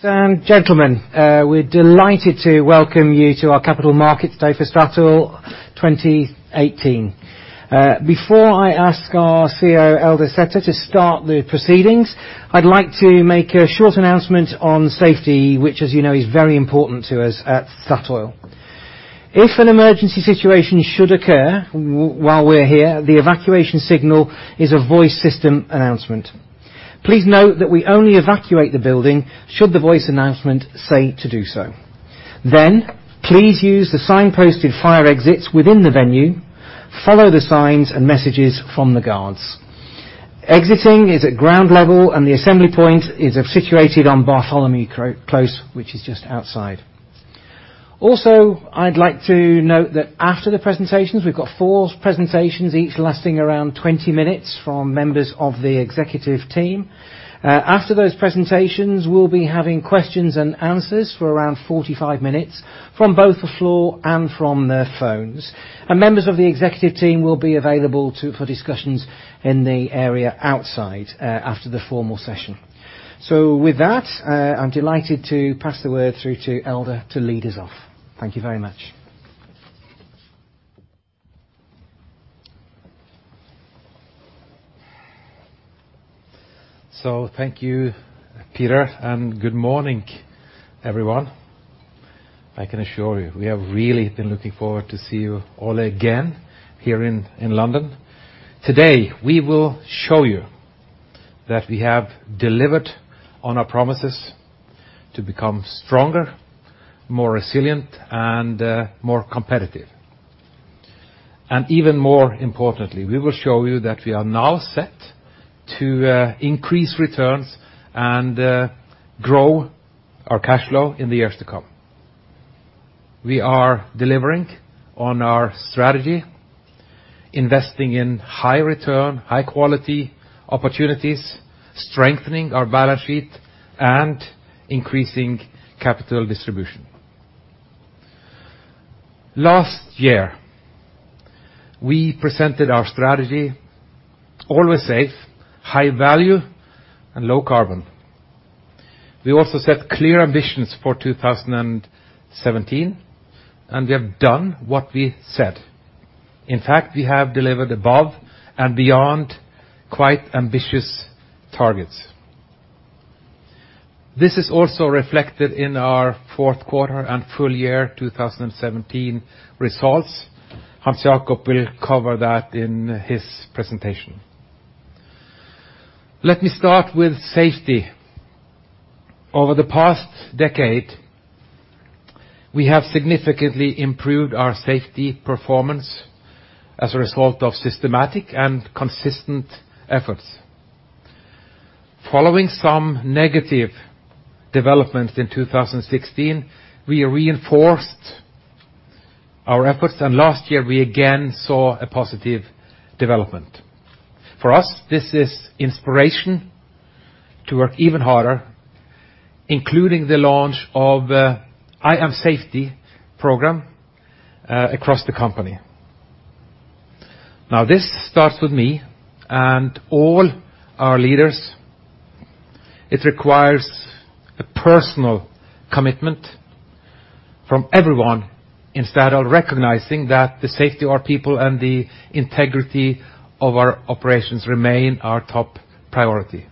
Gentlemen, we're delighted to welcome you to our capital markets day for Statoil 2018. Before I ask our CEO, Eldar Sætre, to start the proceedings, I'd like to make a short announcement on safety, which, as you know, is very important to us at Statoil. If an emergency situation should occur while we're here, the evacuation signal is a voice system announcement. Please note that we only evacuate the building should the voice announcement say to do so. Then, please use the sign-posted fire exits within the venue, follow the signs and messages from the guards. Exiting is at ground level, and the assembly point is situated on Bartholomew Close, which is just outside. Also, I'd like to note that after the presentations, we've got four presentations, each lasting around 20 minutes from members of the executive team. After those presentations, we'll be having questions and answers for around 45 minutes from both the floor and from the phones. Members of the executive team will be available for discussions in the area outside after the formal session. With that, I'm delighted to pass the word through to Eldar to lead us off. Thank you very much. Thank you, Peter, and good morning, everyone. I can assure you, we have really been looking forward to see you all again here in London. Today, we will show you that we have delivered on our promises to become stronger, more resilient, and more competitive. Even more importantly, we will show you that we are now set to increase returns and grow our cash flow in the years to come. We are delivering on our strategy, investing in high return, high quality opportunities, strengthening our balance sheet, and increasing capital distribution. Last year, we presented our strategy, Always Safe, High Value and Low Carbon. We also set clear ambitions for 2017, and we have done what we said. In fact, we have delivered above and beyond quite ambitious targets. This is also reflected in our fourth quarter and full year 2017 results. Hans Jakob will cover that in his presentation. Let me start with safety. Over the past decade, we have significantly improved our safety performance as a result of systematic and consistent efforts. Following some negative developments in 2016, we reinforced our efforts. Last year, we again saw a positive development. For us, this is inspiration to work even harder, including the launch of I Am Safety program across the company. Now, this starts with me and all our leaders. It requires a personal commitment from everyone in Statoil, recognizing that the safety of our people and the integrity of our operations remain our top priority.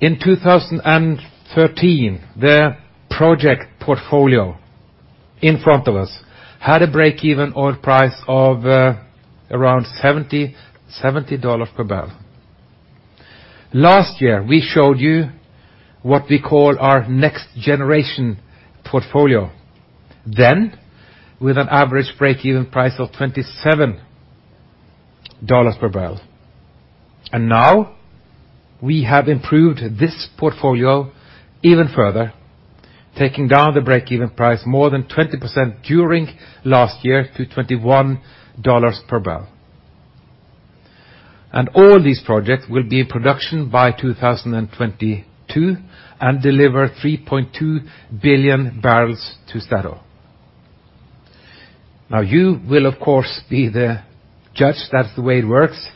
In 2013, the project portfolio in front of us had a break-even oil price of around $70 per barrel. Last year, we showed you what we call our next generation portfolio with an average break-even price of $27 per barrel. Now, we have improved this portfolio even further, taking down the break-even price more than 20% during last year to $21 per barrel. All these projects will be in production by 2022 and deliver 3.2 billion barrels to Statoil. Now you will, of course, be the judge. That's the way it works.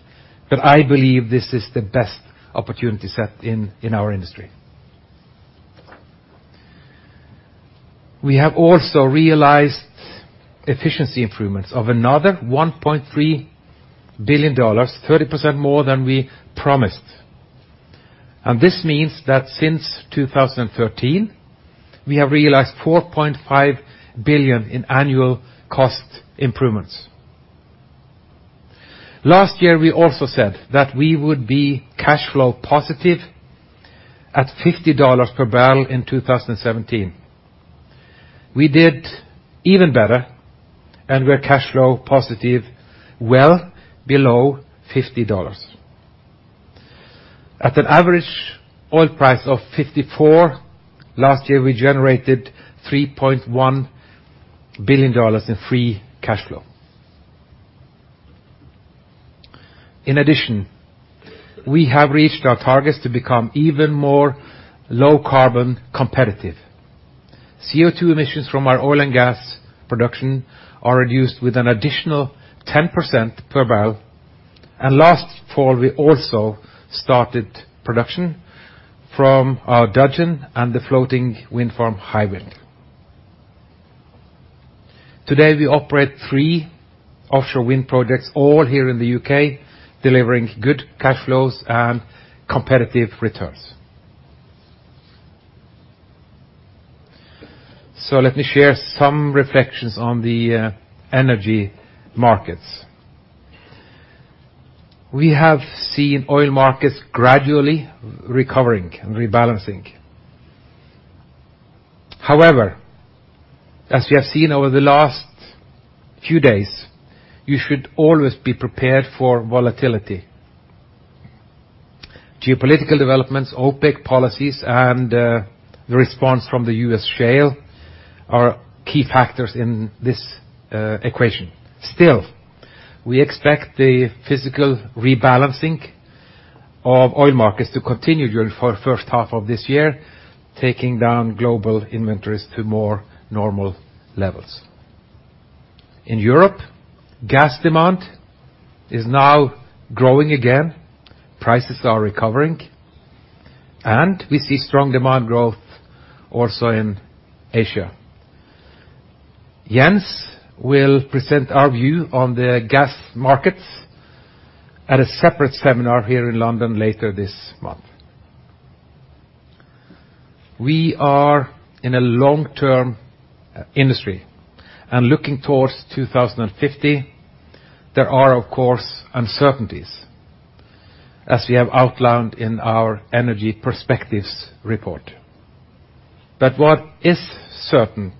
I believe this is the best opportunity set in our industry. We have also realized efficiency improvements of another $1.3 billion, 30% more than we promised. This means that since 2013, we have realized $4.5 billion in annual cost improvements. Last year, we also said that we would be cash flow positive at $50 per barrel in 2017. We did even better, and we're cash flow positive well below $50. At an average oil price of $54, last year, we generated $3.1 billion in free cash flow. In addition, we have reached our targets to become even more low-carbon competitive. CO2 emissions from our oil and gas production are reduced with an additional 10% per barrel. Last fall, we also started production from our Dudgeon and the floating wind farm Hywind. Today, we operate three offshore wind projects all here in the U.K., delivering good cash flows and competitive returns. Let me share some reflections on the energy markets. We have seen oil markets gradually recovering and rebalancing. However, as we have seen over the last few days, you should always be prepared for volatility. Geopolitical developments, OPEC policies and the response from the U.S. shale are key factors in this equation. Still, we expect the physical rebalancing of oil markets to continue during the first half of this year, taking down global inventories to more normal levels. In Europe, gas demand is now growing again, prices are recovering, and we see strong demand growth also in Asia. Jens will present our view on the gas markets at a separate seminar here in London later this month. We are in a long-term industry. Looking towards 2050, there are, of course, uncertainties, as we have outlined in our energy perspectives report. What is certain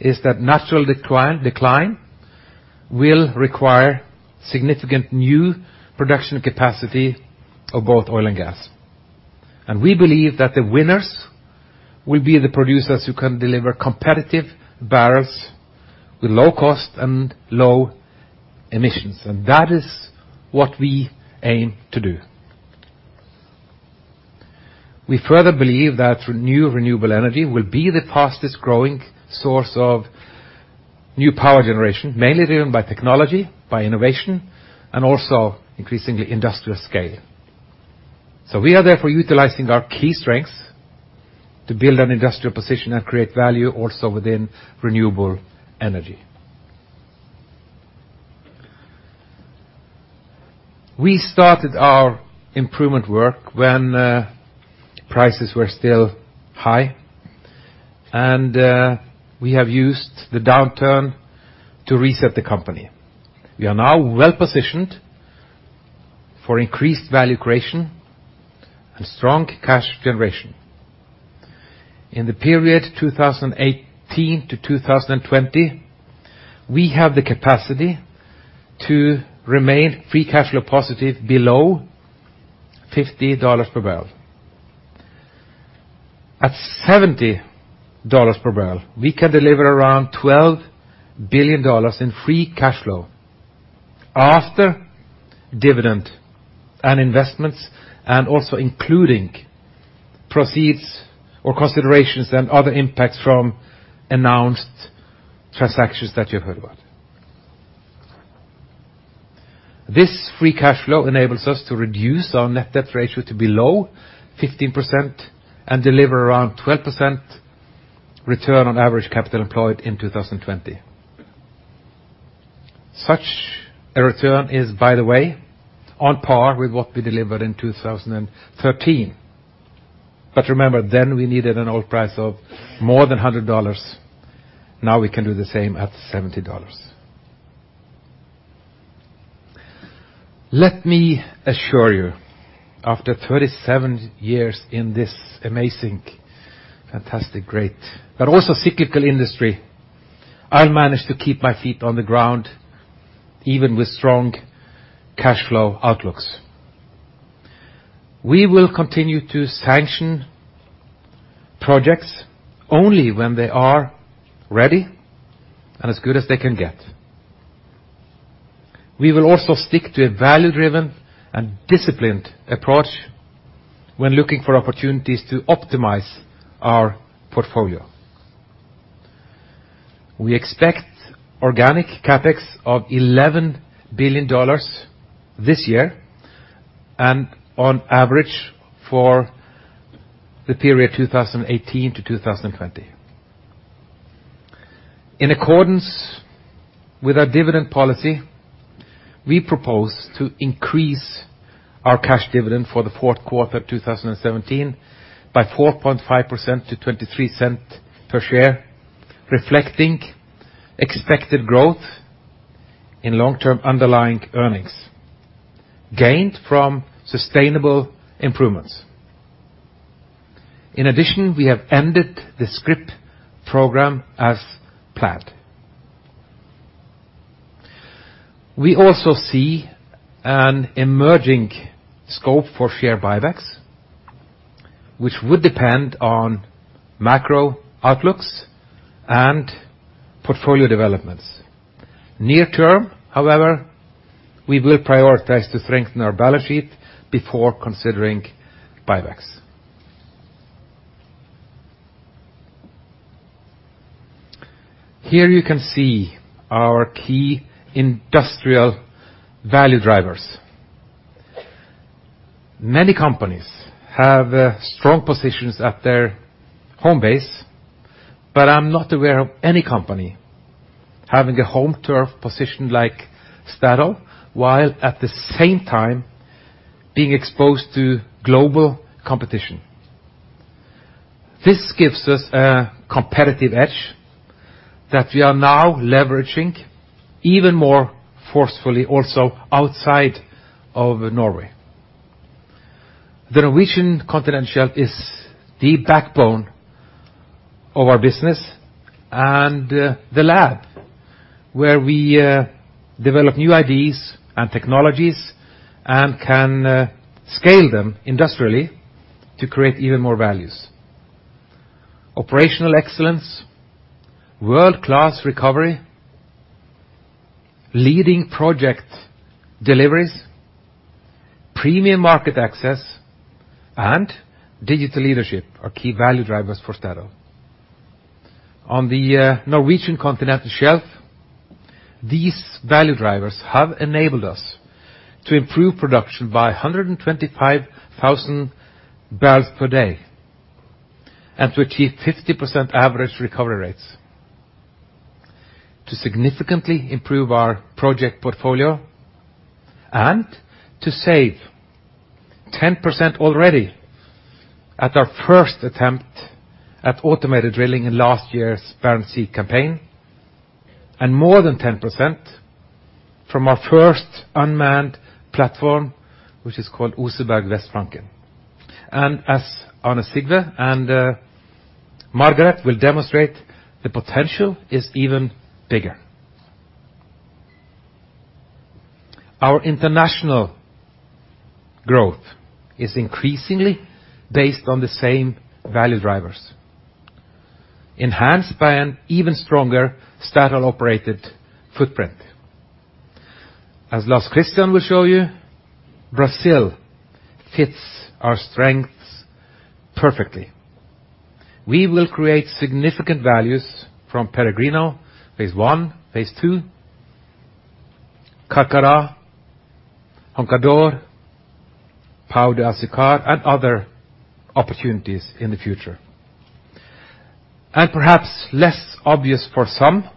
is that natural decline will require significant new production capacity of both oil and gas. We believe that the winners will be the producers who can deliver competitive barrels with low cost and low emissions. That is what we aim to do. We further believe that renewable energy will be the fastest-growing source of new power generation, mainly driven by technology, by innovation, and also increasingly industrial scale. We are therefore utilizing our key strengths to build an industrial position and create value also within renewable energy. We started our improvement work when prices were still high, and we have used the downturn to reset the company. We are now well-positioned for increased value creation and strong cash generation. In the period 2018 to 2020, we have the capacity to remain free cash flow positive below $50 per barrel. At $70 per barrel, we can deliver around $12 billion in free cash flow after dividend and investments, and also including proceeds or considerations and other impacts from announced transactions that you've heard about. This free cash flow enables us to reduce our net debt ratio to below 15% and deliver around 12% return on average capital employed in 2020. Such a return is, by the way, on par with what we delivered in 2013. Remember, then we needed an oil price of more than $100. Now we can do the same at $70. Let me assure you, after 3seven years in this amazing, fantastic, great, but also cyclical industry, I'll manage to keep my feet on the ground, even with strong cash flow outlooks. We will continue to sanction projects only when they are ready and as good as they can get. We will also stick to a value-driven and disciplined approach when looking for opportunities to optimize our portfolio. We expect organic CapEx of $11 billion this year and on average for the period 2018 to 2020. In accordance with our dividend policy, we propose to increase our cash dividend for the fourth quarter 2017 by 4.5% to $0.23 per share, reflecting expected growth in long-term underlying earnings gained from sustainable improvements. In addition, we have ended the scrip program as planned. We also see an emerging scope for share buybacks, which would depend on macro outlooks and portfolio developments. Near term, however, we will prioritize to strengthen our balance sheet before considering buybacks. Here you can see our key industrial value drivers. Many companies have strong positions at their home base, but I'm not aware of any company having a home turf position like Statoil, while at the same time being exposed to global competition. This gives us a competitive edge that we are now leveraging even more forcefully also outside of Norway. The Norwegian Continental Shelf is the backbone of our business and the lab where we develop new ideas and technologies and can scale them industrially to create even more values. Operational excellence, world-class recovery, leading project deliveries, premium market access, and digital leadership are key value drivers for Statoil. On the Norwegian Continental Shelf, these value drivers have enabled us to improve production by 125,000 barrels per day and to achieve 50% average recovery rates, to significantly improve our project portfolio, and to save 10% already at our first attempt at automated drilling in last year's Barents Sea campaign, and more than 10% from our first unmanned platform, which is called Oseberg Vestflanken. As Arne Sigve and Margareth will demonstrate, the potential is even bigger. Our international growth is increasingly based on the same value drivers. Enhanced by an even stronger Statoil-operated footprint. As Lars Christian will show you, Brazil fits our strengths perfectly. We will create significant values from Peregrino Phase One, Phase Two, Carcará, Roncador, Pão de Açúcar, and other opportunities in the future. Perhaps less obvious for some,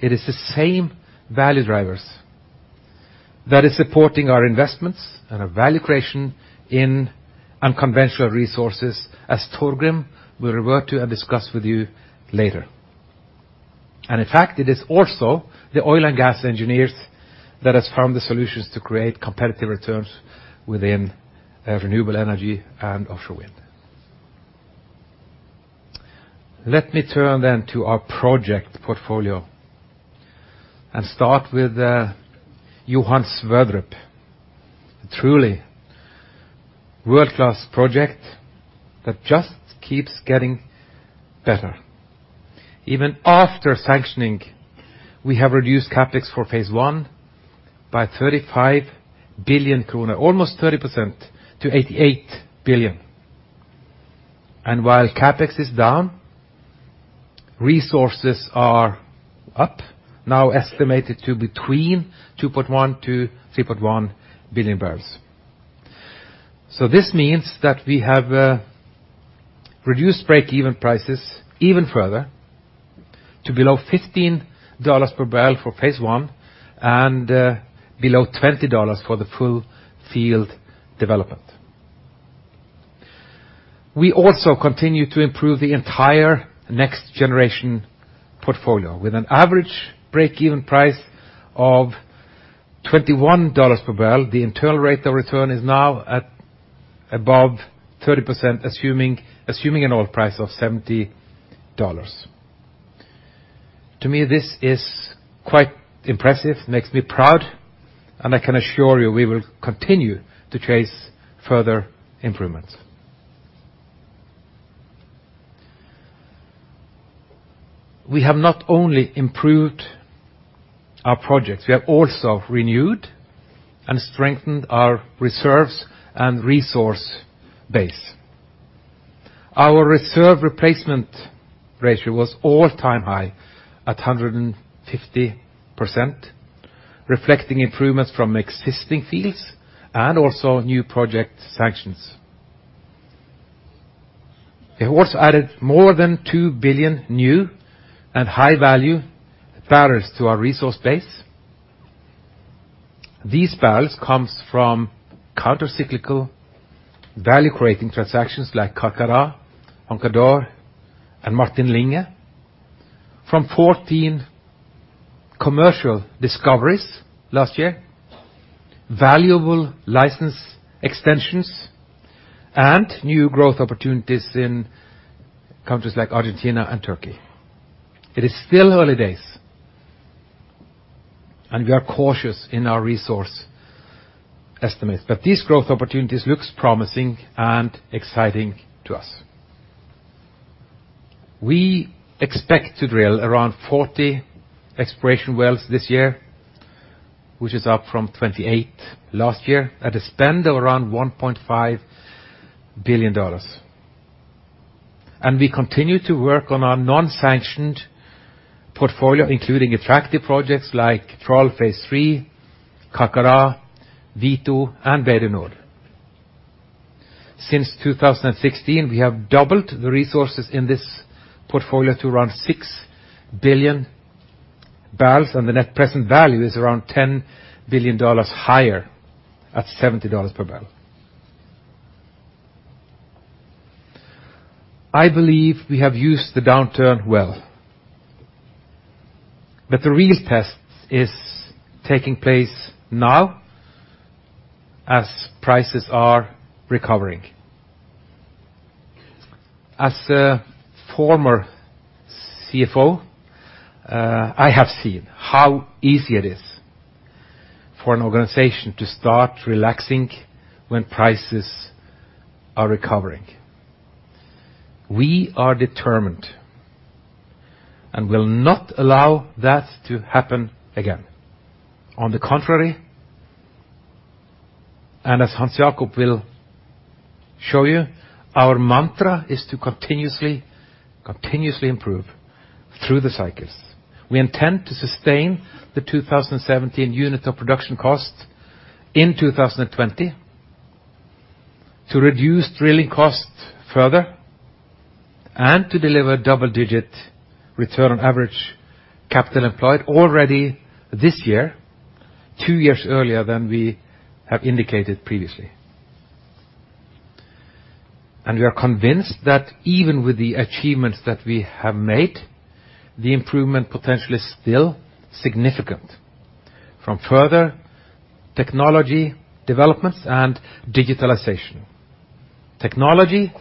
it is the same value drivers that is supporting our investments and our value creation in unconventional resources as Torgrim will revert to and discuss with you later. In fact, it is also the oil and gas engineers that has found the solutions to create competitive returns within renewable energy and offshore wind. Let me turn then to our project portfolio and start with Johan Sverdrup, a truly world-class project that just keeps getting better. Even after sanctioning, we have reduced CapEx for Phase One by 35 billion kroner, almost 30% to $88 billion. While CapEx is down, resources are up, now estimated to between 2.1-3.1 billion barrels. This means that we have reduced break-even prices even further to below $15 per barrel for Phase One and below $20 for the full field development. We also continue to improve the entire next-generation portfolio. With an average break-even price of $21 per barrel, the internal rate of return is now at above 30% assuming an oil price of $70. To me, this is quite impressive, makes me proud, and I can assure you we will continue to chase further improvements. We have not only improved our projects, we have also renewed and strengthened our reserves and resource base. Our reserve replacement ratio was all-time high at 150%, reflecting improvements from existing fields and also new project sanctions. It also added more than 2 billion new and high-value barrels to our resource base. These barrels come from countercyclical value-creating transactions like Carcará, Roncador, and Martin Linge, from 14 commercial discoveries last year, valuable license extensions, and new growth opportunities in countries like Argentina and Turkey. It is still early days, and we are cautious in our resource estimates, but these growth opportunities looks promising and exciting to us. We expect to drill around 40 exploration wells this year, which is up from 28 last year, at a spend of around $1.5 billion. We continue to work on our non-sanctioned portfolio, including attractive projects like Troll Phase Three, Krafla, Vito, and Bay du Nord. Since 2016, we have doubled the resources in this portfolio to around 6 billion barrels, and the net present value is around $10 billion higher at $70 per barrel. I believe we have used the downturn well. The real test is taking place now as prices are recovering. As a former CFO, I have seen how easy it is for an organization to start relaxing when prices are recovering. We are determined and will not allow that to happen again. On the contrary, and as Hans Jakob will show you, our mantra is to continuously improve through the cycles. We intend to sustain the 2017 unit of production cost in 2020, to reduce drilling costs further, and to deliver double-digit return on average capital employed already this year, two years earlier than we have indicated previously. We are convinced that even with the achievements that we have made, the improvement potential is still significant from further technology developments and digitalization. Technology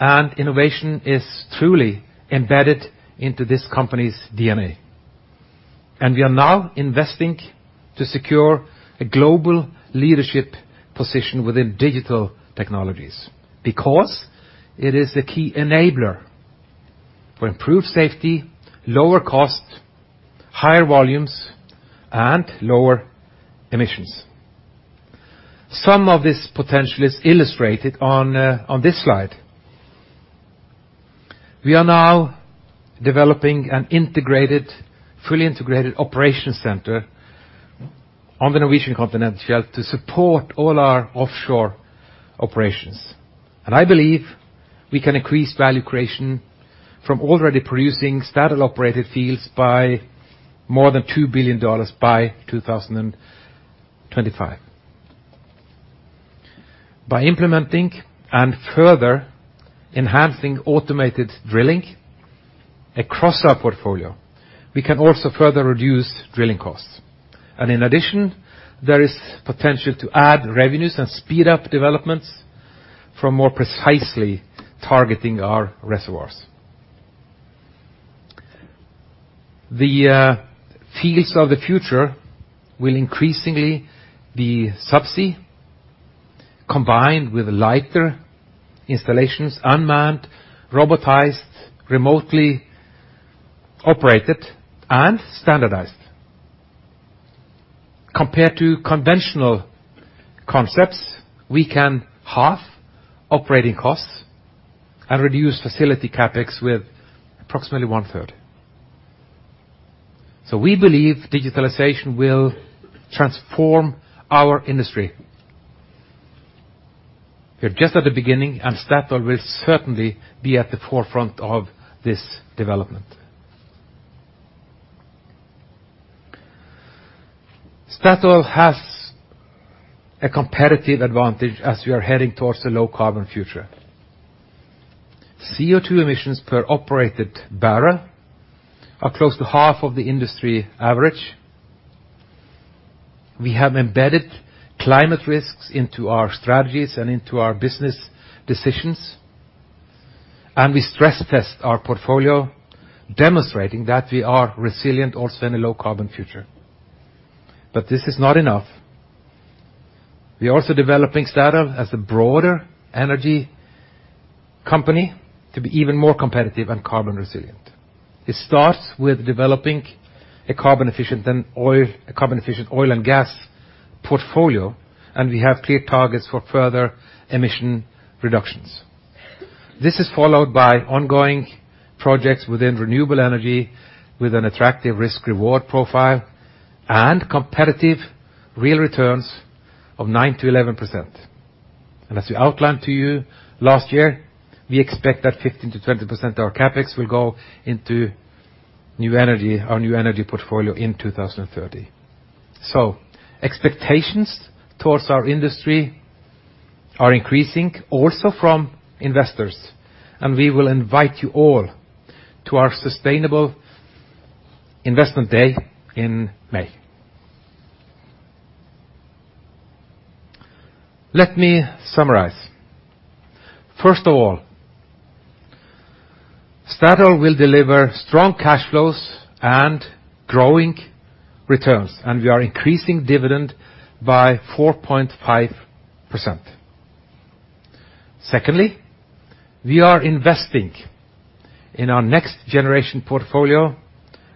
and innovation is truly embedded into this company's DNA. We are now investing to secure a global leadership position within digital technologies because it is the key enabler for improved safety, lower cost, higher volumes, and lower emissions. Some of this potential is illustrated on this slide. We are now developing an integrated, fully integrated operation center on the Norwegian Continental Shelf to support all our offshore operations. I believe we can increase value creation from already producing Statoil-operated fields by more than $2 billion by 2025. By implementing and further enhancing automated drilling across our portfolio, we can also further reduce drilling costs. In addition, there is potential to add revenues and speed up developments from more precisely targeting our reservoirs. The fields of the future will increasingly be subsea, combined with lighter installations, unmanned, robotized, remotely operated, and standardized. Compared to conventional concepts, we can halve operating costs and reduce facility CapEx with approximately one-third. We believe digitalization will transform our industry. We're just at the beginning, and Statoil will certainly be at the forefront of this development. Statoil has a competitive advantage as we are heading towards a low-carbon future. CO2 emissions per operated barrel are close to half of the industry average. We have embedded climate risks into our strategies and into our business decisions, and we stress-test our portfolio, demonstrating that we are resilient also in a low-carbon future. This is not enough. We're also developing Statoil as a broader energy company to be even more competitive and carbon-resilient. It starts with developing a carbon-efficient oil and gas portfolio, and we have clear targets for further emission reductions. This is followed by ongoing projects within renewable energy with an attractive risk-reward profile and competitive real returns of 9%-11%. As we outlined to you last year, we expect that 15%-20% of our CapEx will go into new energy, our new energy portfolio in 2030. Expectations towards our industry are increasing also from investors, and we will invite you all to our sustainable investment day in May. Let me summarize. First of all, Statoil will deliver strong cash flows and growing returns, and we are increasing dividend by 4.5%. Secondly, we are investing in our next generation portfolio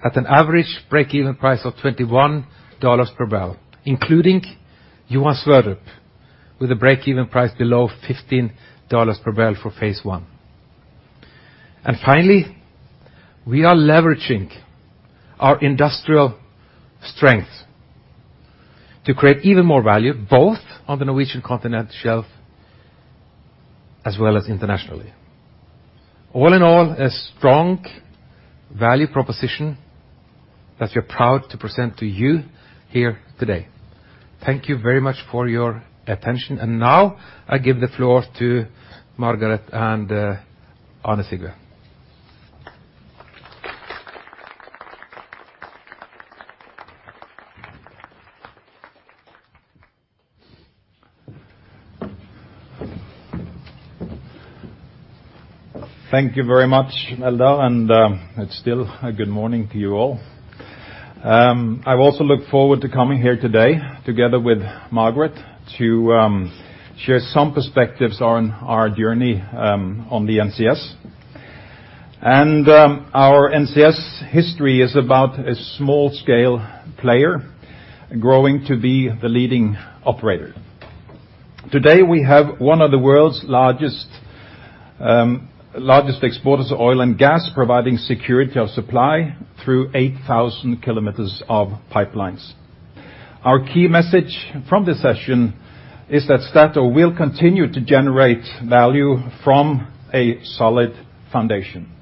at an average break-even price of $21 per barrel, including Johan Sverdrup, with a break-even price below $15 per barrel for phase one. Finally, we are leveraging our industrial strengths to create even more value, both on the Norwegian Continental Shelf as well as internationally. All in all, a strong value proposition that we are proud to present to you here today. Thank you very much for your attention. Now, I give the floor to Margareth and Arne Sigve. Thank you very much, Eldar, and it's still a good morning to you all. I've also looked forward to coming here today together with Margareth to share some perspectives on our journey on the NCS. Our NCS history is about a small-scale player growing to be the leading operator. Today, we have one of the world's largest exporters of oil and gas, providing security of supply through 8,000 kilometers of pipelines. Our key message from this session is that Statoil will continue to generate value from a solid foundation.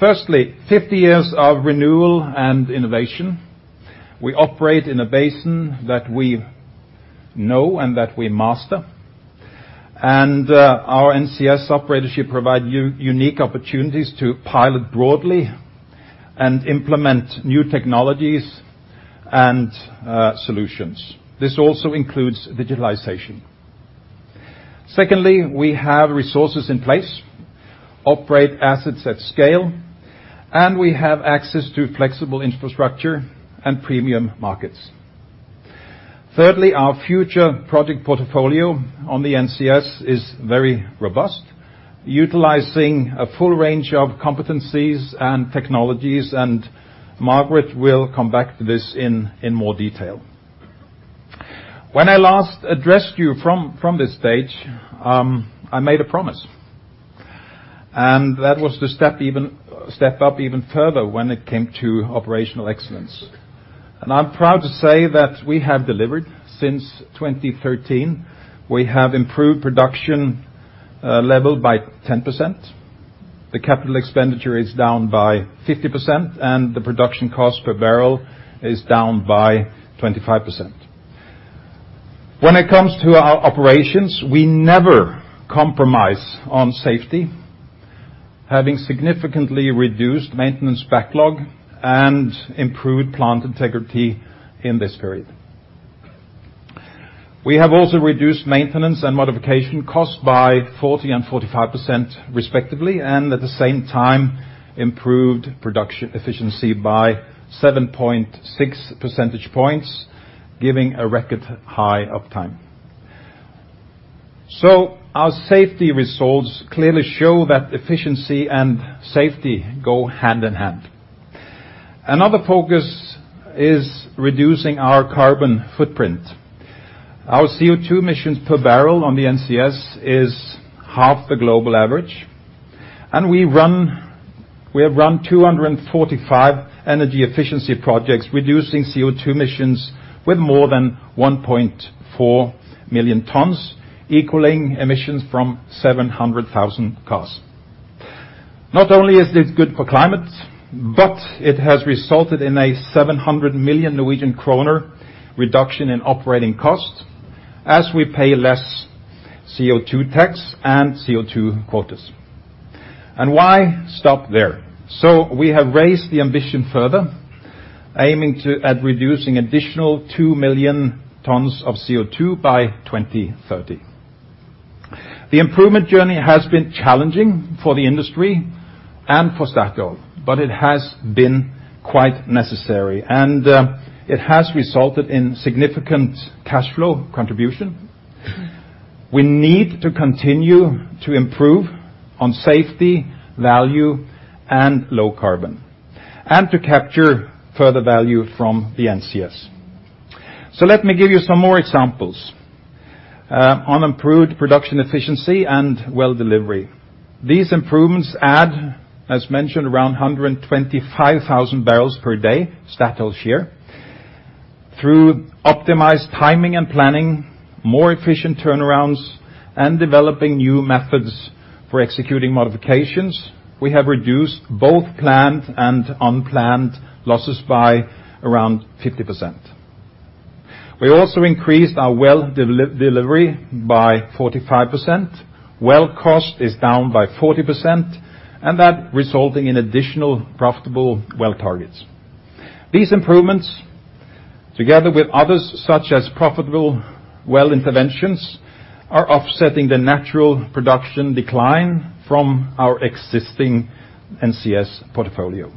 Firstly, 50 years of renewal and innovation. We operate in a basin that we know and that we master. Our NCS operatorship provides unique opportunities to pilot broadly and implement new technologies and solutions. This also includes digitalization. Secondly, we have resources in place, operate assets at scale, and we have access to flexible infrastructure and premium markets. Thirdly, our future project portfolio on the NCS is very robust, utilizing a full range of competencies and technologies, and Margareth will come back to this in more detail. When I last addressed you from this stage, I made a promise. That was to step up even further when it came to operational excellence. I'm proud to say that we have delivered since 2013. We have improved production level by 10%. The capital expenditure is down by 50%, and the production cost per barrel is down by 25%. When it comes to our operations, we never compromise on safety, having significantly reduced maintenance backlog and improved plant integrity in this period. We have also reduced maintenance and modification costs by 40% and 45% respectively, and at the same time improved production efficiency by 7.6 percentage points, giving a record high uptime. Our safety results clearly show that efficiency and safety go hand-in-hand. Another focus is reducing our carbon footprint. Our CO2 emissions per barrel on the NCS is half the global average. We have run 245 energy efficiency projects, reducing CO2 emissions by more than 1.4 million tons, equaling emissions from 700,000 cars. Not only is this good for climate, but it has resulted in a 700 million Norwegian kroner reduction in operating costs as we pay less CO2 tax and CO2 quotas. Why stop there? We have raised the ambition further, aiming to cut additional 2 million tons of CO2 by 2030. The improvement journey has been challenging for the industry and for Statoil, but it has been quite necessary, and it has resulted in significant cash flow contribution. We need to continue to improve on safety, value, and low carbon, and to capture further value from the NCS. Let me give you some more examples on improved production efficiency and well delivery. These improvements add, as mentioned, around 125,000 barrels per day, Statoil's share. Through optimized timing and planning, more efficient turnarounds, and developing new methods for executing modifications, we have reduced both planned and unplanned losses by around 50%. We also increased our well delivery by 45%. Well cost is down by 40%, and that resulting in additional profitable well targets. These improvements, together with others, such as profitable well interventions, are offsetting the natural production decline from our existing NCS portfolio.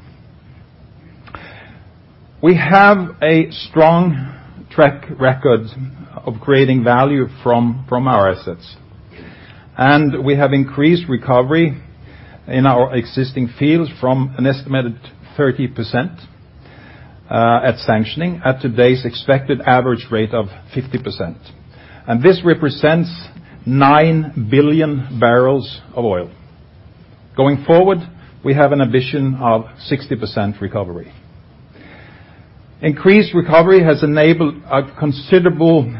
We have a strong track record of creating value from our assets, and we have increased recovery in our existing fields from an estimated 30% at sanctioning, at today's expected average rate of 50%. This represents 9 billion barrels of oil. Going forward, we have an ambition of 60% recovery. Increased recovery has enabled a considerable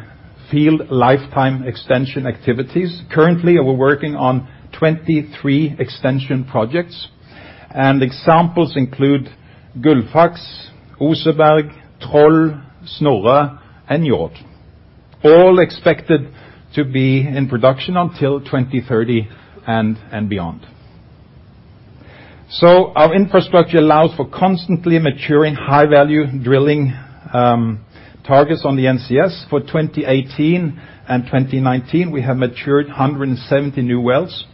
field lifetime extension activities. Currently, we're working on 23 extension projects. Examples include Gullfaks, Oseberg, Troll, Snorre, and Njord. All expected to be in production until 2030 and beyond. Our infrastructure allows for constantly maturing high-value drilling targets on the NCS. For 2018 and 2019, we have matured 170 new wells.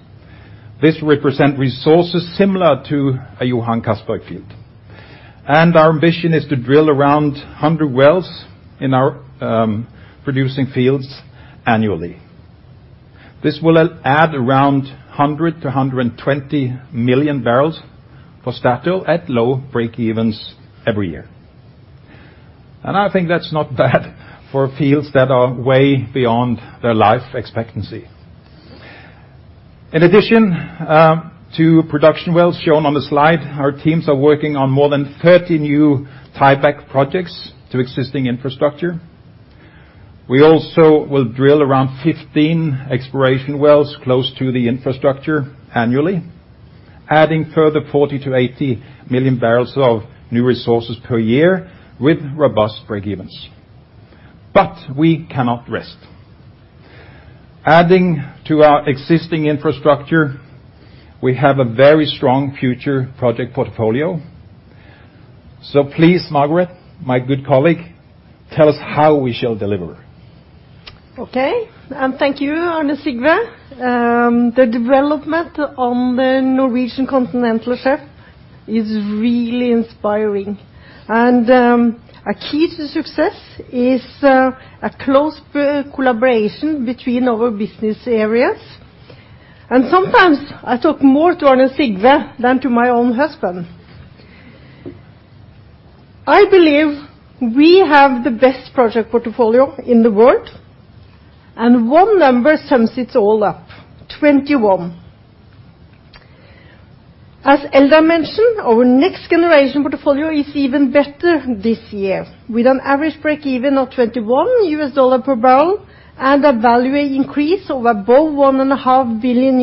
This represents resources similar to a Johan Castberg field. Our ambition is to drill around 100 wells in our producing fields annually. This will add around 100-120 million barrels for Statoil at low breakevens every year. I think that's not bad for fields that are way beyond their life expectancy. In addition to production wells shown on the slide, our teams are working on more than 30 new tieback projects to existing infrastructure. We also will drill around 15 exploration wells close to the infrastructure annually, adding further 40 million-80 million barrels of new resources per year with robust breakevens. We cannot rest. Adding to our existing infrastructure, we have a very strong future project portfolio. Please, Margareth Øvrum, my good colleague, tell us how we shall deliver. Okay. Thank you, Arne Sigve. The development on the Norwegian Continental Shelf is really inspiring, and a key to success is a close collaboration between our business areas. Sometimes I talk more to Arne Sigve than to my own husband. I believe we have the best project portfolio in the world, and one number sums it all up, 21. As Eldar mentioned, our next generation portfolio is even better this year, with an average break even of $21 per barrel and a value increase of above $1.5 billion,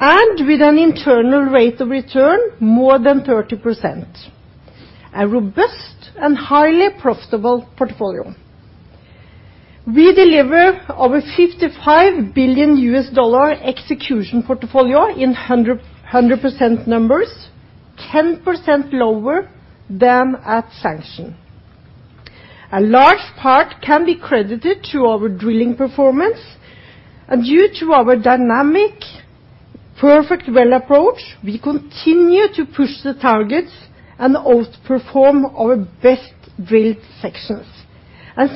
and with an internal rate of return more than 30%. A robust and highly profitable portfolio. We deliver over $55 billion execution portfolio in 100% numbers, 10% lower than at sanction. A large part can be credited to our drilling performance. Due to our dynamic perfect well approach, we continue to push the targets and outperform our best-drilled sections.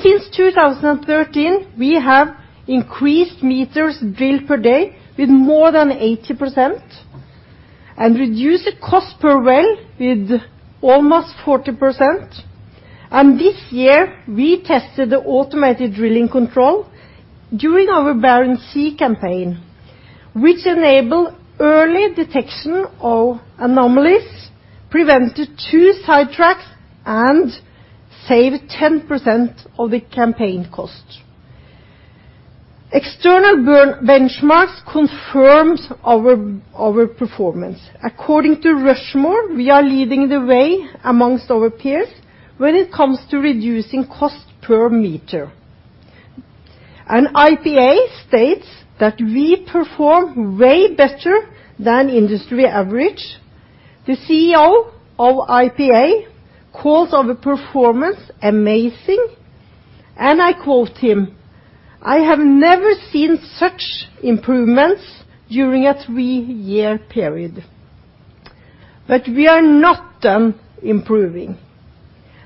Since 2013, we have increased meters drilled per day with more than 80% and reduced the cost per well with almost 40%. This year, we tested the automated drilling control during our Barents Sea campaign, which enable early detection of anomalies, prevented two sidetracks, and saved 10% of the campaign cost. External benchmarks confirm our performance. According to Rushmore, we are leading the way among our peers when it comes to reducing cost per meter. IPA states that we perform way better than industry average. The CEO of IPA calls our performance amazing, and I quote him, "I have never seen such improvements during a three-year period." We are not done improving.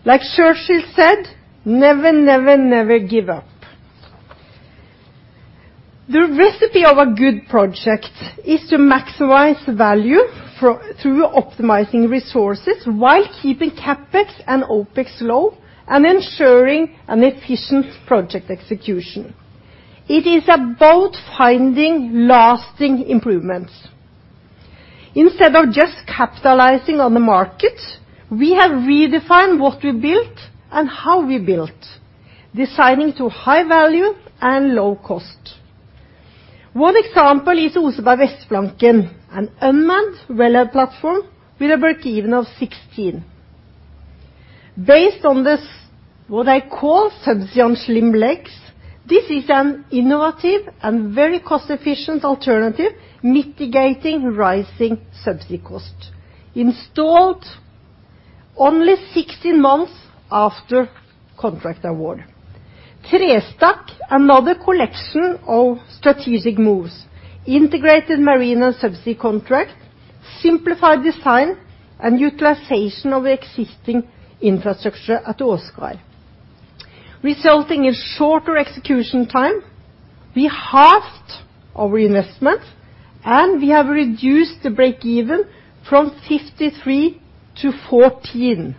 Like Churchill said, "Never, never give up." The recipe of a good project is to maximize the value through optimizing resources while keeping CapEx and OpEx low and ensuring an efficient project execution. It is about finding lasting improvements. Instead of just capitalizing on the market, we have redefined what we built and how we built, designing to high value and low cost. One example is Oseberg Vestflanken, an unmanned wellhead platform with a break-even of $16. Based on this, what I call fancy on slim legs. This is an innovative and very cost-efficient alternative, mitigating rising subsea cost. Installed only 16 months after contract award. Trestakk, another collection of strategic moves, integrated marine and subsea contract, simplified design and utilization of existing infrastructure at Åsgard, resulting in shorter execution time. We halved our investments and we have reduced the break-even from $53 to $14.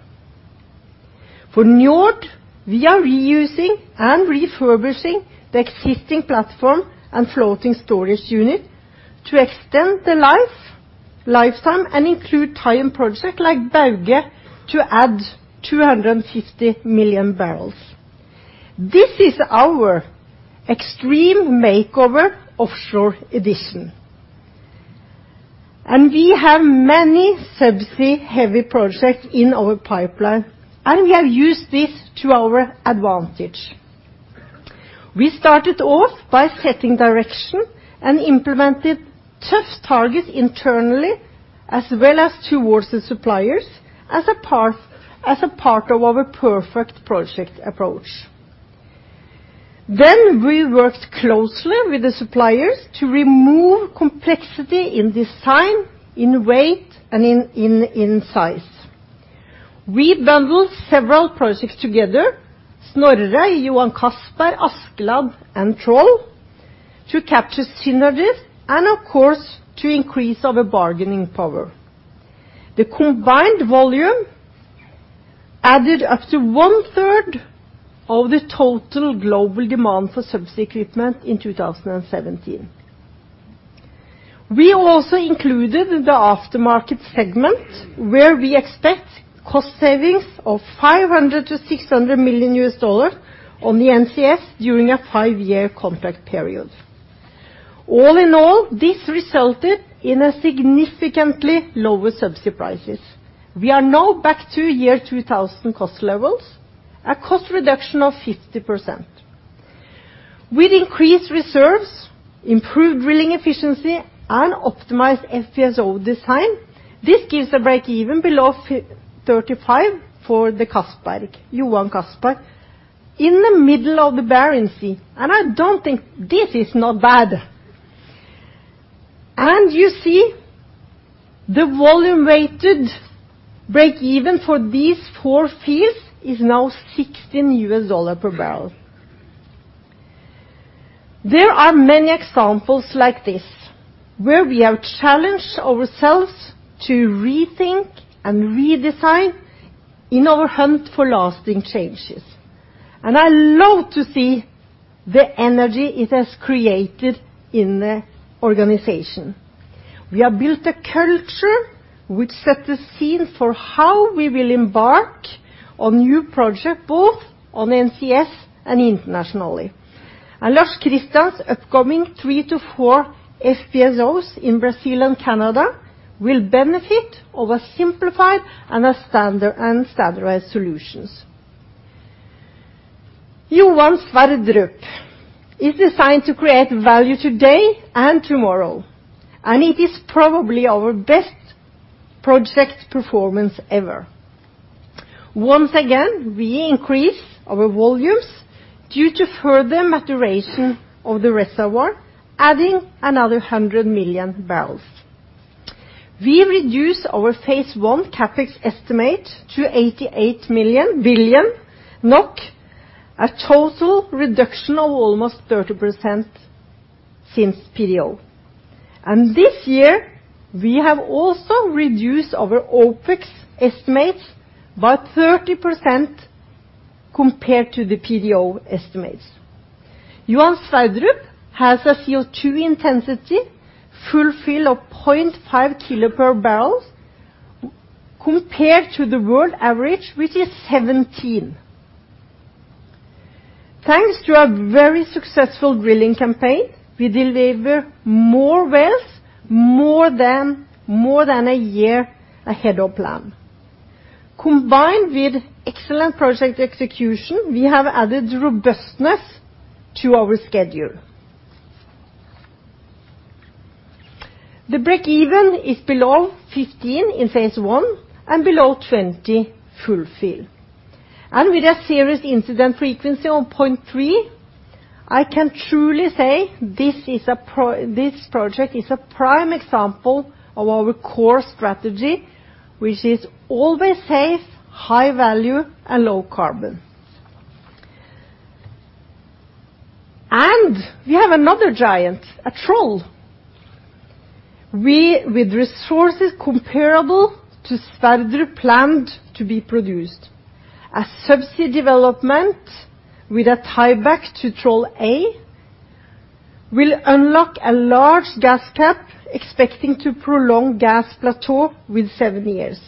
For Njord, we are reusing and refurbishing the existing platform and floating storage unit to extend the life, lifetime and include tie-in project like Bauge to add 250 million barrels. This is our extreme makeover offshore edition. We have many subsea heavy projects in our pipeline, and we have used this to our advantage. We started off by setting direction and implemented tough targets internally as well as towards the suppliers as a part of our perfect project approach. We worked closely with the suppliers to remove complexity in design, in weight and in size. We bundled several projects together, Snorre, Johan Castberg, Askeladd and Troll, to capture synergies and of course to increase our bargaining power. The combined volume added up to one-third of the total global demand for subsea equipment in 2017. We also included the aftermarket segment, where we expect cost savings of $500 million-$600 million on the NCS during a five-year contract period. All in all, this resulted in significantly lower subsea prices. We are now back to year 2000 cost levels, a cost reduction of 50%. With increased reserves, improved drilling efficiency and optimized FPSO design, this gives a break-even below 35 for Johan Castberg in the middle of the Barents Sea, and I don't think this is not bad. You see the volume-weighted break-even for these four fields is now $16 per barrel. There are many examples like this, where we have challenged ourselves to rethink and redesign in our hunt for lasting changes. I love to see the energy it has created in the organization. We have built a culture which set the scene for how we will embark on new project, both on NCS and internationally. Lars Christian's upcoming 3-4 FPSOs in Brazil and Canada will benefit of a simplified and standardized solutions. Johan Sverdrup is designed to create value today and tomorrow, and it is probably our best project performance ever. Once again, we increase our volumes due to further maturation of the reservoir, adding another 100 million barrels. We reduce our phase one CapEx estimate to 88 billion NOK, a total reduction of almost 30% since PDO. This year, we have also reduced our OpEx estimates by 30% compared to the PDO estimates. Johan Sverdrup has a CO2 intensity full field of 0.5 kg per barrel compared to the world average, which is 17. Thanks to our very successful drilling campaign, we deliver more wells more than a year ahead of plan. Combined with excellent project execution, we have added robustness to our schedule. The break-even is below $15 in phase one and below $20 full field. With a serious incident frequency of 0.3, I can truly say this project is a prime example of our core strategy, which is always safe, high value and low carbon. We have another giant, Troll. With resources comparable to Johan Sverdrup planned to be produced. A subsea development with a tieback to Troll A will unlock a large gas cap expecting to prolong gas plateau with seven years.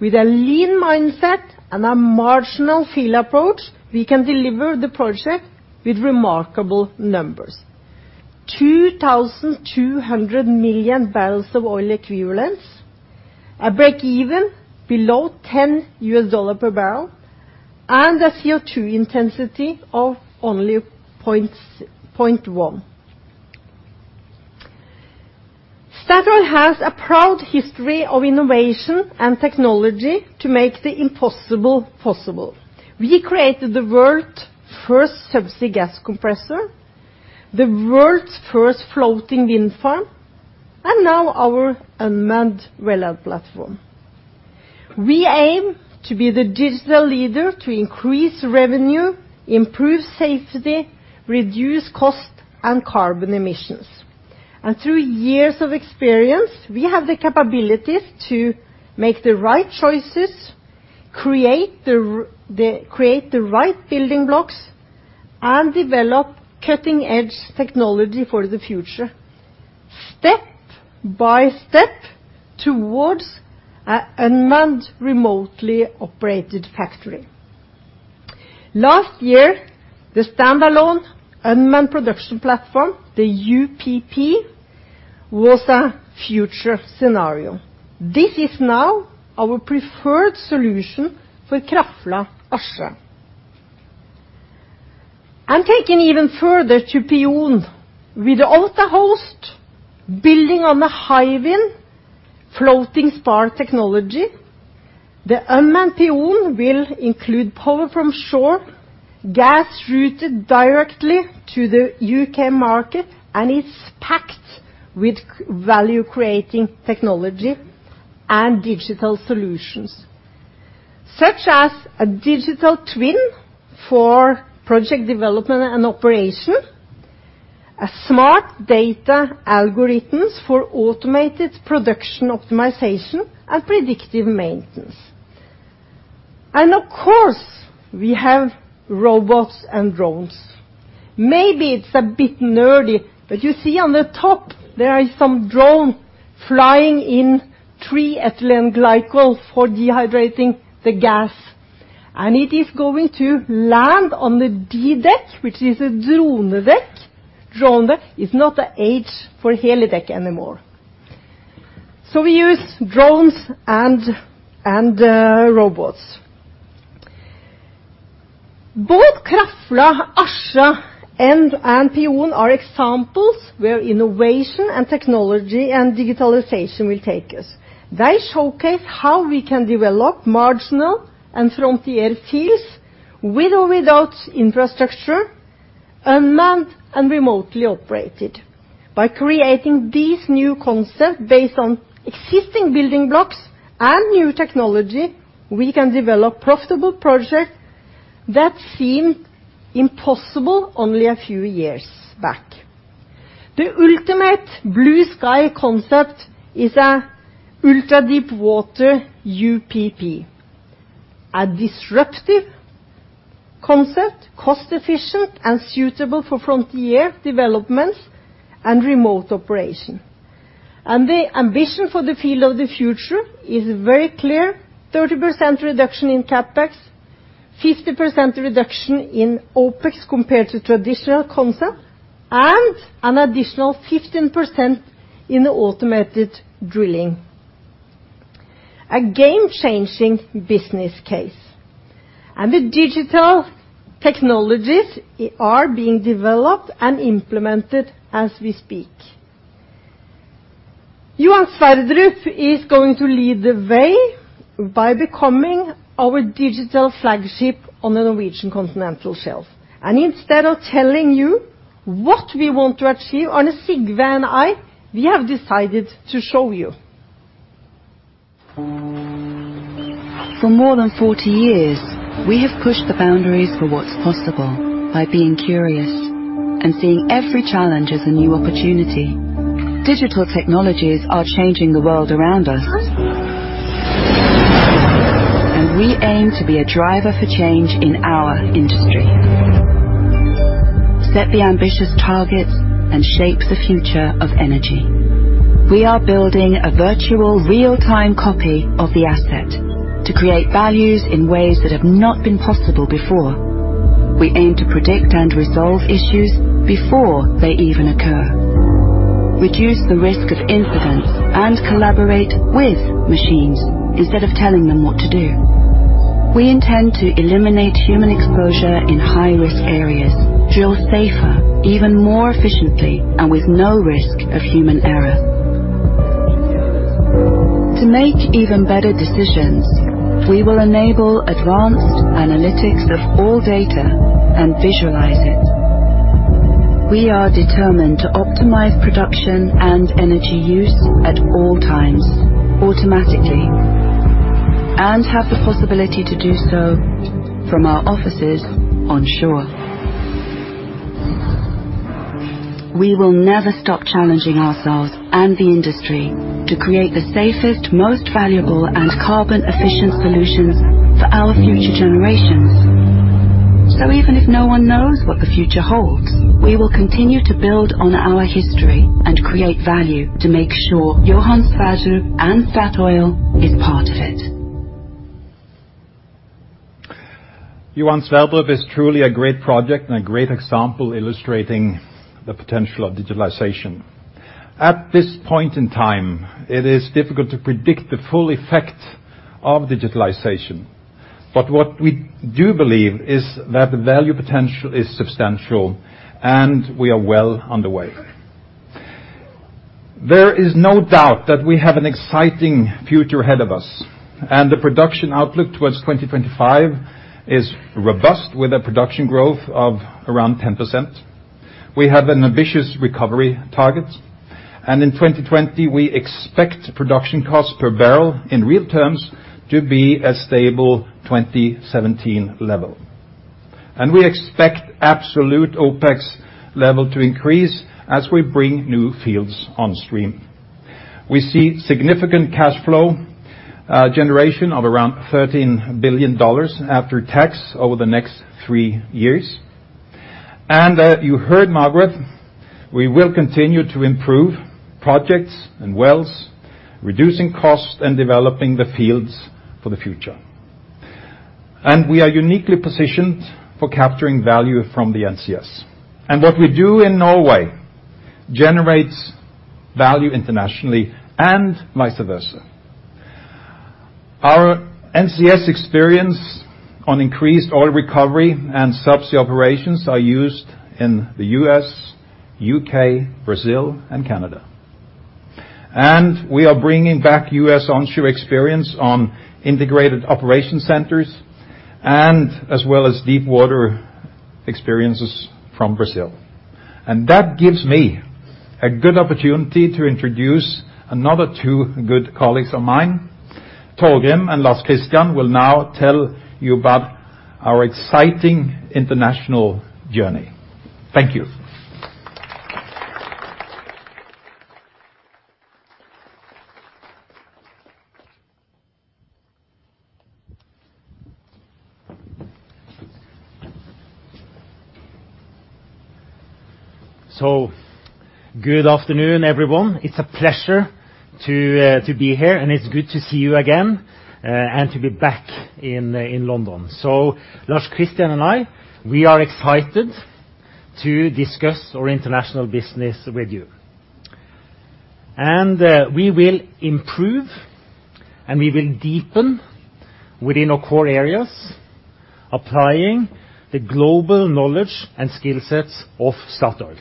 With a lean mindset and a marginal field approach, we can deliver the project with remarkable numbers. 2,200 million barrels of oil equivalents, a break-even below $10 per barrel, and a CO2 intensity of only 0.1. Statoil has a proud history of innovation and technology to make the impossible possible. We created the world's first subsea gas compressor, the world's first floating wind farm, and now our unmanned wellhead platform. We aim to be the digital leader to increase revenue, improve safety, reduce cost and carbon emissions. Through years of experience, we have the capabilities to make the right choices, create the right building blocks, and develop cutting-edge technology for the future step by step towards a unmanned, remotely operated factory. Last year, the standalone unmanned production platform, the UPP, was a future scenario. This is now our preferred solution for Krafla, Askja. Taking even further to Peon with the Aasta Hansteen building on the Hywind floating spar technology, the unmanned Peon will include power from shore, gas routed directly to the U.K. market, and it's packed with value-creating technology and digital solutions, such as a digital twin for project development and operation, a smart data algorithms for automated production optimization and predictive maintenance. Of course, we have robots and drones. Maybe it's a bit nerdy, but you see on the top there is some drone flying in triethylene glycol for dehydrating the gas. It is going to land on the D deck, which is a drone deck. It's not a H for helideck anymore. We use drones and robots. Both Krafla, Askja, and Peon are examples where innovation and technology and digitalization will take us. They showcase how we can develop marginal and frontier fields with or without infrastructure, unmanned and remotely operated. By creating these new concepts based on existing building blocks and new technology, we can develop profitable projects that seemed impossible only a few years back. The ultimate blue sky concept is an ultra-deepwater UPP, a disruptive concept, cost-efficient and suitable for frontier developments and remote operation. The ambition for the field of the future is very clear. 30% reduction in CapEx, 50% reduction in OpEx compared to traditional concept, and an additional 15% in the automated drilling. A game-changing business case. The digital technologies are being developed and implemented as we speak. Johan Sverdrup is going to lead the way by becoming our digital flagship on the Norwegian continental shelves. Instead of telling you what we want to achieve, Arne Sigve and I, we have decided to show you. For more than 40 years, we have pushed the boundaries for what's possible by being curious and seeing every challenge as a new opportunity. Digital technologies are changing the world around us. We aim to be a driver for change in our industry, set the ambitious targets and shape the future of energy. We are building a virtual real-time copy of the asset to create values in ways that have not been possible before. We aim to predict and resolve issues before they even occur, reduce the risk of incidents, and collaborate with machines instead of telling them what to do. We intend to eliminate human exposure in high-risk areas, drill safer, even more efficiently, and with no risk of human error. To make even better decisions, we will enable advanced analytics of all data and visualize it. We are determined to optimize production and energy use at all times automatically and have the possibility to do so from our offices onshore. We will never stop challenging ourselves and the industry to create the safest, most valuable, and carbon-efficient solutions for our future generations. Even if no one knows what the future holds, we will continue to build on our history and create value to make sure Johan Sverdrup and Statoil is part of it. Johan Sverdrup is truly a great project and a great example illustrating the potential of digitalization. At this point in time, it is difficult to predict the full effect of digitalization. What we do believe is that the value potential is substantial, and we are well underway. There is no doubt that we have an exciting future ahead of us, and the production outlook towards 2025 is robust, with a production growth of around 10%. We have an ambitious recovery target, and in 2020, we expect production costs per barrel in real terms to be a stable 2017 level. We expect absolute OpEx level to increase as we bring new fields on stream. We see significant cash flow generation of around $13 billion after tax over the next three years. You heard Margareth, we will continue to improve projects and wells, reducing costs and developing the fields for the future. We are uniquely positioned for capturing value from the NCS. What we do in Norway generates value internationally and vice versa. Our NCS experience on increased oil recovery and subsea operations are used in the U.S., U.K., Brazil and Canada. We are bringing back U.S. onshore experience on integrated operation centers and as well as deepwater experiences from Brazil. That gives me a good opportunity to introduce another two good colleagues of mine. Torgrim and Lars Christian will now tell you about our exciting international journey. Thank you. Good afternoon, everyone. It's a pleasure to be here, and it's good to see you again, and to be back in London. Lars Christian and I, we are excited to discuss our international business with you. We will improve, and we will deepen within our core areas, applying the global knowledge and skill sets of Statoil.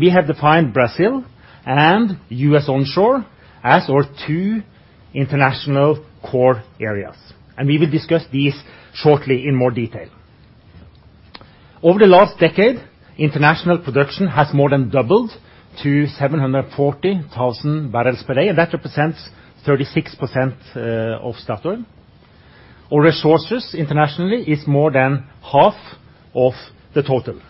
We have defined Brazil and U.S. onshore as our two international core areas, and we will discuss these shortly in more detail. Over the last decade, international production has more than doubled to 740,000 barrels per day, and that represents 36% of Statoil. Our resources internationally is more than half of the total.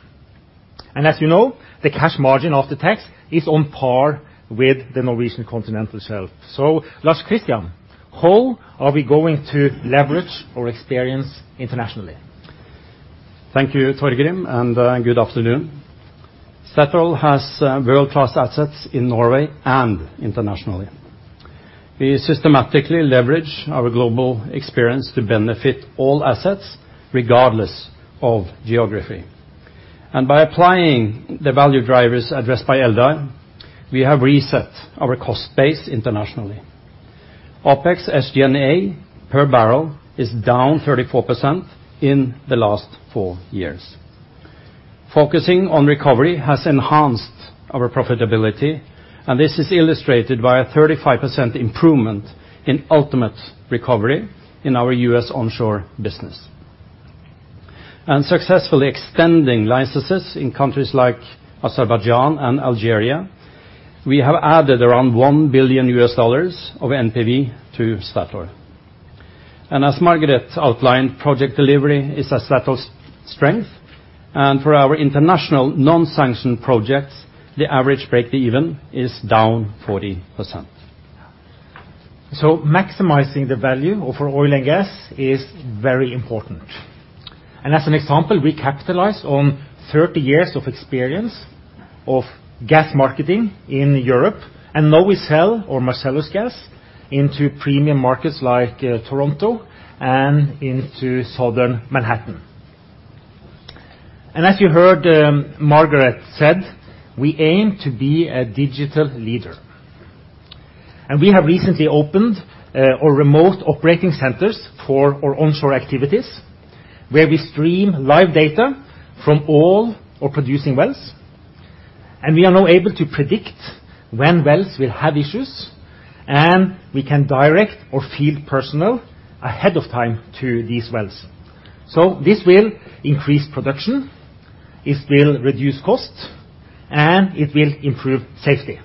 As you know, the cash margin after tax is on par with the Norwegian Continental Shelf. Lars Christian, how are we going to leverage our experience internationally? Thank you, Torgrim, and good afternoon. Statoil has world-class assets in Norway and internationally. We systematically leverage our global experience to benefit all assets regardless of geography. By applying the value drivers addressed by Eldar, we have reset our cost base internationally. OpEx SG&A per barrel is down 34% in the last four years. Focusing on recovery has enhanced our profitability, and this is illustrated by a 35% improvement in ultimate recovery in our U.S. onshore business. Successfully extending licenses in countries like Azerbaijan and Algeria, we have added around $1 billion of NPV to Statoil. As Margareth Øvrum outlined, project delivery is a Statoil strength, and for our international non-sanctioned projects, the average break-even is down 40%. Maximizing the value of our oil and gas is very important. As an example, we capitalize on thirty years of experience of gas marketing in Europe and now we sell our Marcellus gas into premium markets like Toronto and into Southern Manhattan. As you heard, Margareth Øvrum said, we aim to be a digital leader. We have recently opened our remote operating centers for our onshore activities, where we stream live data from all our producing wells. We are now able to predict when wells will have issues, and we can direct our field personnel ahead of time to these wells. This will increase production, it will reduce costs, and it will improve safety.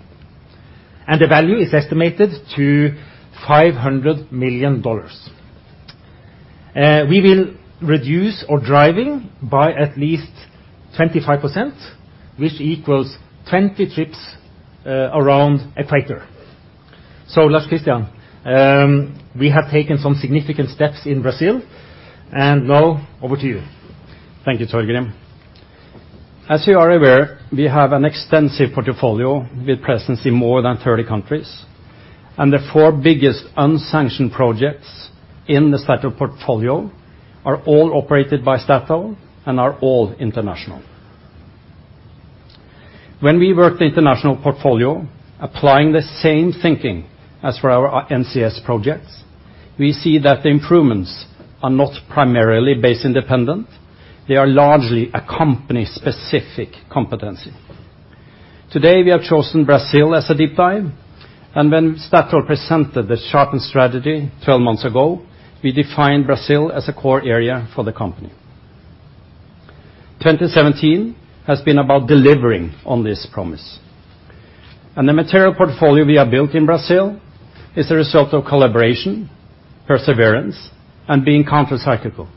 The value is estimated to $500 million. We will reduce our driving by at least 25%, which equals 20 trips around the equator. Lars Christian, we have taken some significant steps in Brazil and now over to you. Thank you, Torgrim. As you are aware, we have an extensive portfolio with presence in more than 30 countries, and the four biggest unsanctioned projects in the Statoil portfolio are all operated by Statoil and are all international. When we work the international portfolio, applying the same thinking as for our NCS projects, we see that the improvements are not primarily basin independent, they are largely a company-specific competency. Today, we have chosen Brazil as a deep dive, and when Statoil presented the sharpened strategy 12 months ago, we defined Brazil as a core area for the company. 2017 has been about delivering on this promise. The material portfolio we have built in Brazil is the result of collaboration, perseverance, and being counter-cyclical.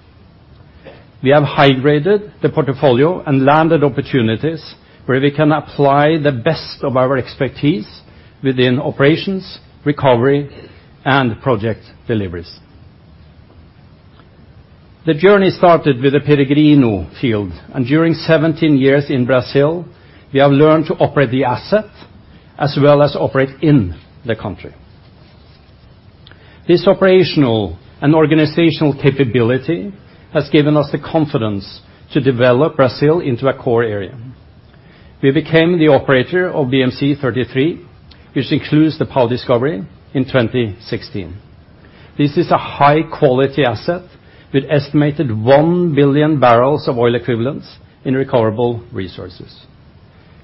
We have high-graded the portfolio and landed opportunities where we can apply the best of our expertise within operations, recovery, and project deliveries. The journey started with the Peregrino field, and during 1seven years in Brazil, we have learned to operate the asset as well as operate in the country. This operational and organizational capability has given us the confidence to develop Brazil into a core area. We became the operator of BM-C-33, which includes the Pão de Açúcar discovery in 2016. This is a high-quality asset with estimated 1 billion barrels of oil equivalents in recoverable resources.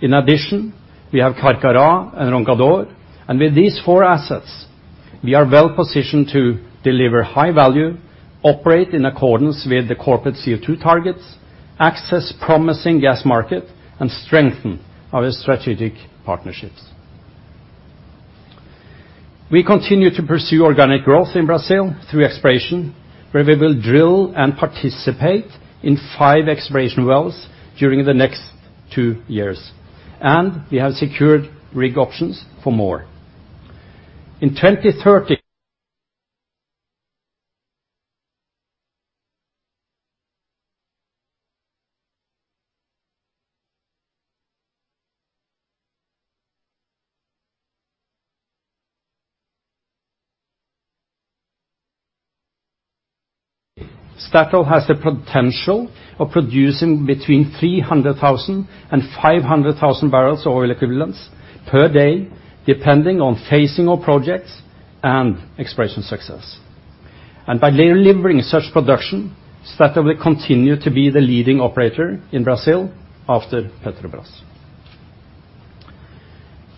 In addition, we have Carcará and Roncador. With these four assets, we are well-positioned to deliver high value, operate in accordance with the corporate CO2 targets, access promising gas market, and strengthen our strategic partnerships. We continue to pursue organic growth in Brazil through exploration, where we will drill and participate in 5 exploration wells during the next two years. We have secured rig options for more. In 2030, Statoil has the potential of producing between 300,000 and 500,000 barrels of oil equivalents per day, depending on phasing of projects and exploration success. By delivering such production, Statoil will continue to be the leading operator in Brazil after Petrobras.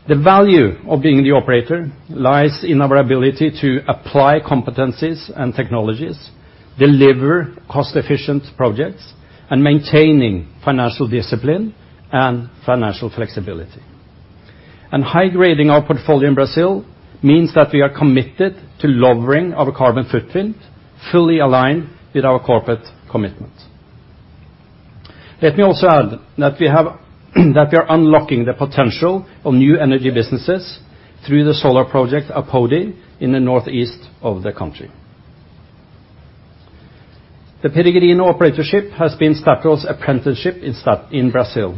The value of being the operator lies in our ability to apply competencies and technologies, deliver cost-efficient projects, and maintaining financial discipline and financial flexibility. High-grading our portfolio in Brazil means that we are committed to lowering our carbon footprint, fully aligned with our corporate commitments. Let me also add that we are unlocking the potential of new energy businesses through the solar project Apodi in the northeast of the country. The Peregrino operatorship has been Statoil's apprenticeship in Brazil.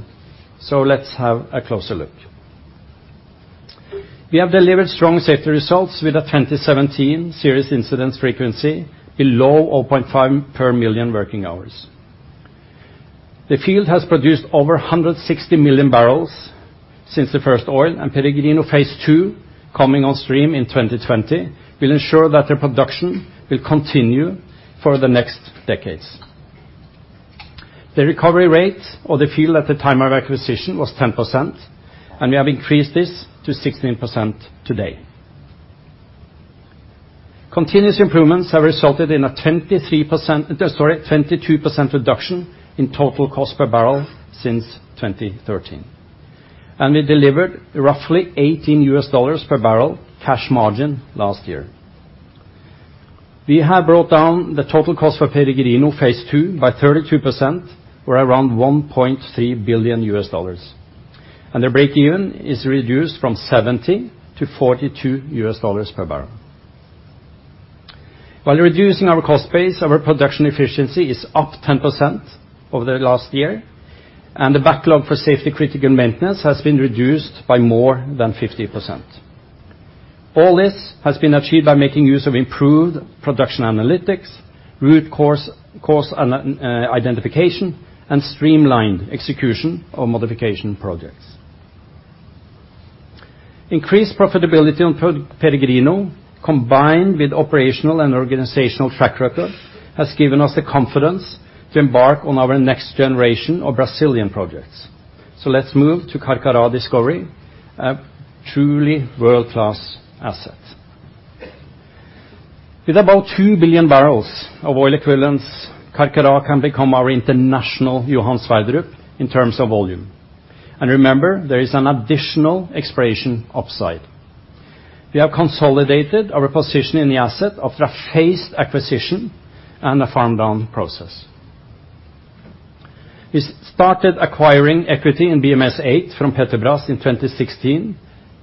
Let's have a closer look. We have delivered strong safety results with a 2017 serious incidents frequency below 0.5 per million working hours. The field has produced over 160 million barrels since the first oil, and Peregrino Phase Two coming on stream in 2020 will ensure that the production will continue for the next decades. The recovery rate of the field at the time of acquisition was 10%, and we have increased this to 16% today. Continuous improvements have resulted in a 22% reduction in total cost per barrel since 2013. We delivered roughly $18 per barrel cash margin last year. We have brought down the total cost for Peregrino Phase Two by 32% or around $1.3 billion. The break-even is reduced from $70-$42 per barrel. While reducing our cost base, our production efficiency is up 10% over the last year, and the backlog for safety-critical maintenance has been reduced by more than 50%. All this has been achieved by making use of improved production analytics, root cause identification, and streamlined execution of modification projects. Increased profitability on Peregrino combined with operational and organizational track record has given us the confidence to embark on our next generation of Brazilian projects. Let's move to Carcará discovery, a truly world-class asset. With about 2 billion barrels of oil equivalents, Carcará can become our international Johan Sverdrup in terms of volume. Remember, there is an additional exploration upside. We have consolidated our position in the asset after a phased acquisition and a farm-down process. We started acquiring equity in BM-S-8 from Petrobras in 2016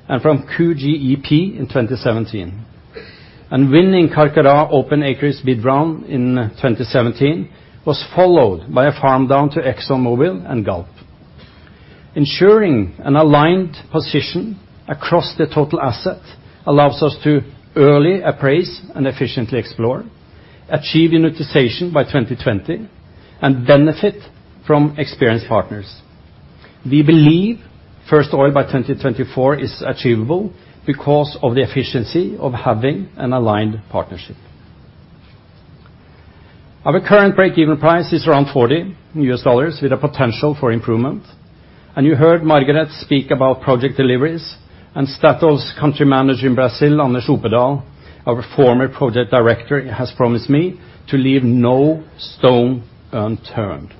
and from QGEP in 2017. Winning Carcará open acreage bid round in 2017 was followed by a farm down to ExxonMobil and Galp. Ensuring an aligned position across the total asset allows us to early appraise and efficiently explore, achieve unitization by 2020, and benefit from experienced partners. We believe first oil by 2024 is achievable because of the efficiency of having an aligned partnership. Our current break-even price is around $40 with a potential for improvement. You heard Margareth speak about project deliveries. Statoil's country manager in Brazil, Anders Opedal, our former project director, has promised me to leave no stone unturned.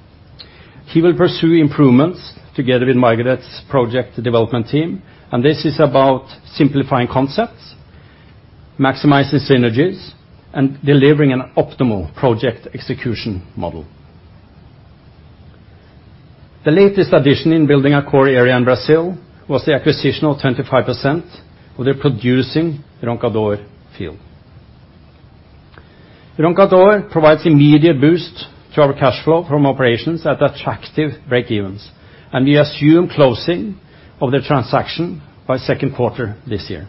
He will pursue improvements together with Margareth's project development team. This is about simplifying concepts, maximizing synergies, and delivering an optimal project execution model. The latest addition in building our core area in Brazil was the acquisition of 25% of the producing Roncador field. Roncador provides immediate boost to our cash flow from operations at attractive break-evens. We assume closing of the transaction by second quarter this year.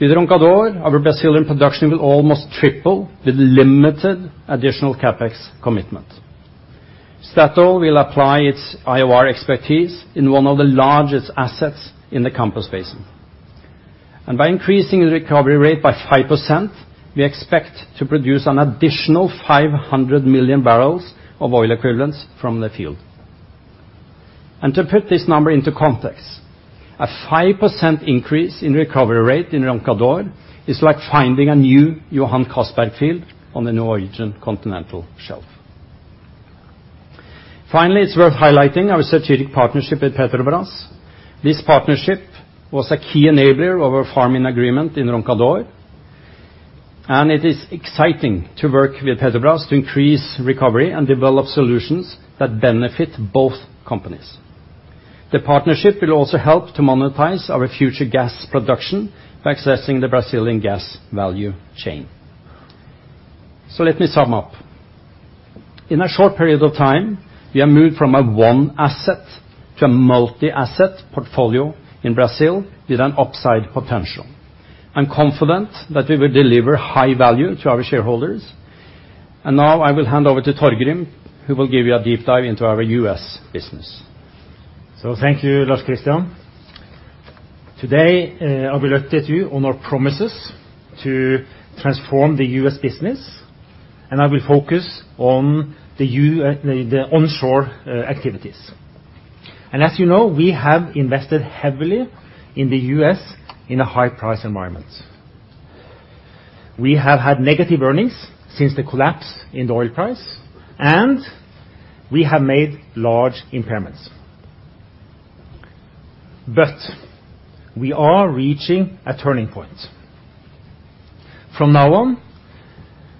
With Roncador, our Brazilian production will almost triple with limited additional CapEx commitment. Statoil will apply its IOR expertise in one of the largest assets in the Campos Basin. By increasing the recovery rate by 5%, we expect to produce an additional 500 million barrels of oil equivalents from the field. To put this number into context, a 5% increase in recovery rate in Roncador is like finding a new Johan Castberg field on the Norwegian Continental Shelf. Finally, it's worth highlighting our strategic partnership with Petrobras. This partnership was a key enabler of our farming agreement in Roncador, and it is exciting to work with Petrobras to increase recovery and develop solutions that benefit both companies. The partnership will also help to monetize our future gas production by accessing the Brazilian gas value chain. Let me sum up. In a short period of time, we have moved from a one asset to a multi-asset portfolio in Brazil with an upside potential. I'm confident that we will deliver high value to our shareholders. Now I will hand over to Torgrim, who will give you a deep dive into our U.S. business. Thank you, Lars Christian. Today, I will update you on our promises to transform the U.S. business, and I will focus on the onshore activities. As you know, we have invested heavily in the U.S. in a high-price environment. We have had negative earnings since the collapse in the oil price, and we have made large impairments. We are reaching a turning point. From now on,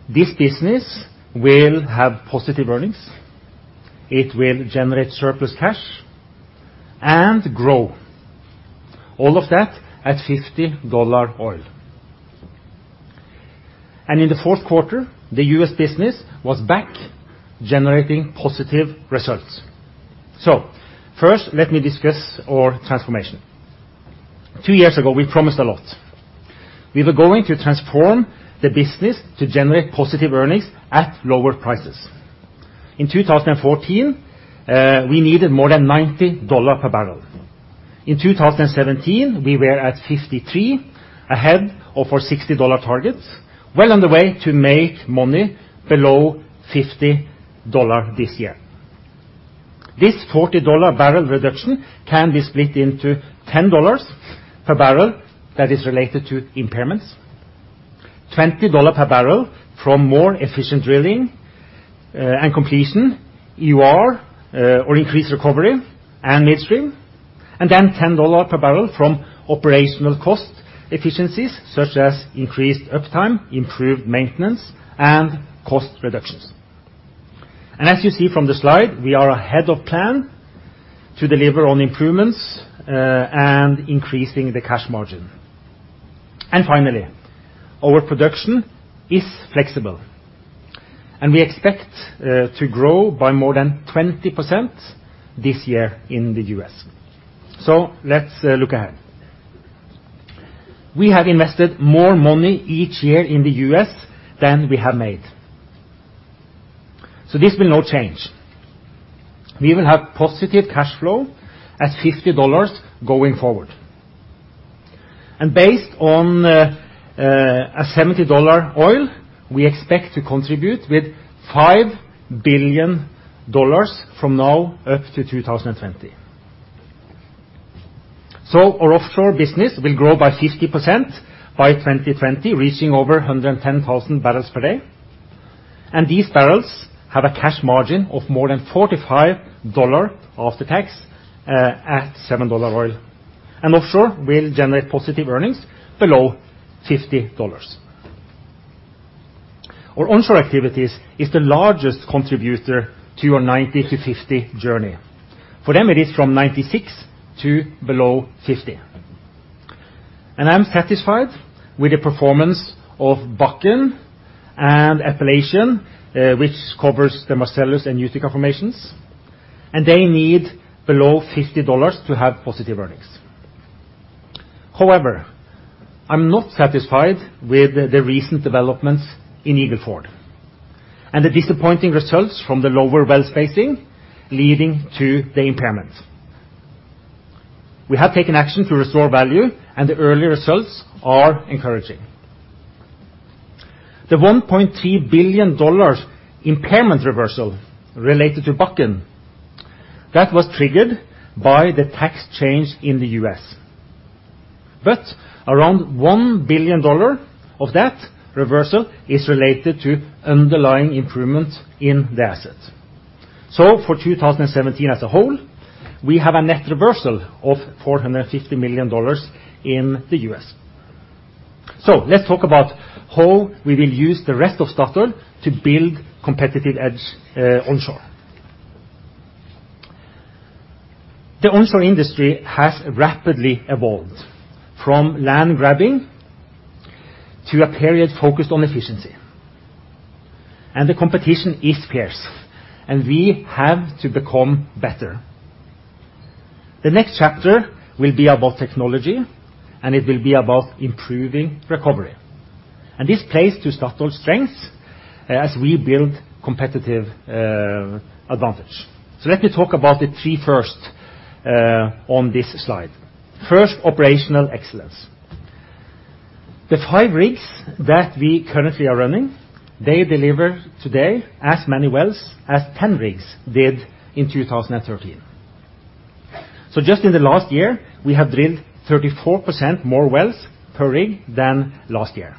this business will have positive earnings. It will generate surplus cash and grow, all of that at $50 oil. In the fourth quarter, the U.S. business was back, generating positive results. First, let me discuss our transformation. Two years ago, we promised a lot. We were going to transform the business to generate positive earnings at lower prices. In 2014, we needed more than $90 per barrel. In 2017, we were at $53, ahead of our $60 targets, well on the way to make money below $50 this year. This $40 per barrel reduction can be split into $10 per barrel that is related to impairments, $20 per barrel from more efficient drilling and completion, EOR or increased recovery and midstream, and then $10 per barrel from operational cost efficiencies such as increased uptime, improved maintenance, and cost reductions. As you see from the slide, we are ahead of plan to deliver on improvements and increasing the cash margin. Finally, our production is flexible, and we expect to grow by more than 20% this year in the U.S.. Let's look ahead. We have invested more money each year in the U.S. than we have made. This will not change. We will have positive cash flow at $50 going forward. Based on a $70 oil, we expect to contribute with $5 billion from now up to 2020. Our offshore business will grow by 50% by 2020, reaching over 110,000 barrels per day. These barrels have a cash margin of more than $45 after tax at $70 oil. Offshore will generate positive earnings below $50. Our onshore activities is the largest contributor to our $90-$50 journey. For them, it is from $96 to below $50. I'm satisfied with the performance of Bakken and Appalachian, which covers the Marcellus and Utica Formations, and they need below $50 to have positive earnings. However, I'm not satisfied with the recent developments in Eagle Ford and the disappointing results from the lower well spacing leading to the impairment. We have taken action to restore value, and the early results are encouraging. The $1.3 billion impairment reversal related to Bakken, that was triggered by the tax change in the U.S.. But around $1 billion of that reversal is related to underlying improvements in the asset. For 2017 as a whole, we have a net reversal of $450 million in the U.S.. Let's talk about how we will use the rest of Statoil to build competitive edge onshore. The onshore industry has rapidly evolved from land grabbing to a period focused on efficiency, and the competition is fierce, and we have to become better. The next chapter will be about technology, and it will be about improving recovery. This plays to Statoil's strengths as we build competitive advantage. Let me talk about the three first on this slide. First, operational excellence. The five rigs that we currently are running, they deliver today as many wells as 10 rigs did in 2013. Just in the last year, we have drilled 34% more wells per rig than last year.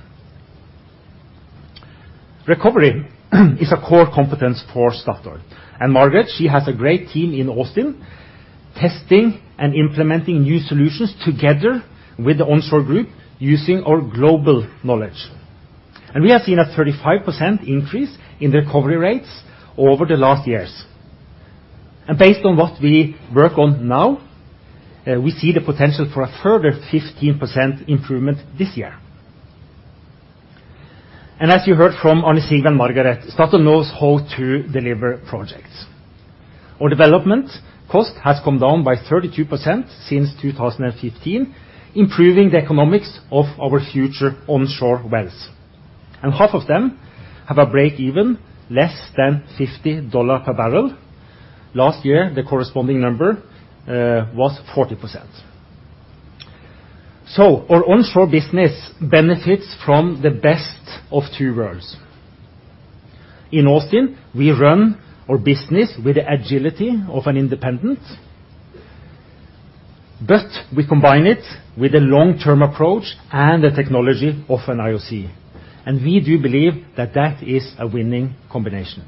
Recovery is a core competence for Statoil, and Margareth Øvrum, she has a great team in Austin testing and implementing new solutions together with the onshore group using our global knowledge. We have seen a 35% increase in recovery rates over the last years. Based on what we work on now, we see the potential for a further 15% improvement this year. As you heard from Arne Sigve Nylund and Margareth Øvrum, Statoil knows how to deliver projects. Our development cost has come down by 32% since 2015, improving the economics of our future onshore wells. Half of them have a break even less than $50 per barrel. Last year, the corresponding number was 40%. Our onshore business benefits from the best of two worlds. In Austin, we run our business with the agility of an independent, but we combine it with a long-term approach and the technology of an IOC, and we do believe that that is a winning combination.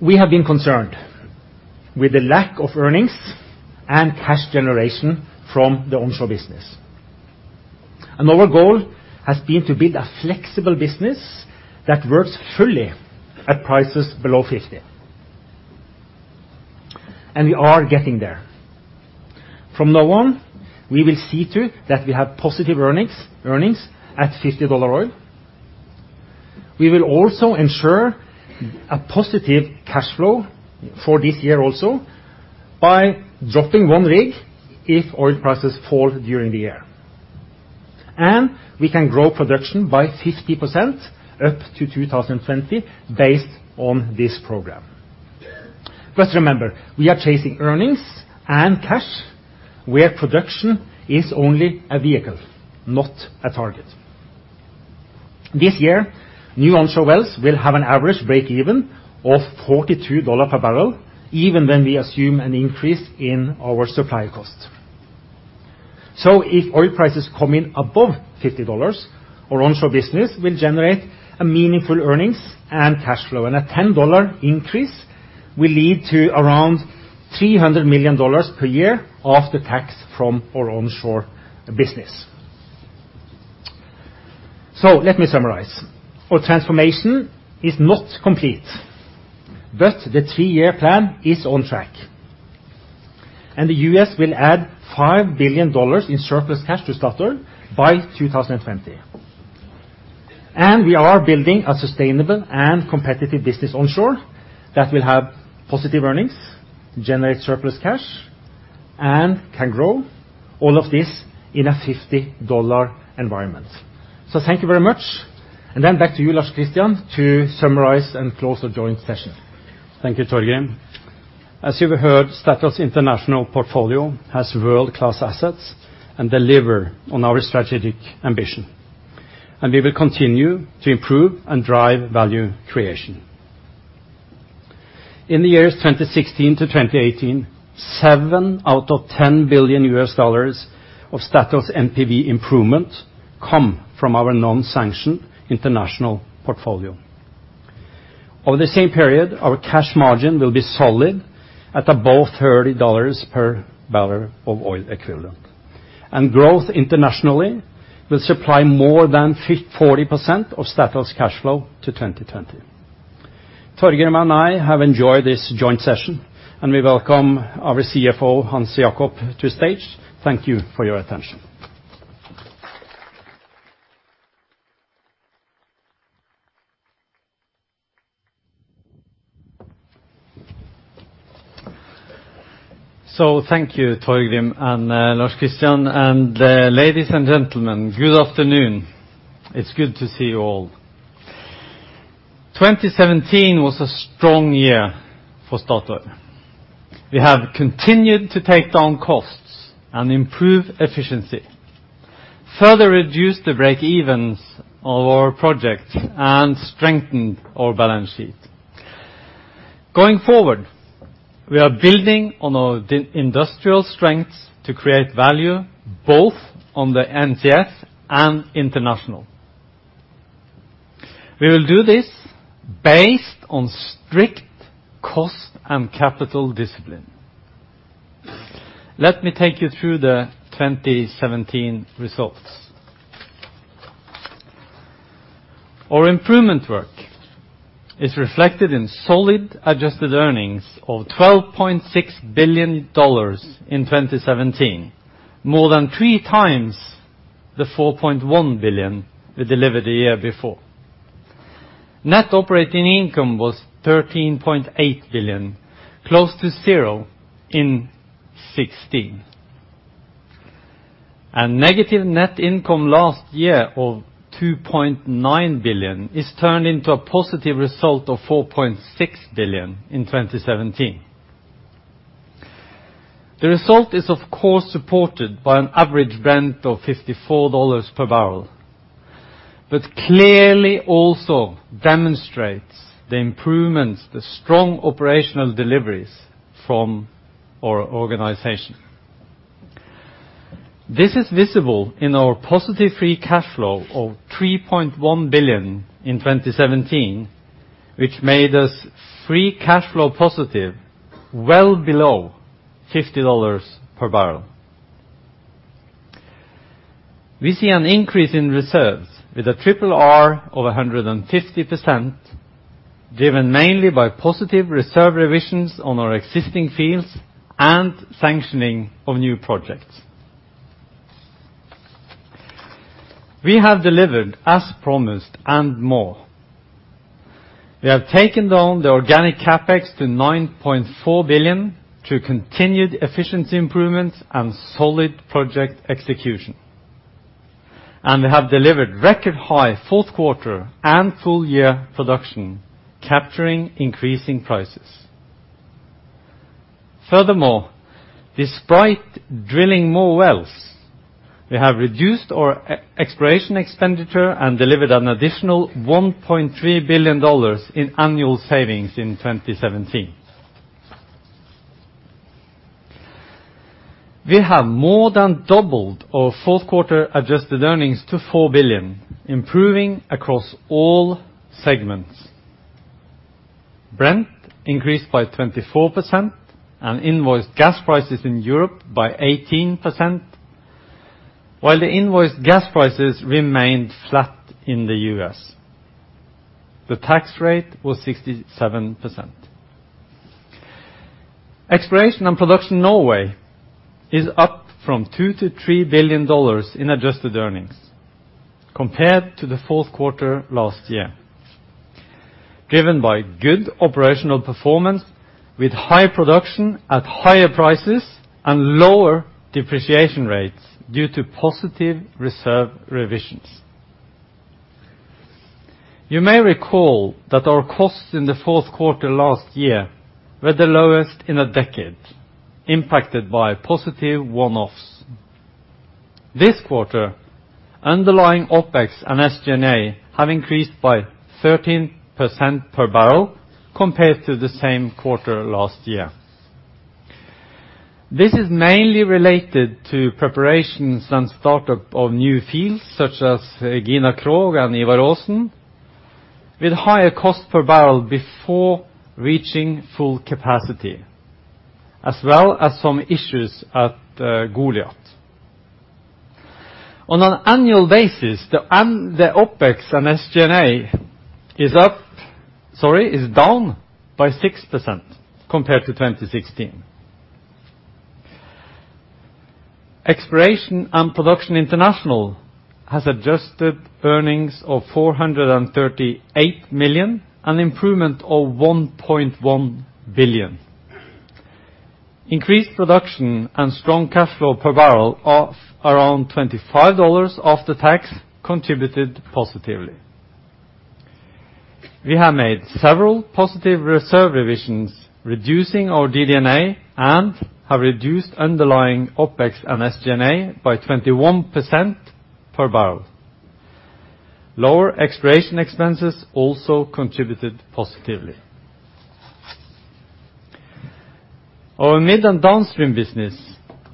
We have been concerned with the lack of earnings and cash generation from the onshore business. Our goal has been to build a flexible business that works fully at prices below $50. We are getting there. From now on, we will see to it that we have positive earnings at $50 oil. We will also ensure a positive cash flow for this year also by dropping one rig if oil prices fall during the year. We can grow production by 50% up to 2020 based on this program. Remember, we are chasing earnings and cash where production is only a vehicle, not a target. This year, new onshore wells will have an average break-even of $42 per barrel, even when we assume an increase in our supply costs. If oil prices come in above $50, our onshore business will generate meaningful earnings and cash flow. A $10 increase will lead to around $300 million per year after tax from our onshore business. Let me summarize. Our transformation is not complete, but the three-year plan is on track. The U.S. will add $5 billion in surplus cash to Statoil by 2020. We are building a sustainable and competitive business onshore that will have positive earnings, generate surplus cash, and can grow all of this in a $50 environment. Thank you very much. Then back to you, Lars Christian, to summarize and close our joint session. Thank you, Torgrim. As you heard, Statoil's international portfolio has world-class assets and deliver on our strategic ambition. We will continue to improve and drive value creation. In the years 2016 to 2018, 7 out of $10 billion of Statoil's NPV improvement come from our non-NCS international portfolio. Over the same period, our cash margin will be solid at above $30 per barrel of oil equivalent. Growth internationally will supply more than 40% of Statoil's cash flow to 2020. Torgrim and I have enjoyed this joint session, and we welcome our CFO, Hans Jakob, to the stage. Thank you for your attention. Thank you, Torgrim and Lars Christian. Ladies and gentlemen, good afternoon. It's good to see you all. 2017 was a strong year for Statoil. We have continued to take down costs and improve efficiency, further reduced the breakevens of our projects, and strengthened our balance sheet. Going forward, we are building on our industrial strengths to create value both on the NCS and international. We will do this based on strict cost and capital discipline. Let me take you through the 2017 results. Our improvement work is reflected in solid adjusted earnings of $12.6 billion in 2017, more than 3x the $4.1 billion we delivered the year before. Net operating income was $13.8 billion, close to zero in 2016. Negative net income last year of $2.9 billion is turned into a positive result of $4.6 billion in 2017. The result is, of course, supported by an average Brent of $54 per barrel, but clearly also demonstrates the improvements, the strong operational deliveries from our organization. This is visible in our positive free cash flow of $3.1 billion in 2017, which made us free cash flow positive well below $50 per barrel. We see an increase in reserves with an RRR of 150%, driven mainly by positive reserve revisions on our existing fields and sanctioning of new projects. We have delivered as promised and more. We have taken down the organic CapEx to $9.4 billion through continued efficiency improvements and solid project execution. We have delivered record-high fourth quarter and full-year production, capturing increasing prices. Furthermore, despite drilling more wells, we have reduced our exploration expenditure and delivered an additional $1.3 billion in annual savings in 2017. We have more than doubled our fourth quarter adjusted earnings to $4 billion, improving across all segments. Brent increased by 24% and invoiced gas prices in Europe by 18%, while the invoiced gas prices remained flat in the U.S.. The tax rate was 67%. Exploration and Production Norway is up from $2 billion-$3 billion in adjusted earnings compared to the fourth quarter last year, driven by good operational performance with high production at higher prices and lower depreciation rates due to positive reserve revisions. You may recall that our costs in the fourth quarter last year were the lowest in a decade, impacted by positive one-offs. This quarter, underlying OpEx and SG&A have increased by 13% per barrel compared to the same quarter last year. This is mainly related to preparations and start-up of new fields, such as Gina Krog and Ivar Aasen, with higher cost per barrel before reaching full capacity, as well as some issues at Goliat. On an annual basis, the OpEx and SG&A is down by 6% compared to 2016. Exploration and Production International has adjusted earnings of $438 million, an improvement of $1.1 billion. Increased production and strong cash flow per barrel of around $25 after tax contributed positively. We have made several positive reserve revisions, reducing our DD&A, and have reduced underlying OpEx and SG&A by 21% per barrel. Lower exploration expenses also contributed positively. Our mid- and downstream business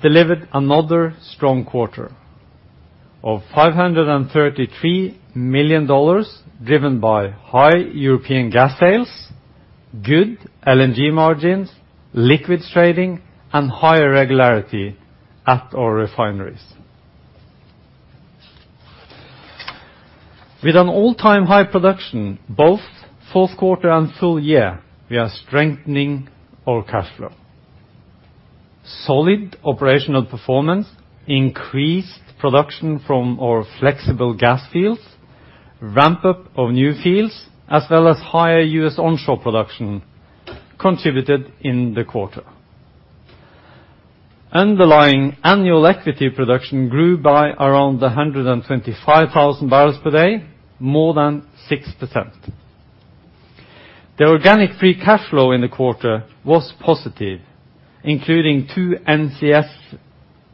delivered another strong quarter of $533 million, driven by high European gas sales, good LNG margins, liquids trading, and higher regularity at our refineries. With an all-time high production both fourth quarter and full year, we are strengthening our cash flow. Solid operational performance increased production from our flexible gas fields, ramp-up of new fields, as well as higher U.S. onshore production contributed in the quarter. Underlying annual equity production grew by around 125,000 barrels per day, more than 6%. The organic free cash flow in the quarter was positive, including two NCS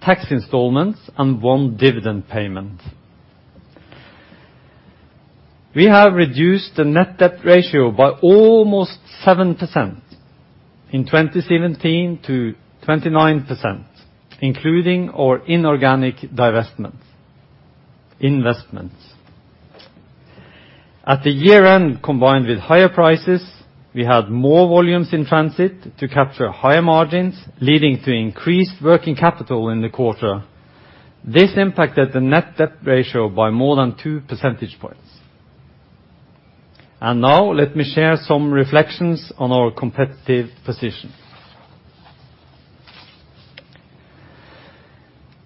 tax installments and one dividend payment. We have reduced the net debt ratio by almost 7% in 2017 to 29%, including our inorganic investments. At the year-end, combined with higher prices, we had more volumes in transit to capture higher margins, leading to increased working capital in the quarter. This impacted the net debt ratio by more than 2 percentage points. Now let me share some reflections on our competitive position.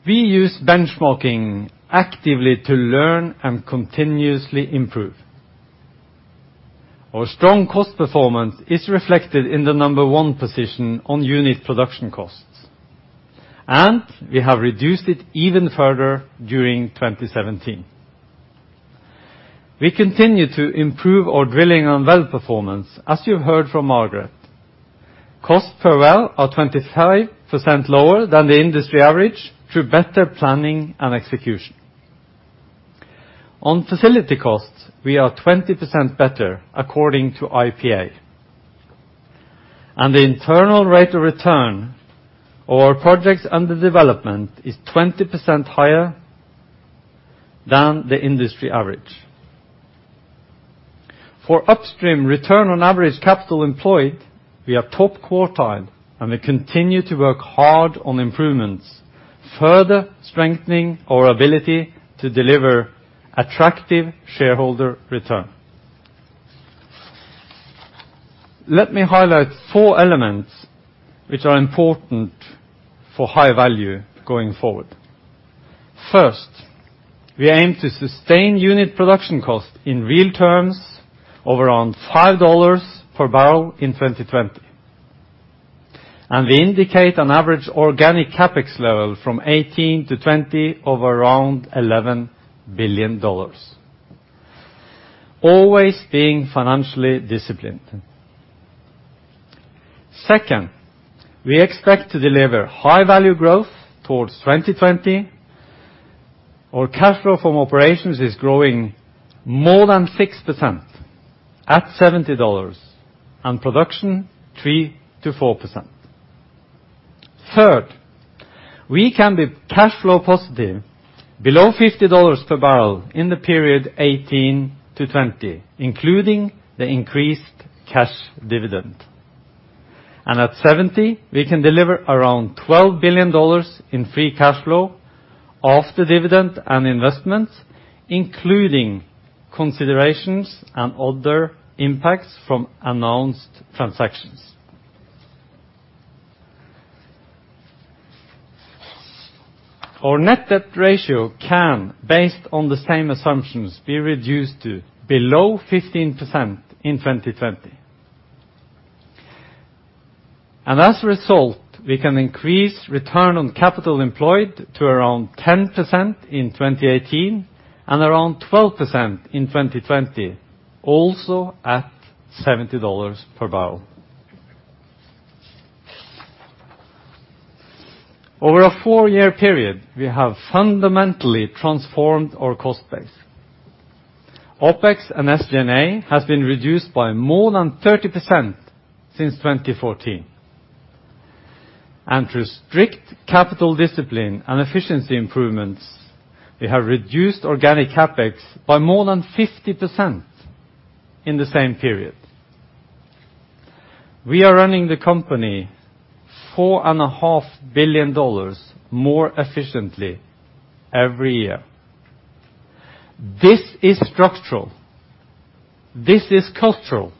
We use benchmarking actively to learn and continuously improve. Our strong cost performance is reflected in the number one position on unit production costs, and we have reduced it even further during 2017. We continue to improve our drilling and well performance, as you heard from Margareth. Cost per well are 25% lower than the industry average through better planning and execution. On facility costs, we are 20% better according to IPA. The internal rate of return on projects under development is 20% higher than the industry average. For upstream return on average capital employed, we are top quartile, and we continue to work hard on improvements, further strengthening our ability to deliver attractive shareholder return. Let me highlight four elements which are important for high value going forward. First, we aim to sustain unit production cost in real terms over around $5 per barrel in 2020. We indicate an average organic CapEx level from 2018-2020 of around $11 billion, always being financially disciplined. Second, we expect to deliver high-value growth towards 2020. Our cash flow from operations is growing more than 6% at $70, and production 3%-4%. Third, we can be cash flow positive below $50 per barrel in the period 2018-2020, including the increased cash dividend. At 70, we can deliver around $12 billion in free cash flow after dividend and investments, including considerations and other impacts from announced transactions. Our net debt ratio can, based on the same assumptions, be reduced to below 15% in 2020. As a result, we can increase return on capital employed to around 10% in 2018 and around 12% in 2020, also at $70 per barrel. Over a four-year period, we have fundamentally transformed our cost base. OpEx and SG&A has been reduced by more than 30% since 2014. Through strict capital discipline and efficiency improvements, we have reduced organic CapEx by more than 50% in the same period. We are running the company $4.5 billion more efficiently every year. This is structural. This is cultural.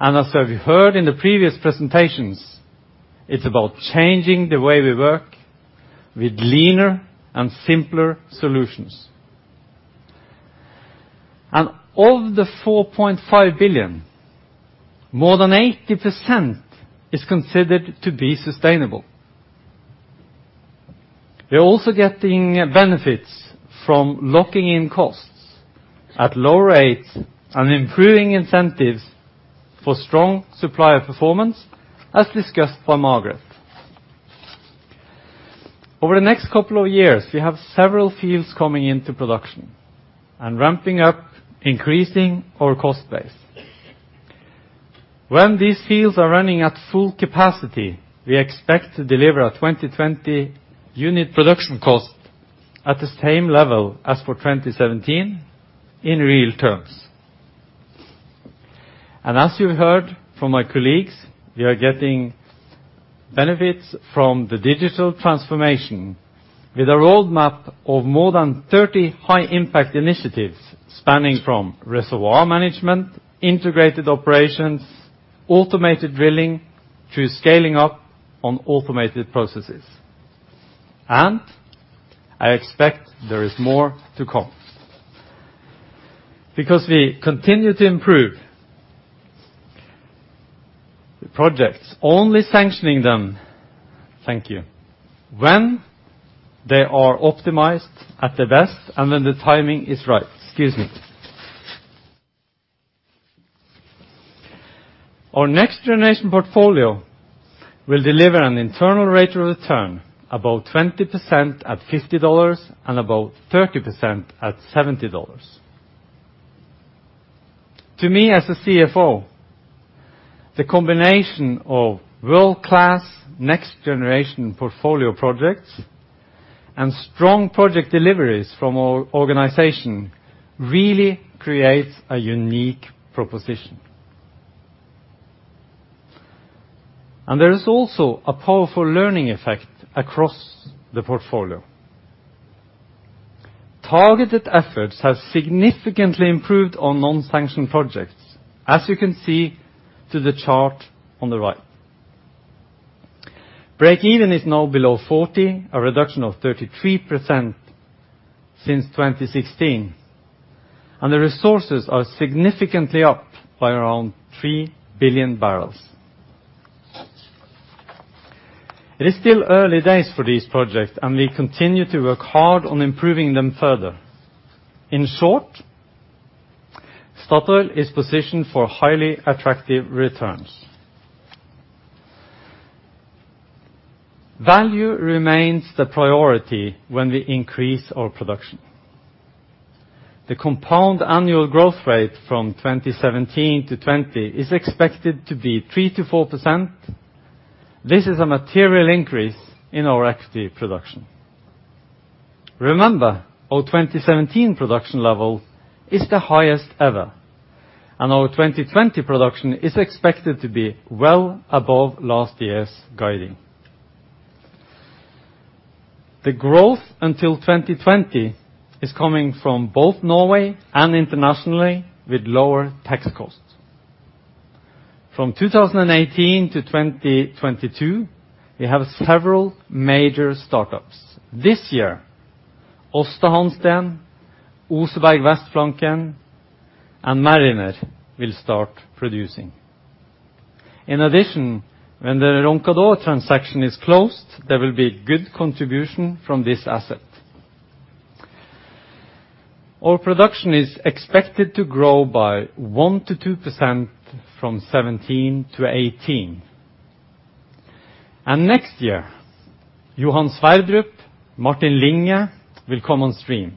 As we heard in the previous presentations, it's about changing the way we work with leaner and simpler solutions. Of the $4.5 billion, more than 80% is considered to be sustainable. We are also getting benefits from locking in costs at lower rates and improving incentives for strong supplier performance, as discussed by Margareth. Over the next couple of years, we have several fields coming into production and ramping up, increasing our cost base. When these fields are running at full capacity, we expect to deliver a 2020 unit production cost at the same level as for 2017 in real terms. As you heard from my colleagues, we are getting benefits from the digital transformation with a roadmap of more than 30 high-impact initiatives spanning from reservoir management, integrated operations, automated drilling, to scaling up on automated processes. I expect there is more to come. We continue to improve the projects, only sanctioning them, thank you, when they are optimized at their best and when the timing is right. Excuse me. Our next-generation portfolio will deliver an internal rate of return above 20% at $50 and above 30% at $70. To me as a CFO, the combination of world-class next-generation portfolio projects and strong project deliveries from our organization really creates a unique proposition. There is also a powerful learning effect across the portfolio. Targeted efforts have significantly improved our non-sanctioned projects, as you can see in the chart on the right. Breakeven is now below $40, a reduction of 33% since 2016, and the resources are significantly up by around 3 billion barrels. It is still early days for these projects, and we continue to work hard on improving them further. In short, Statoil is positioned for highly attractive returns. Value remains the priority when we increase our production. The compound annual growth rate from 2017 to 2020 is expected to be 3%-4%. This is a material increase in our active production. Remember, our 2017 production level is the highest ever, and our 2020 production is expected to be well above last year's guiding. The growth until 2020 is coming from both Norway and internationally with lower tax costs. From 2018 to 2022, we have several major startups. This year, Aasta Hansteen, Oseberg Vestflanken, and Mariner will start producing. In addition, when the Roncador transaction is closed, there will be good contribution from this asset. Our production is expected to grow by 1%-2% from 2017 to 2018. Next year, Johan Sverdrup, Martin Linge will come on stream,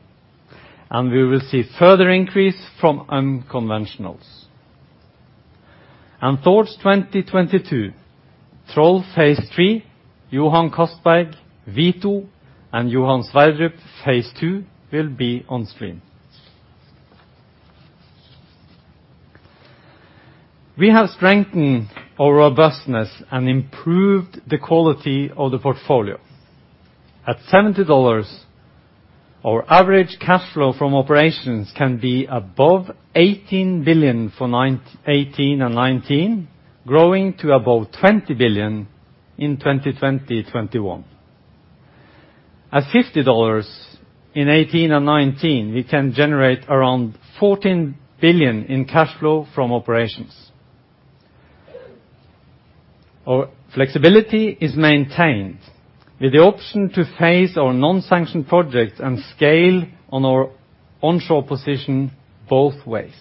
and we will see further increase from unconventionals. Towards 2022, Troll Phase Three, Johan Castberg, Vito, and Johan Sverdrup Phase Two will be on stream. We have strengthened our robustness and improved the quality of the portfolio. At $70, our average cash flow from operations can be above $18 billion for 2018 and 2019, growing to above $20 billion in 2020, 2021. At $50 in 2018 and 2019, we can generate around $14 billion in cash flow from operations. Our flexibility is maintained with the option to phase our non-sanctioned projects and scale on our onshore position both ways.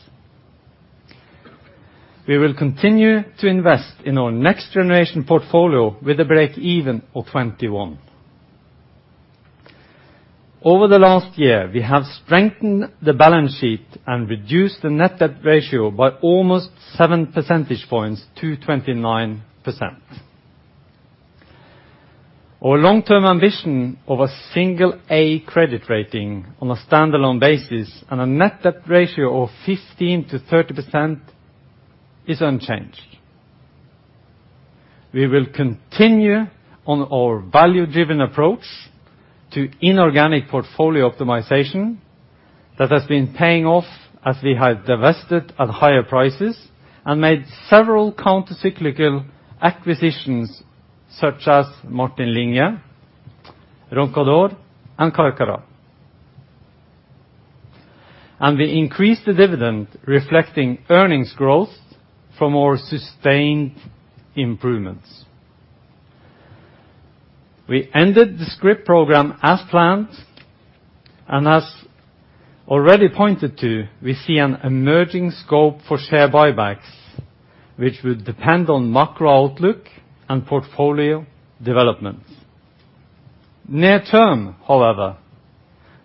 We will continue to invest in our next-generation portfolio with a break-even of $21. Over the last year, we have strengthened the balance sheet and reduced the net debt ratio by almost 7 percentage points to 29%. Our long-term ambition of a single A credit rating on a standalone basis and a net debt ratio of 15%-30% is unchanged. We will continue on our value-driven approach to inorganic portfolio optimization that has been paying off as we have divested at higher prices and made several countercyclical acquisitions such as Martin Linge, Roncador, and Carcará. We increased the dividend reflecting earnings growth from our sustained improvements. We ended the scrip program as planned. As already pointed to, we see an emerging scope for share buybacks, which would depend on macro outlook and portfolio development. Near term, however,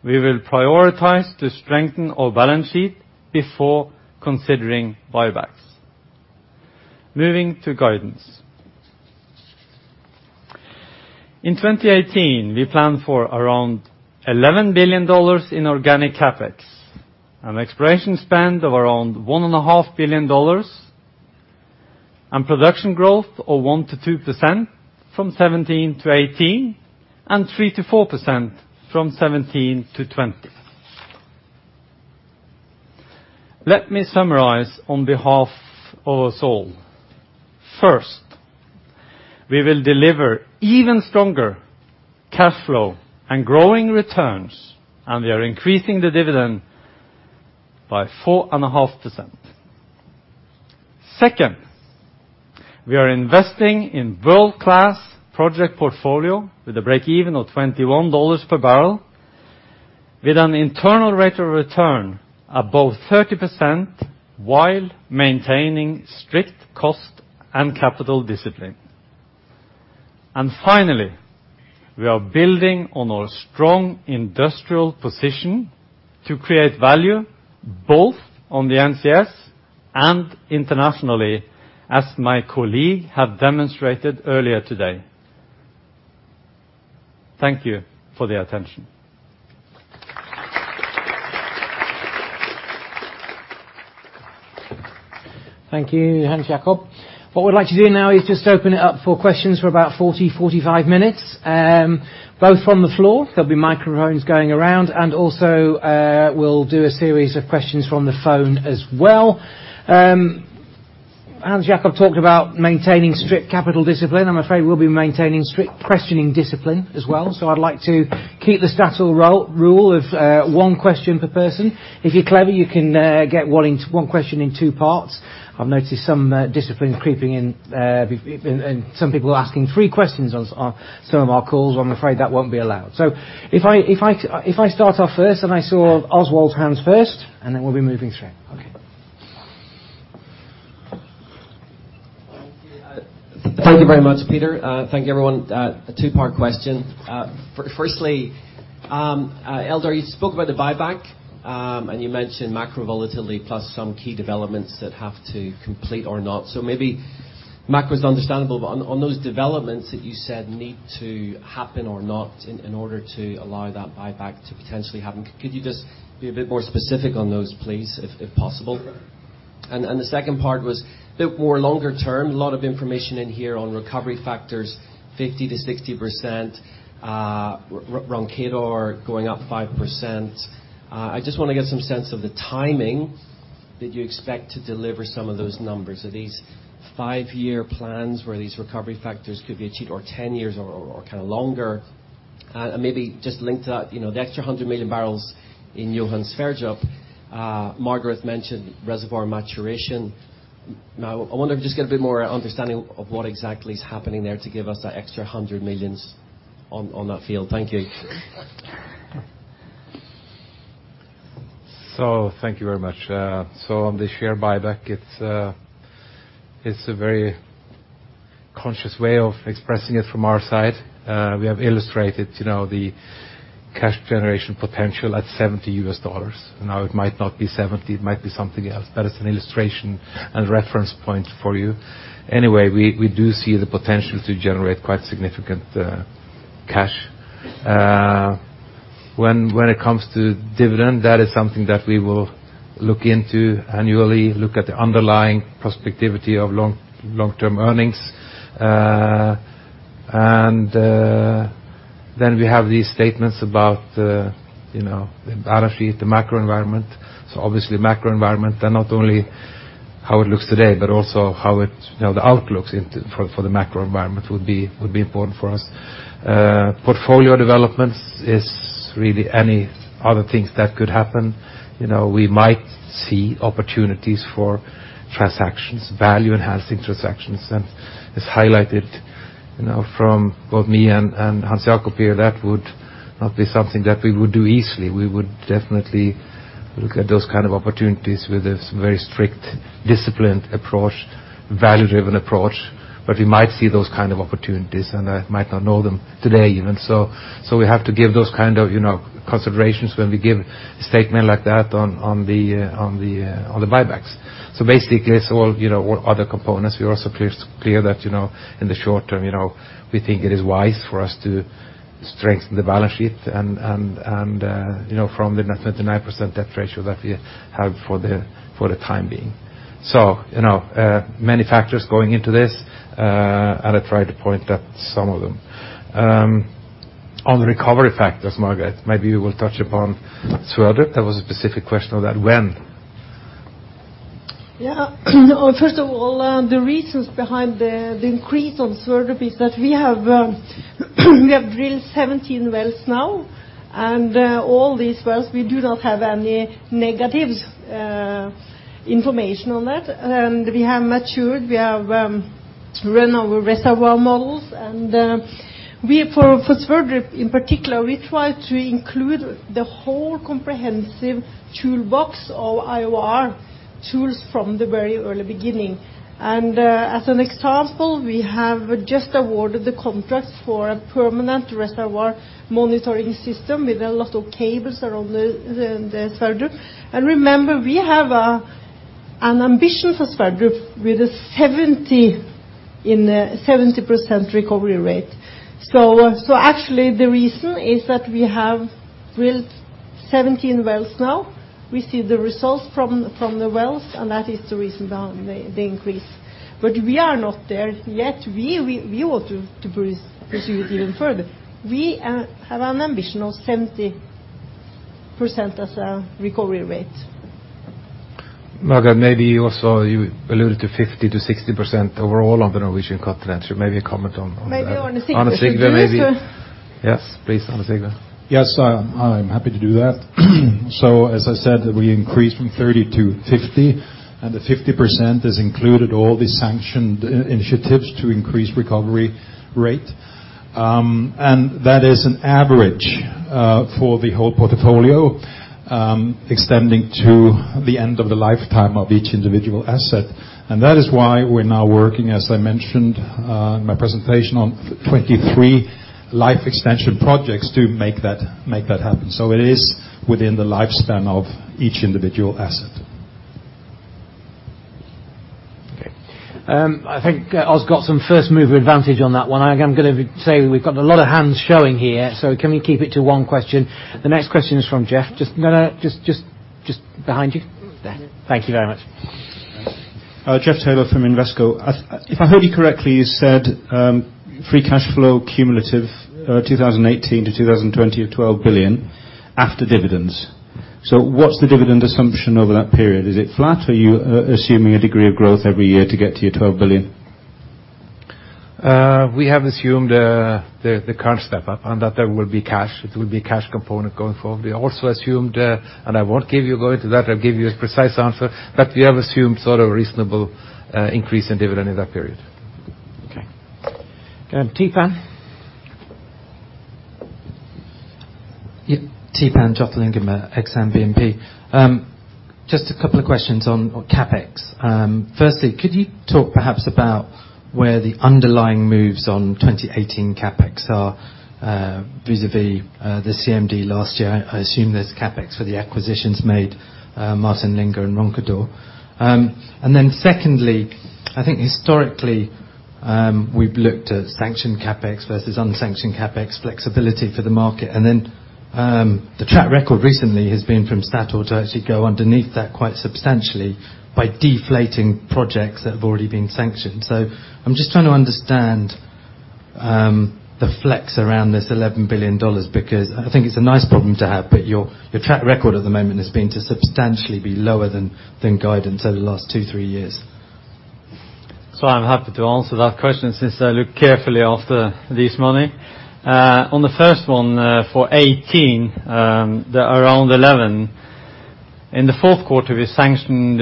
we will prioritize to strengthen our balance sheet before considering buybacks. Moving to guidance. In 2018, we plan for around $11 billion in organic CapEx, an exploration spend of around $1.5 billion, and production growth of 1%-2% from 2017 to 2018, and 3%-4% from 2017 to 2020. Let me summarize on behalf of us all. First, we will deliver even stronger cash flow and growing returns, and we are increasing the dividend by 4.5%. Second, we are investing in world-class project portfolio with a break-even of $21 per barrel, with an internal rate of return above 30% while maintaining strict cost and capital discipline. Finally, we are building on our strong industrial position to create value both on the NCS and internationally, as my colleague have demonstrated earlier today. Thank you for the attention. Thank you, Hans Jakob. What we'd like to do now is just open it up for questions for about 40-45 minutes, both from the floor. There'll be microphones going around, and also, we'll do a series of questions from the phone as well. Hans Jakob talked about maintaining strict capital discipline. I'm afraid we'll be maintaining strict questioning discipline as well. I'd like to keep the Statoil rule of one question per person. If you're clever, you can get one question in two parts. I've noticed some discipline creeping in, and some people asking three questions on some of our calls. I'm afraid that won't be allowed. If I start off first, and I saw Oswald Clint's hands first, and then we'll be moving straight. Okay. Thank you very much, Peter. Thank you everyone. A two-part question. Firstly, Eldar, you spoke about the buyback, and you mentioned macro volatility plus some key developments that have to complete or not. Maybe macro is understandable, but on those developments that you said need to happen or not in order to allow that buyback to potentially happen, could you just be a bit more specific on those, please, if possible? The second part was a bit more longer term. A lot of information in here on recovery factors, 50%-60%, Roncador going up 5%. I just wanna get some sense of the timing that you expect to deliver some of those numbers. Are these five-year plans where these recovery factors could be achieved, or 10 years or kinda longer? Maybe just link to that, you know, the extra 100 million barrels in Johan Sverdrup. Margareth mentioned reservoir maturation. Now, I wonder if you could just get a bit more understanding of what exactly is happening there to give us that extra 100 million on that field. Thank you. Thank you very much. On the share buyback, it's a very conscious way of expressing it from our side. We have illustrated, you know, the cash generation potential at $70. Now it might not be seventy, it might be something else, but it's an illustration and reference point for you. Anyway, we do see the potential to generate quite significant cash. When it comes to dividend, that is something that we will look into annually, look at the underlying prospectivity of long-term earnings. Then we have these statements about, you know, the balance sheet, the macro environment. Obviously, macro environment and not only how it looks today, but also how it, you know, the outlooks for the macro environment would be important for us. Portfolio developments is really any other things that could happen. You know, we might see opportunities for transactions, value-enhancing transactions. As highlighted, you know, from both me and Hans Jakob here, that would not be something that we would do easily. We would definitely look at those kind of opportunities with a very strict, disciplined approach, value-driven approach. We might see those kind of opportunities, and I might not know them today even. We have to give those kind of, you know, considerations when we give a statement like that on the buybacks. Basically, it's all, you know, all other components. We are also clear that, you know, in the short term, you know, we think it is wise for us to strengthen the balance sheet and, you know, from the net 39% debt ratio that we have for the time being. You know, many factors going into this, and I tried to point out some of them. On the recovery factors, Margareth, maybe you will touch upon Sverdrup. There was a specific question on that, when? Yeah. First of all, the reasons behind the increase on Sverdrup is that we have drilled 17 wells now, and all these wells, we do not have any negatives. Information on that. We have matured, we have run our reservoir models. For Johan Sverdrup, in particular, we try to include the whole comprehensive toolbox of IOR tools from the very early beginning. As an example, we have just awarded the contract for a permanent reservoir monitoring system with a lot of cables around the Johan Sverdrup. Remember, we have an ambition for Johan Sverdrup with a 70% recovery rate. Actually the reason is that we have drilled 17 wells now. We see the results from the wells, and that is the reason behind the increase. We are not there yet. We want to pursue it even further. We have an ambition of 50% as a recovery rate. Margareth Øvrum, maybe you also, you alluded to 50%-60% overall on the Norwegian Continental Shelf. Maybe a comment on that. Maybe on the NCS. On the NCS, maybe. Just to- Yes, please, on the NCS. Yes, I'm happy to do that. As I said, we increased from 30 to 50, and the 50% has included all the sanctioned initiatives to increase recovery rate. That is an average for the whole portfolio, extending to the end of the lifetime of each individual asset. That is why we're now working, as I mentioned, in my presentation, on 23 life extension projects to make that happen. It is within the lifespan of each individual asset. Okay. I think Oswald got some first-mover advantage on that one. I'm gonna say we've got a lot of hands showing here, so can we keep it to one question? The next question is from Jeff. Just. No, just behind you. There. Thank you very much. Jeff Taylor from Invesco. If I heard you correctly, you said free cash flow cumulative 2018 to 2020 of $12 billion after dividends. What's the dividend assumption over that period? Is it flat, or are you assuming a degree of growth every year to get to your $12 billion? We have assumed the current step-up and that there will be cash, it will be a cash component going forward. We also assumed and I won't go into that, I'll give you a precise answer, but we have assumed sort of reasonable increase in dividend in that period. Okay. Go ahead, Theepan. Yeah, Theepan Jothilingam, BNP Paribas Exane. Just a couple of questions on CapEx. Firstly, could you talk perhaps about where the underlying moves on 2018 CapEx are vis-à-vis the CMD last year? I assume there's CapEx for the acquisitions made, Martin Linge and Roncador. Secondly, I think historically we've looked at sanctioned CapEx versus unsanctioned CapEx flexibility for the market. The track record recently has been from Statoil to actually go underneath that quite substantially by delaying projects that have already been sanctioned. I'm just trying to understand the flex around this $11 billion because I think it's a nice problem to have, but your track record at the moment has been to substantially be lower than guidance over the last two, three years. I'm happy to answer that question since I looked carefully after this money. On the first one, for 2018, they're around $11 billion. In the fourth quarter, we sanctioned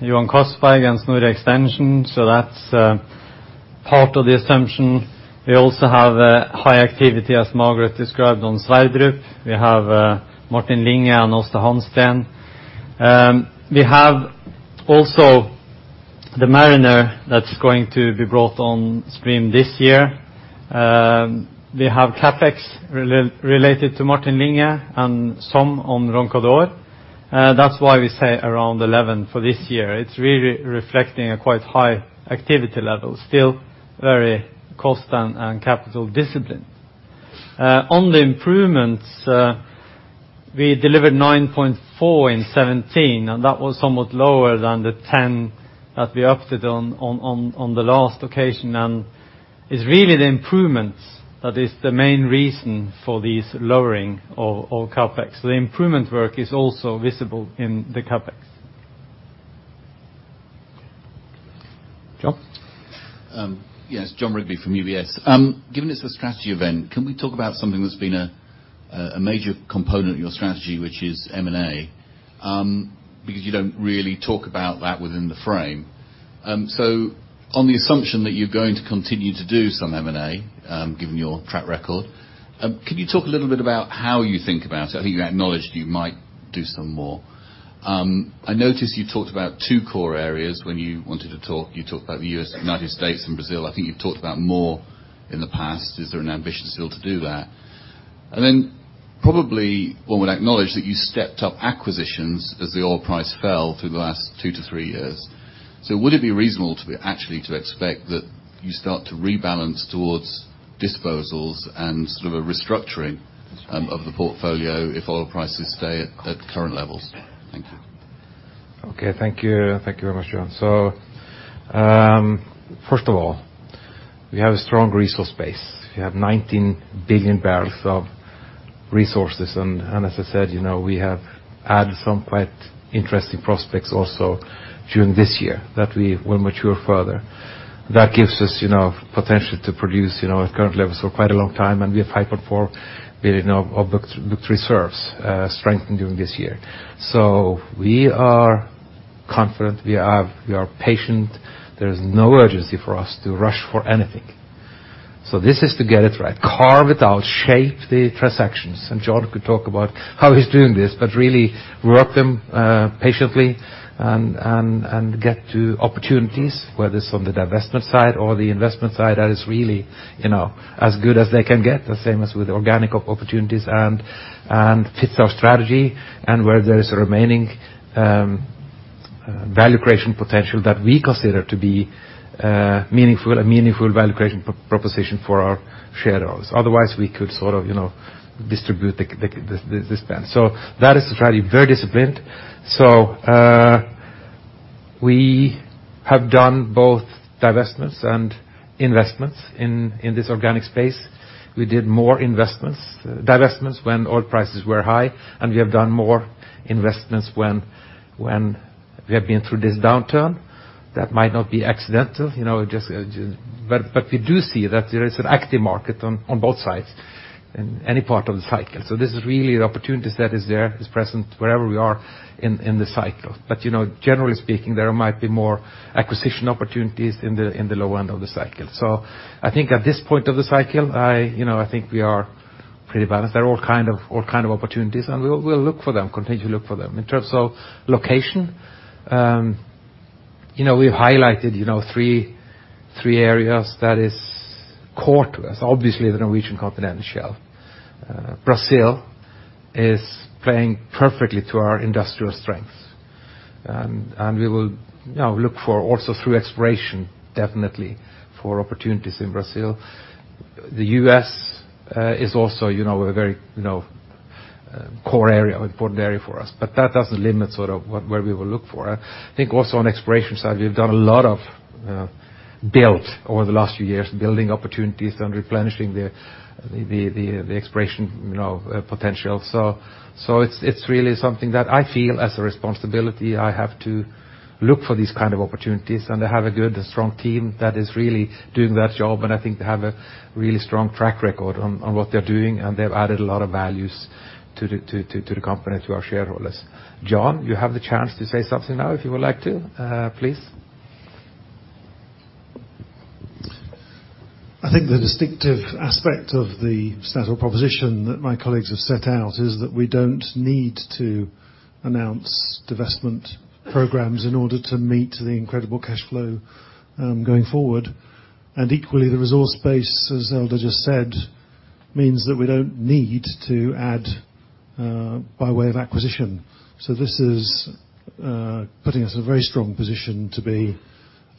Johan Castberg and Snorre extension, so that's part of the assumption. We also have high activity, as Margareth described, on Sverdrup. We have Martin Linge and Aasta Hansteen. We have also the Mariner that's going to be brought on stream this year. We have CapEx related to Martin Linge and some on Roncador. That's why we say around $11 billion for this year. It's really reflecting a quite high activity level, still very cost and capital disciplined. On the improvements, we delivered 9.4 billion in 2017, and that was somewhat lower than the $10 billion that we opted on the last occasion. It's really the improvements that is the main reason for this lowering of CapEx. The improvement work is also visible in the CapEx. Jon? Yes, Jon Rigby from UBS. Given it's a strategy event, can we talk about something that's been a major component of your strategy, which is M&A? Because you don't really talk about that within the frame. On the assumption that you're going to continue to do some M&A, given your track record, can you talk a little bit about how you think about it? I think you acknowledged you might do some more. I noticed you talked about two core areas when you wanted to talk. You talked about the U.S., United States and Brazil. I think you've talked about more in the past. Is there an ambition still to do that? Probably one would acknowledge that you stepped up acquisitions as the oil price fell through the last two to three years. Would it be reasonable, actually to expect that you start to rebalance towards disposals and sort of a restructuring of the portfolio if oil prices stay at current levels? Thank you. Okay. Thank you. Thank you very much, Jon. First of all, we have a strong resource base. We have 19 billion barrels of resources. As I said, you know, we have added some quite interesting prospects also during this year that we will mature further. That gives us, you know, potential to produce, you know, at current levels for quite a long time. We have 5.4 billion of booked reserves, strengthened during this year. We are confident, we are patient. There's no urgency for us to rush for anything. This is to get it right, carve it out, shape the transactions. John could talk about how he's doing this, but really work them patiently and get to opportunities, whether it's on the divestment side or the investment side that is really, you know, as good as they can get. The same as with organic opportunities and fits our strategy and where there is a remaining value creation potential that we consider to be a meaningful value creation proposition for our shareholders. Otherwise, we could sort of, you know, distribute the spend. That is a strategy, very disciplined. We have done both divestments and investments in this organic space. We did more divestments, investments when oil prices were high, and we have done more investments when we have been through this downturn. That might not be accidental, you know, just. we do see that there is an active market on both sides in any part of the cycle. This is really the opportunities that is present wherever we are in the cycle. You know, generally speaking, there might be more acquisition opportunities in the low end of the cycle. I think at this point of the cycle, you know, I think we are pretty balanced. There are all kind of opportunities, and we'll look for them, continue to look for them. In terms of location, you know, we've highlighted, you know, three areas that is core to us. Obviously, the Norwegian Continental Shelf. Brazil is playing perfectly to our industrial strengths. We will, you know, look for also through exploration, definitely for opportunities in Brazil. The U.S. is also, you know, a very, you know, core area, important area for us. That doesn't limit sort of what, where we will look for. I think also on exploration side, we've done a lot of build over the last few years, building opportunities and replenishing the exploration, you know, potential. It's really something that I feel as a responsibility I have to look for these kind of opportunities and I have a good strong team that is really doing that job. I think they have a really strong track record on what they're doing, and they've added a lot of values to the company, to our shareholders. John, you have the chance to say something now if you would like to, please. I think the distinctive aspect of the Statoil proposition that my colleagues have set out is that we don't need to announce divestment programs in order to meet the incredible cash flow going forward. Equally, the resource base, as Eldar just said, means that we don't need to add by way of acquisition. This is putting us in a very strong position to be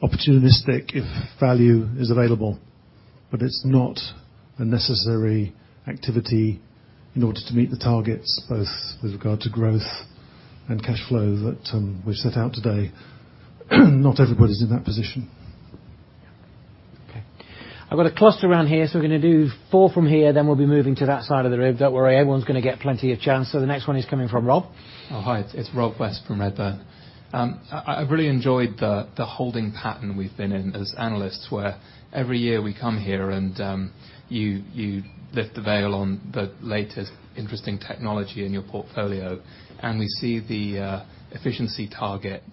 opportunistic if value is available. It's not a necessary activity in order to meet the targets, both with regard to growth and cash flow that we've set out today. Not everybody's in that position. Okay. I've got a cluster around here, so we're gonna do four from here, then we'll be moving to that side of the room. Don't worry, everyone's gonna get plenty of chance. The next one is coming from Rob. Oh, hi. It's Rob West from Redburn. I really enjoyed the holding pattern we've been in as analysts, where every year we come here and you lift the veil on the latest interesting technology in your portfolio. We see the efficiency target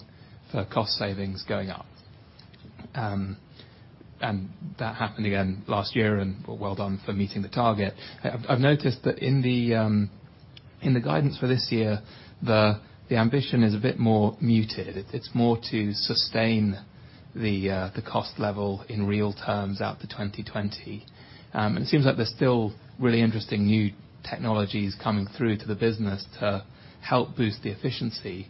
for cost savings going up. That happened again last year, and well done for meeting the target. I've noticed that in the guidance for this year, the ambition is a bit more muted. It's more to sustain the cost level in real terms out to 2020. It seems like there's still really interesting new technologies coming through to the business to help boost the efficiency.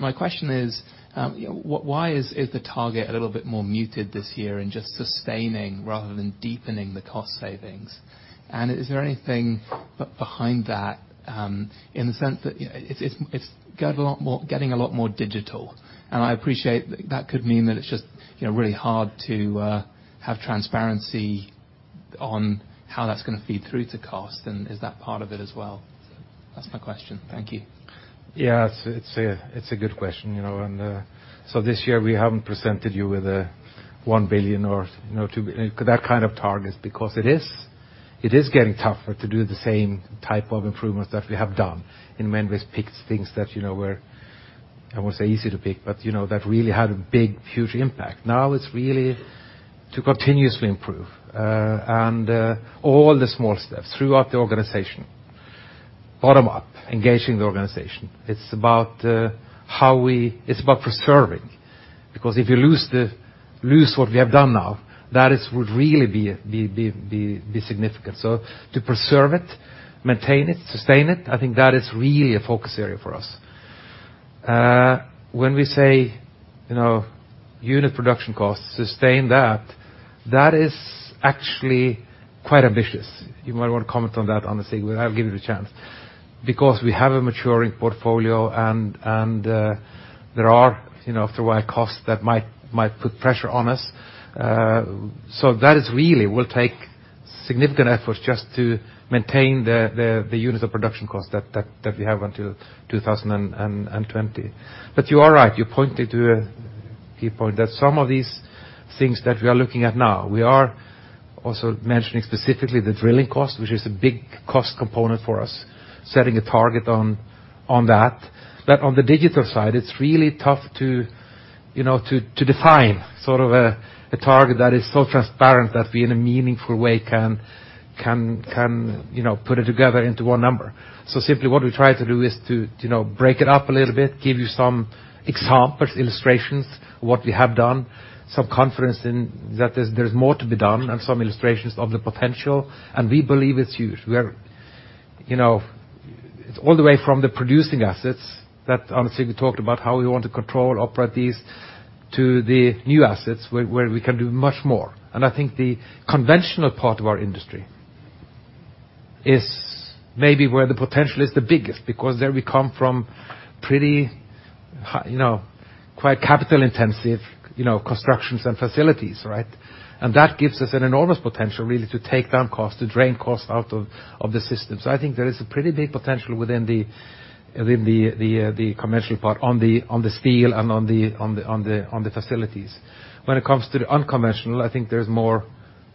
My question is, why is the target a little bit more muted this year in just sustaining rather than deepening the cost savings? Is there anything behind that, in the sense that, you know, it's getting a lot more digital. I appreciate that could mean that it's just, you know, really hard to have transparency on how that's gonna feed through to cost. Is that part of it as well? That's my question. Thank you. Yeah. It's a good question, you know. This year we haven't presented you with $1 billion or, you know, $2 billion that kind of targets because it is getting tougher to do the same type of improvements that we have done, when we've picked things that, you know, were. I won't say easy to pick, but, you know, that really had a big, huge impact. Now it's really to continuously improve and all the small steps throughout the organization, bottom up, engaging the organization. It's about preserving. Because if you lose what we have done now, that would really be significant. To preserve it, maintain it, sustain it, I think that is really a focus area for us. When we say, you know, unit production costs, sustain that is actually quite ambitious. You might wanna comment on that, on the segment. I'll give you the chance. Because we have a maturing portfolio and there are, you know, after a while costs that might put pressure on us. So that really will take significant efforts just to maintain the units of production cost that we have until 2020. You are right. You pointed to a key point that some of these things that we are looking at now, we are also mentioning specifically the drilling cost, which is a big cost component for us, setting a target on that. On the digital side, it's really tough to, you know, to define sort of a target that is so transparent that we in a meaningful way can, you know, put it together into one number. Simply what we try to do is to, you know, break it up a little bit, give you some examples, illustrations of what we have done, some confidence in that there's more to be done, and some illustrations of the potential, and we believe it's huge. We are, you know. It's all the way from the producing assets that honestly we talked about how we want to control, operate these to the new assets where we can do much more. I think the conventional part of our industry is maybe where the potential is the biggest because there we come from pretty high, you know, quite capital-intensive, you know, constructions and facilities, right? That gives us an enormous potential really to take down cost, to drain cost out of the system. I think there is a pretty big potential within the conventional part on the steel and on the facilities. When it comes to the unconventional, I think there's more.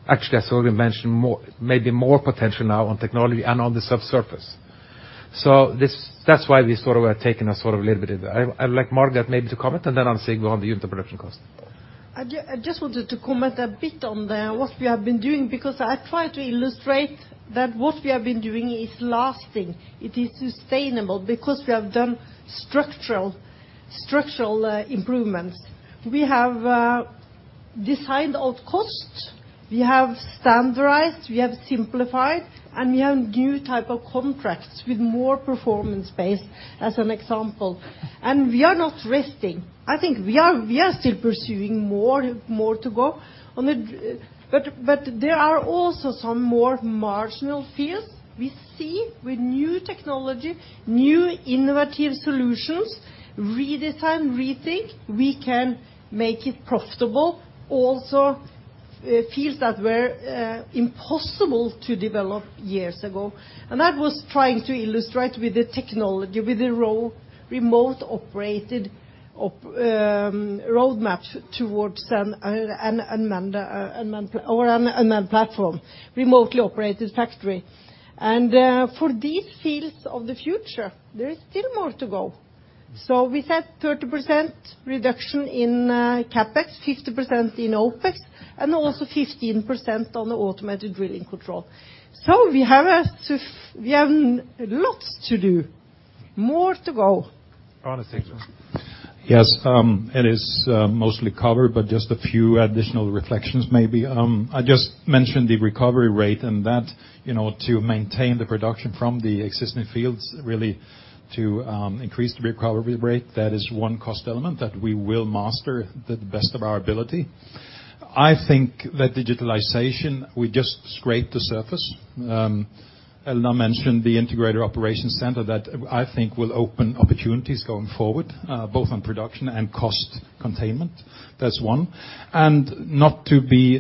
Actually, as Olav mentioned, more, maybe more potential now on technology and on the subsurface. This, that's why we sort of are taking a sort of little bit of that. I'd like Margareth Øvrum maybe to comment, and then Arne Sigve will handle the unit production cost. I just wanted to comment a bit on what we have been doing because I tried to illustrate that what we have been doing is lasting. It is sustainable because we have done structural improvements. We have designed out cost. We have standardized, we have simplified, and we have new type of contracts with more performance-based, as an example. We are not resting. I think we are still pursuing more to go on the. There are also some more marginal fields we see with new technology, new innovative solutions, redesign, rethink, we can make it profitable, also fields that were impossible to develop years ago. That was trying to illustrate with the technology, with the remote operated roadmaps towards an unmanned platform or remotely operated factory. For these fields of the future, there is still more to go. We said 30% reduction in CapEx, 50% in OpEx, and also 15% on the automated drilling control. We have lots to do, more to go. Arne Sigve. Yes, it is mostly covered, but just a few additional reflections maybe. I just mentioned the recovery rate and that, you know, to maintain the production from the existing fields really to increase the recovery rate, that is one cost element that we will master to the best of our ability. I think that digitalization, we just scratched the surface. Eldar mentioned the integrated operations center that I think will open opportunities going forward, both on production and cost containment. That's one. And not to be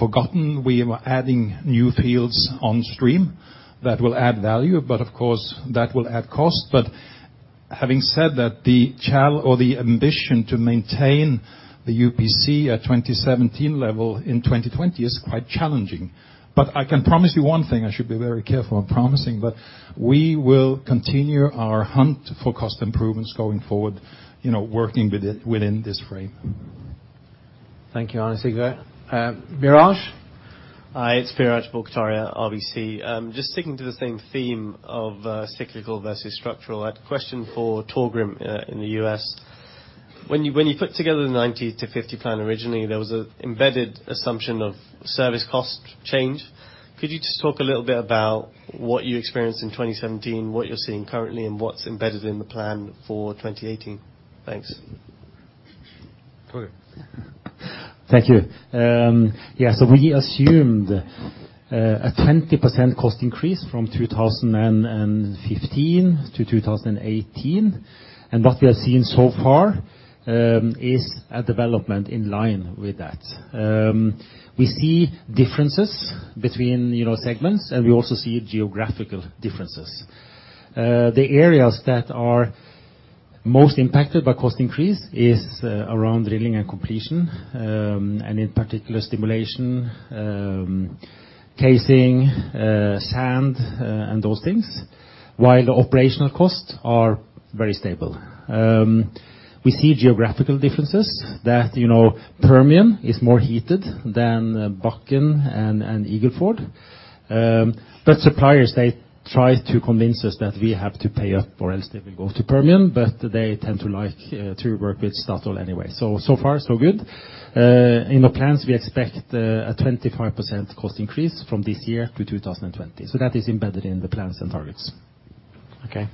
forgotten, we are adding new fields on stream that will add value, but of course that will add cost. But having said that, or the ambition to maintain the UPC at 2017 level in 2020 is quite challenging. I can promise you one thing, I should be very careful on promising, but we will continue our hunt for cost improvements going forward, you know, working within this frame. Thank you, Arne Sigve. Biraj. Hi, it's Biraj Borkhataria, RBC. Just sticking to the same theme of cyclical versus structural, I had a question for Torgrim in the U.S.. When you put together the 90-50 plan originally, there was an embedded assumption of service cost change. Could you just talk a little bit about what you experienced in 2017, what you're seeing currently, and what's embedded in the plan for 2018? Thanks. Torgrim. Thank you. We assumed a 20% cost increase from 2015 to 2018. What we are seeing so far is a development in line with that. We see differences between, you know, segments, and we also see geographical differences. The areas that are most impacted by cost increase is around drilling and completion, and in particular stimulation, casing, sand, and those things, while the operational costs are very stable. We see geographical differences that, you know, Permian is more heated than Bakken and Eagle Ford. But suppliers, they try to convince us that we have to pay up or else they will go to Permian, but they tend to like to work with Statoil anyway. So, so far, so good. In our plans, we expect a 25% cost increase from this year to 2020. That is embedded in the plans and targets. Okay.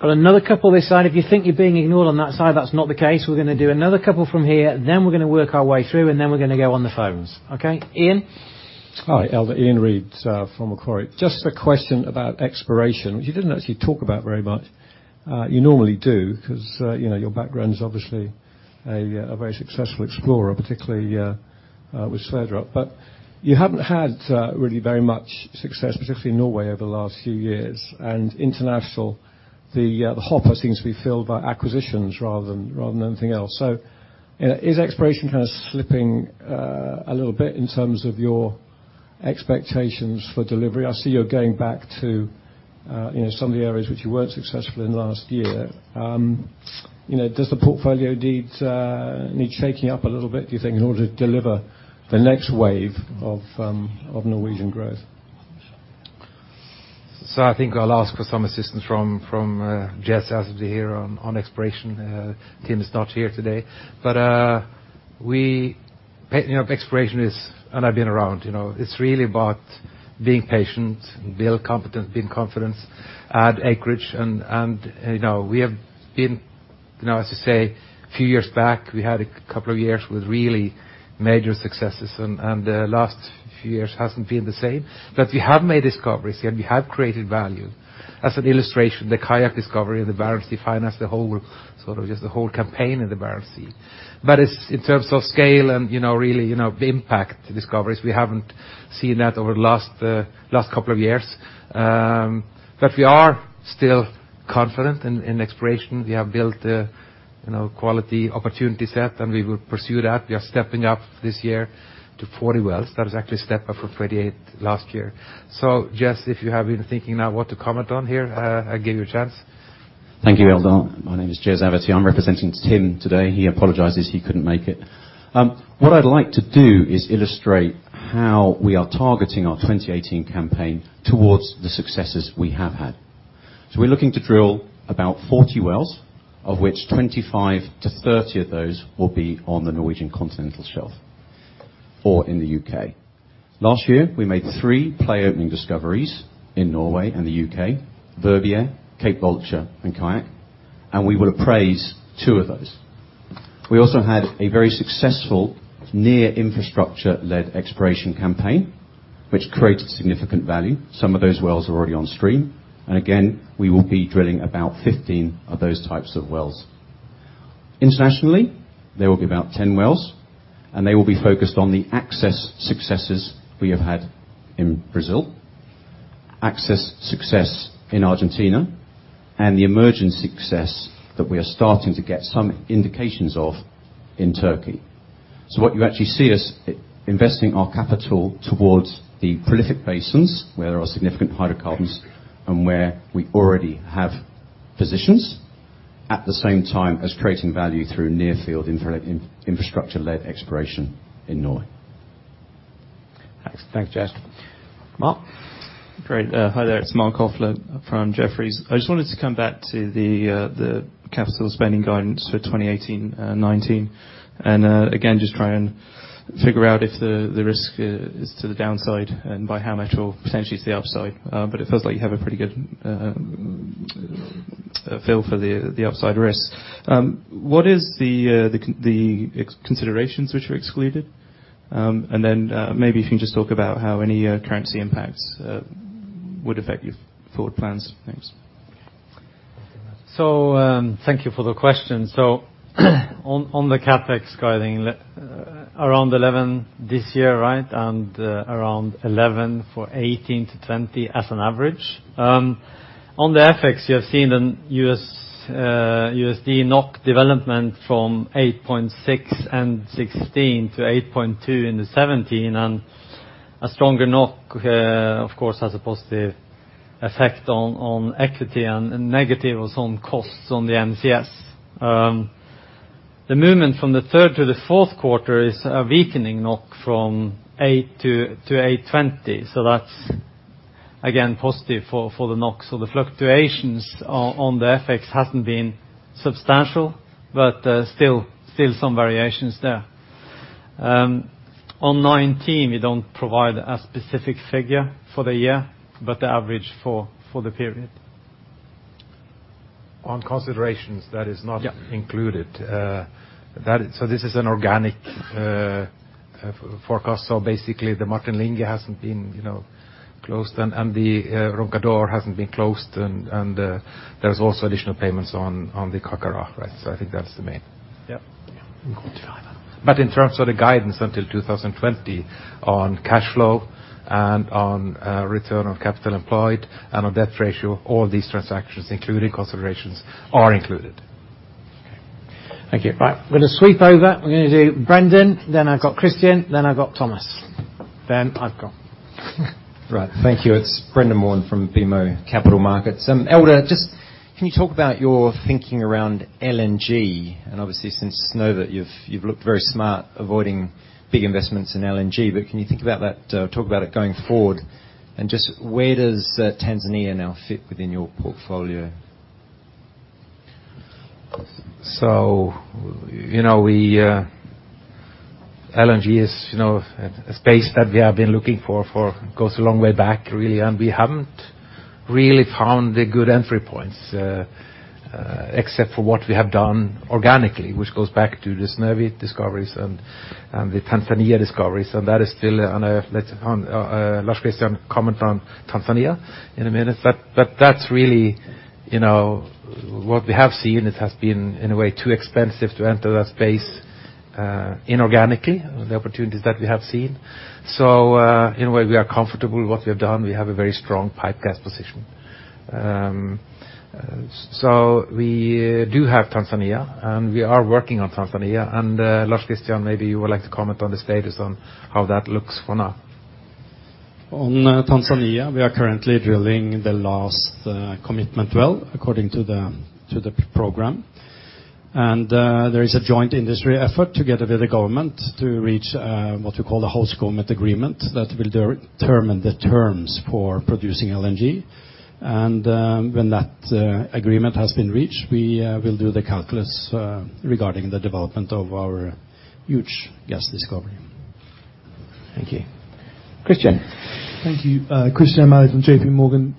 Got another couple this side. If you think you're being ignored on that side, that's not the case. We're gonna do another couple from here, then we're gonna work our way through, and then we're gonna go on the phones. Okay. Iain. Hi, Eldar. Iain Reid from Macquarie. Just a question about exploration, which you didn't actually talk about very much. You normally do, 'cause you know, your background is obviously a very successful explorer, particularly with Sverdrup. You haven't had really very much success, particularly in Norway, over the last few years. International, the hopper seems to be filled by acquisitions rather than anything else. You know, is exploration kind of slipping a little bit in terms of your expectations for delivery? I see you're going back to you know, some of the areas which you weren't successful in the last year. You know, does the portfolio need shaking up a little bit, do you think, in order to deliver the next wave of Norwegian growth? I think I'll ask for some assistance from Jez Averty here on exploration. Tim is not here today. You know, exploration is. I've been around, you know, it's really about being patient and build confidence, add acreage. You know, as I say, a few years back, we had a couple of years with really major successes, and the last few years hasn't been the same. We have made discoveries, and we have created value. As an illustration, the Kayak discovery and the Barents Sea finds, the whole sort of just the whole campaign in the Barents Sea. It's, in terms of scale and, you know, really impact discoveries, we haven't seen that over the last couple of years. We are still confident in exploration. We have built a, you know, quality opportunity set, and we will pursue that. We are stepping up this year to 40 wells. That is actually a step up from 38 last year. Jez, if you have been thinking now what to comment on here, I'll give you a chance. Thank you, Eldar. My name is Jez Averty. I'm representing Tim today. He apologizes he couldn't make it. What I'd like to do is illustrate how we are targeting our 2018 campaign towards the successes we have had. We're looking to drill about 40 wells, of which 25-30 of those will be on the Norwegian Continental Shelf or in the U.K.. Last year, we made 3 play-opening discoveries in Norway and the U.K., Verbier, Cape Vulture and Kayak, and we will appraise 2 of those. We also had a very successful near-infrastructure-led exploration campaign, which created significant value. Some of those wells are already on stream. Again, we will be drilling about 15 of those types of wells. Internationally, there will be about 10 wells, and they will be focused on the asset successes we have had in Brazil, asset success in Argentina, and the emerging success that we are starting to get some indications of in Turkey. What you actually see is investing our capital towards the prolific basins, where there are significant hydrocarbons and where we already have positions, at the same time as creating value through near field infrastructure-led exploration in Norway. Thanks. Thanks, Jez. Marc? Great. Hi there. It's Marc Kofler from Jefferies. I just wanted to come back to the capital spending guidance for 2018 and 2019, and again, just try and figure out if the risk is to the downside and by how much or potentially to the upside. It feels like you have a pretty good feel for the upside risks. What are the considerations which are excluded? Then, maybe if you can just talk about how any currency impacts would affect your forward plans. Thanks. Thank you for the question. On the CapEx guiding, around $11 this year, right? Around $11 for 2018-2020 as an average. On the FX, you have seen a USD/NOK development from 8.6 in 2016 to 8.2 in 2017. A stronger NOK, of course, has a positive effect on equity and negative on some costs on the NCS. The movement from the third to the fourth quarter is a weakening NOK from 8 to 8.20. That's, again, positive for the NOK. The fluctuations on the FX hasn't been substantial, but still some variations there. On 2019, we don't provide a specific figure for the year, but the average for the period. On considerations, that is not. Yeah... included. That is, this is an organic forecast. Basically, the Martin Linge hasn't been, you know, closed and the Roncador hasn't been closed and there's also additional payments on the Carcará, right? I think that's the main- Yeah. In terms of the guidance until 2020 on cash flow and on return on capital employed and on debt ratio, all these transactions, including considerations, are included. Okay. Thank you. Right. We're gonna sweep over. We're gonna do Brendan, then I've got Christyan, then I've got Thomas. Then I've got. Right. Thank you. It's Brendan Warn from BMO Capital Markets. Eldar, just can you talk about your thinking around LNG? And obviously since Snøhvit, you've looked very smart avoiding big investments in LNG. But can you think about that, talk about it going forward? And just where does Tanzania now fit within your portfolio? You know, LNG is a space that we have been looking for for a long way back, really, and we haven't really found the good entry points except for what we have done organically, which goes back to the Snøhvit discoveries and the Tanzania discoveries. That is still on hold. Let's have Lars Christian comment on Tanzania in a minute. But that's really what we have seen. It has been, in a way, too expensive to enter that space inorganically, the opportunities that we have seen. In a way, we are comfortable with what we have done. We have a very strong pipe gas position. We do have Tanzania, and we are working on Tanzania. Lars Christian, maybe you would like to comment on the status on how that looks for now. On Tanzania, we are currently drilling the last commitment well according to the program. There is a joint industry effort together with the government to reach what we call the host government agreement that will determine the terms for producing LNG. When that agreement has been reached, we will do the calculus regarding the development of our huge gas discovery. Thank you, Christyan. Thank you. Christyan Malek from JPMorgan.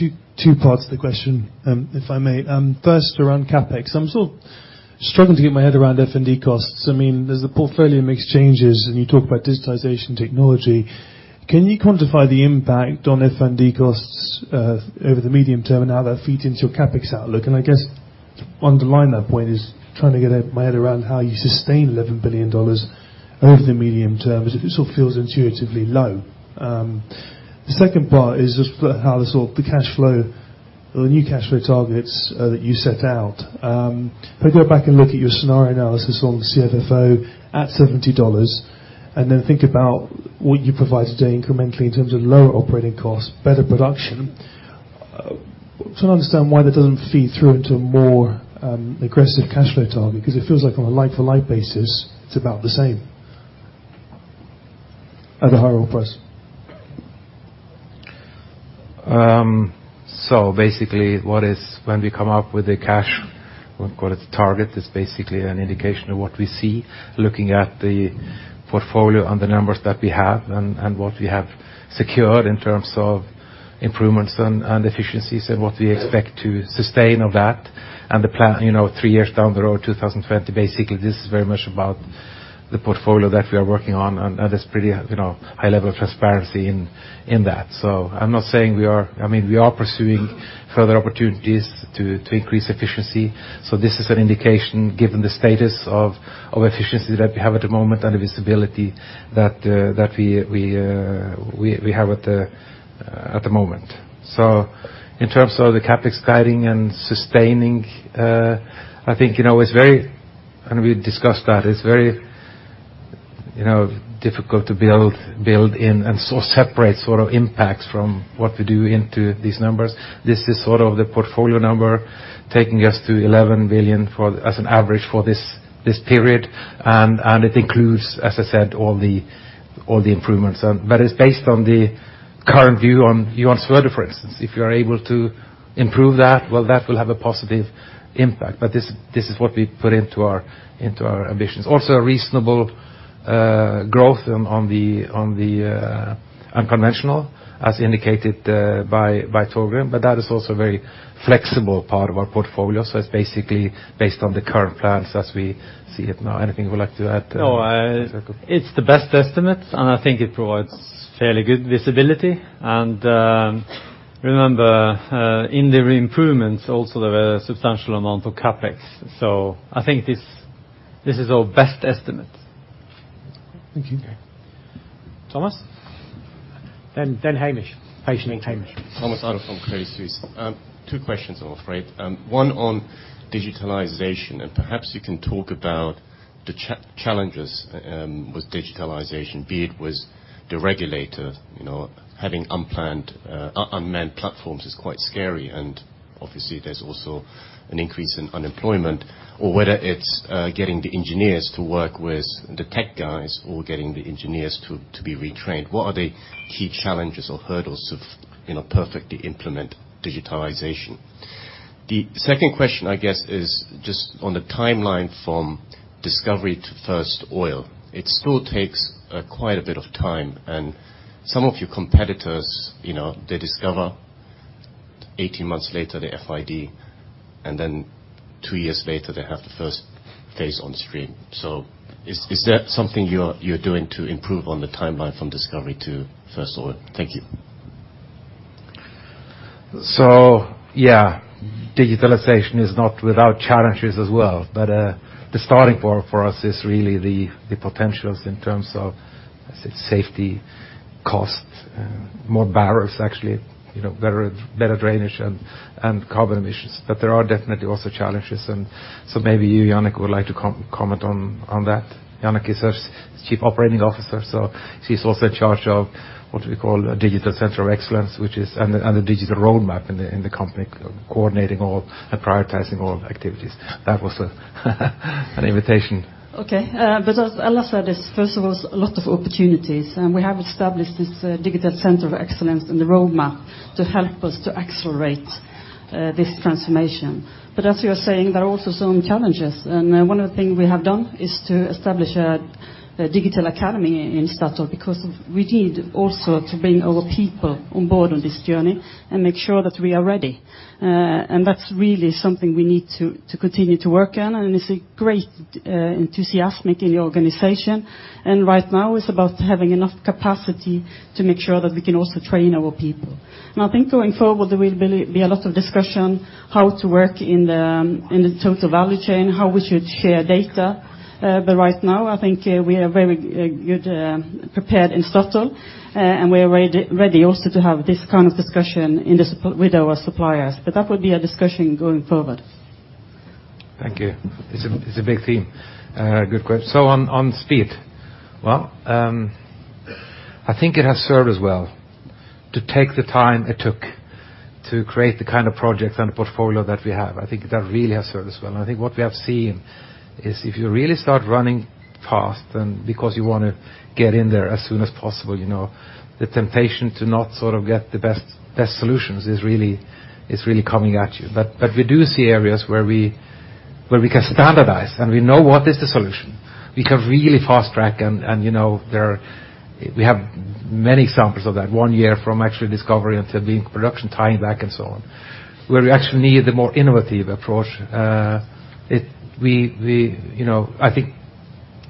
Two parts to the question, if I may. First, around CapEx. I'm sort of struggling to get my head around F&D costs. I mean, as the portfolio makes changes, and you talk about digitization technology, can you quantify the impact on F&D costs over the medium term and how that feeds into your CapEx outlook? I guess underlying that point is trying to get my head around how you sustain $11 billion over the medium term. It sort of feels intuitively low. The second part is just how the sort of the cash flow or the new cash flow targets that you set out. If I go back and look at your scenario analysis on CFFO at $70 and then think about what you provide today incrementally in terms of lower operating costs, better production, trying to understand why that doesn't feed through into a more aggressive cash flow target. Because it feels like on a like-for-like basis, it's about the same at a higher oil price. Basically, when we come up with a cash, we'll call it target, it's basically an indication of what we see looking at the portfolio and the numbers that we have and what we have secured in terms of improvements and efficiencies and what we expect to sustain of that. The plan, you know, three years down the road, 2020, basically this is very much about the portfolio that we are working on. There's pretty, you know, high level of transparency in that. I'm not saying we are. I mean, we are pursuing further opportunities to increase efficiency. This is an indication, given the status of efficiency that we have at the moment and the visibility that we have at the moment. In terms of the CapEx guiding and sustaining, I think, you know, it's very, and we discussed that, it's very, you know, difficult to build in and sort of separate sort of impacts from what we do into these numbers. This is sort of the portfolio number taking us to $11 billion, as an average for this period. It includes, as I said, all the improvements. It's based on the current view on Johan Sverdrup, for instance. If you are able to improve that, well, that will have a positive impact. This is what we put into our ambitions. Also a reasonable growth on the unconventional, as indicated by Torgrim. That is also a very flexible part of our portfolio. It's basically based on the current plans as we see it now. Anything you would like to add, Torgrim? No, it's the best estimate, and I think it provides fairly good visibility. Remember, in the improvements also there were a substantial amount of CapEx. I think this is our best estimate. Thank you. Thomas? Hamish. Patience, Hamish. Thomas Adolff from Credit Suisse. Two questions, I'm afraid. One on digitalization, and perhaps you can talk about the challenges with digitalization, be it with the regulator, you know, having unmanned platforms is quite scary. Obviously, there's also an increase in unemployment. Or whether it's getting the engineers to work with the tech guys or getting the engineers to be retrained. What are the key challenges or hurdles of, you know, perfectly implement digitalization? The second question, I guess, is just on the timeline from discovery to first oil. It still takes quite a bit of time. Some of your competitors, you know, they discover 18 months later the FID, and then two years later they have the first phase on stream. So is that something you're doing to improve on the timeline from discovery to first oil? Thank you. Yeah, digitalization is not without challenges as well. The starting point for us is really the potentials in terms of, I said safety, cost, more barrels actually, you know, better drainage and carbon emissions. There are definitely also challenges. Maybe you, Jannicke, would like to comment on that. Jannicke is our Chief Operating Officer, so she's also in charge of what we call a digital center of excellence, which is and the digital roadmap in the company coordinating all and prioritizing all activities. That was an invitation. Okay. As Ola said, there's first of all a lot of opportunities, and we have established this digital center of excellence and the roadmap to help us to accelerate. This transformation. As you are saying, there are also some challenges. One of the things we have done is to establish a digital academy in Statoil because we need also to bring our people on board on this journey and make sure that we are ready. That's really something we need to continue to work on, and it's a great enthusiasm in the organization. Right now, it's about having enough capacity to make sure that we can also train our people. I think going forward, there will be a lot of discussion how to work in the total value chain, how we should share data. Right now I think we are very good prepared in Statoil and we are ready also to have this kind of discussion with our suppliers. That would be a discussion going forward. Thank you. It's a big theme. Good question on speed. Well, I think it has served us well to take the time it took to create the kind of projects and the portfolio that we have. I think that really has served us well. I think what we have seen is if you really start running fast and because you wanna get in there as soon as possible, you know, the temptation to not sort of get the best solutions is really coming at you. We do see areas where we can standardize, and we know what is the solution. We can really fast track and you know, there, we have many examples of that. One year from actual discovery until being production, tying back and so on. Where we actually need the more innovative approach, you know, I think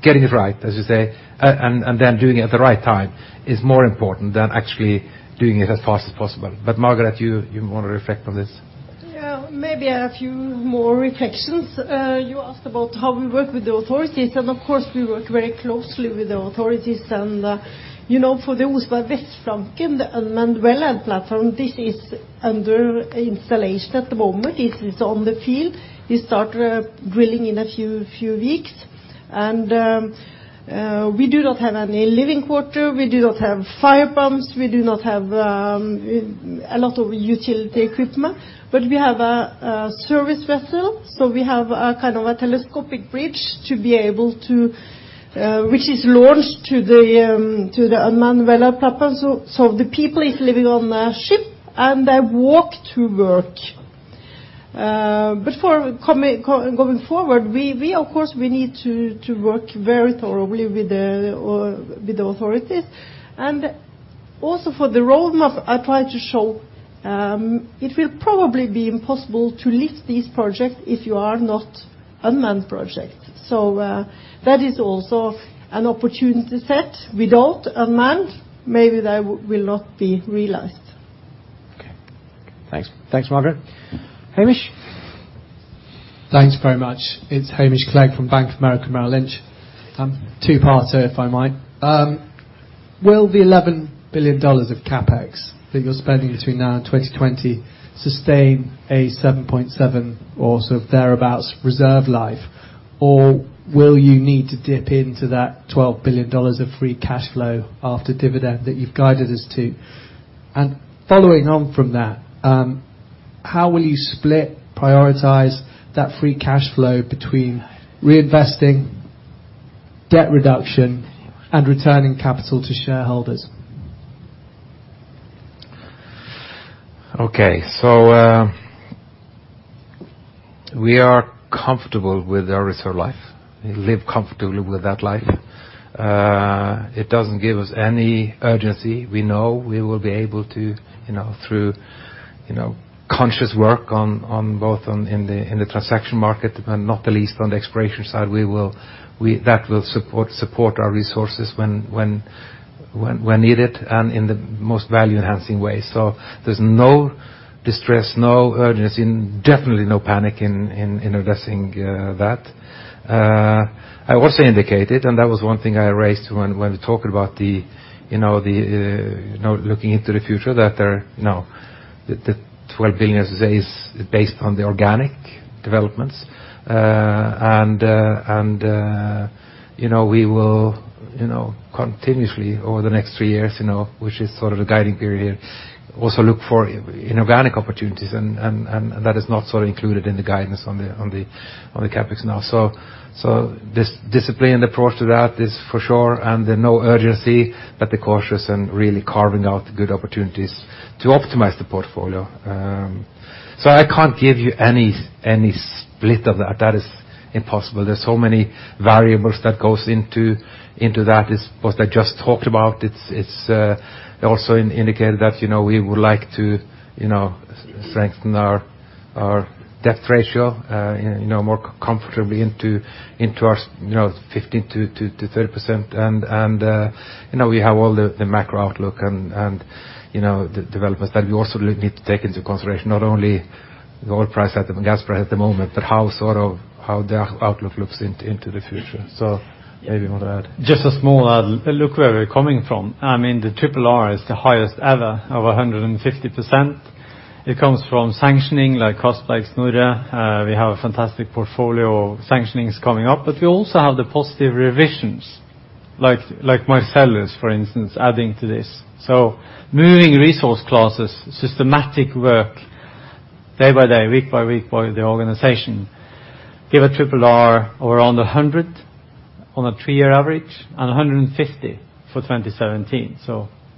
getting it right, as you say, and then doing it at the right time is more important than actually doing it as fast as possible. Margareth, you wanna reflect on this? Yeah. Maybe a few more reflections. You asked about how we work with the authorities, of course we work very closely with the authorities. You know, for the Oseberg Vestflanken unmanned wellhead platform, this is under installation at the moment. It's on the field. We start drilling in a few weeks. We do not have any living quarters, we do not have fire pumps, we do not have a lot of utility equipment, but we have a service vessel, so we have a kind of a telescopic bridge to be able to, which is launched to the unmanned wellhead platform. The people is living on the ship and they walk to work. For going forward, we of course need to work very thoroughly with the authorities. Also for the roadmap I tried to show, it will probably be impossible to lift these projects if you are not unmanned project. That is also an opportunity set. Without unmanned, maybe they will not be realized. Okay. Thanks. Thanks, Margareth. Hamish? Thanks very much. It's Hamish Clegg from Bank of America Merrill Lynch. Two parts here, if I might. Will the $11 billion of CapEx that you're spending between now and 2020 sustain a 7.7 or so thereabouts reserve life, or will you need to dip into that $12 billion of free cash flow after dividend that you've guided us to? Following on from that, how will you split, prioritize that free cash flow between reinvesting, debt reduction, and returning capital to shareholders? Okay. We are comfortable with our reserve life. We live comfortably with that life. It doesn't give us any urgency. We know we will be able to you know through you know conscious work on both in the transaction market and not the least on the exploration side that will support our resources when needed and in the most value-enhancing way. There's no distress, no urgency, and definitely no panic in addressing that. I also indicated and that was one thing I raised when we talked about the you know looking into the future that there you know the $12 billion as I say is based on the organic developments. You know, we will continuously over the next three years, you know, which is sort of the guiding period here, also look for inorganic opportunities and that is not sort of included in the guidance on the CapEx now. This disciplined approach to that is for sure and there's no urgency, but be cautious and really carving out good opportunities to optimize the portfolio. I can't give you any split of that. That is impossible. There's so many variables that goes into that. It's what I just talked about. It's also indicated that, you know, we would like to, you know, strengthen our debt ratio, you know, more comfortably into our 15%-30%. You know, we have all the macro outlook and you know, the developments that we also need to take into consideration, not only the oil price and gas price at the moment, but sort of how the outlook looks into the future. Maybe you want to add. Just a small add. Look where we're coming from. I mean, the RRR is the highest ever, over 150%. It comes from sanctioning like Johan Castberg, Snorre. We have a fantastic portfolio of sanctionings coming up. But we also have the positive revisions like Marcellus, for instance, adding to this. Moving resource classes, systematic work day by day, week by week by the organization. Give an RRR around 100 on a three-year average and 150 for 2017.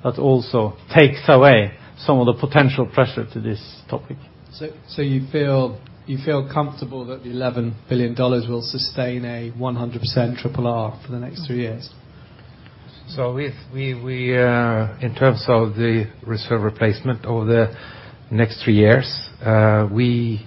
That also takes away some of the potential pressure to this topic. You feel comfortable that the $11 billion will sustain a 100% triple R for the next three years? If we in terms of the reserve replacement over the next three years, we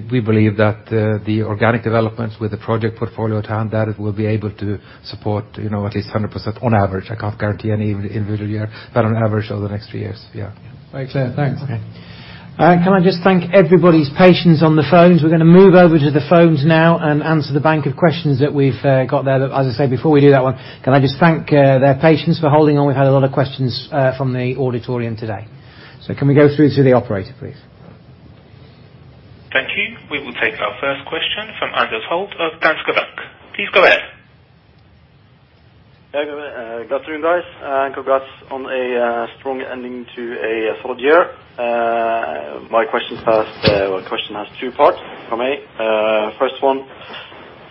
believe that the organic developments with the project portfolio at hand that it will be able to support, you know, at least 100% on average. I can't guarantee any individual year, but on average over the next three years. Yeah. Very clear. Thanks. Okay. Can I just thank everybody's patience on the phones? We're gonna move over to the phones now and answer the bank of questions that we've got there. As I say, before we do that one, can I just thank their patience for holding on. We've had a lot of questions from the auditorium today. Can we go through to the operator, please? Thank you. We will take our first question from Anders Holte of Danske Bank. Please go ahead. Yeah. Good afternoon, guys, and congrats on a strong ending to a solid year. My question's first, well question has two parts for me. First one,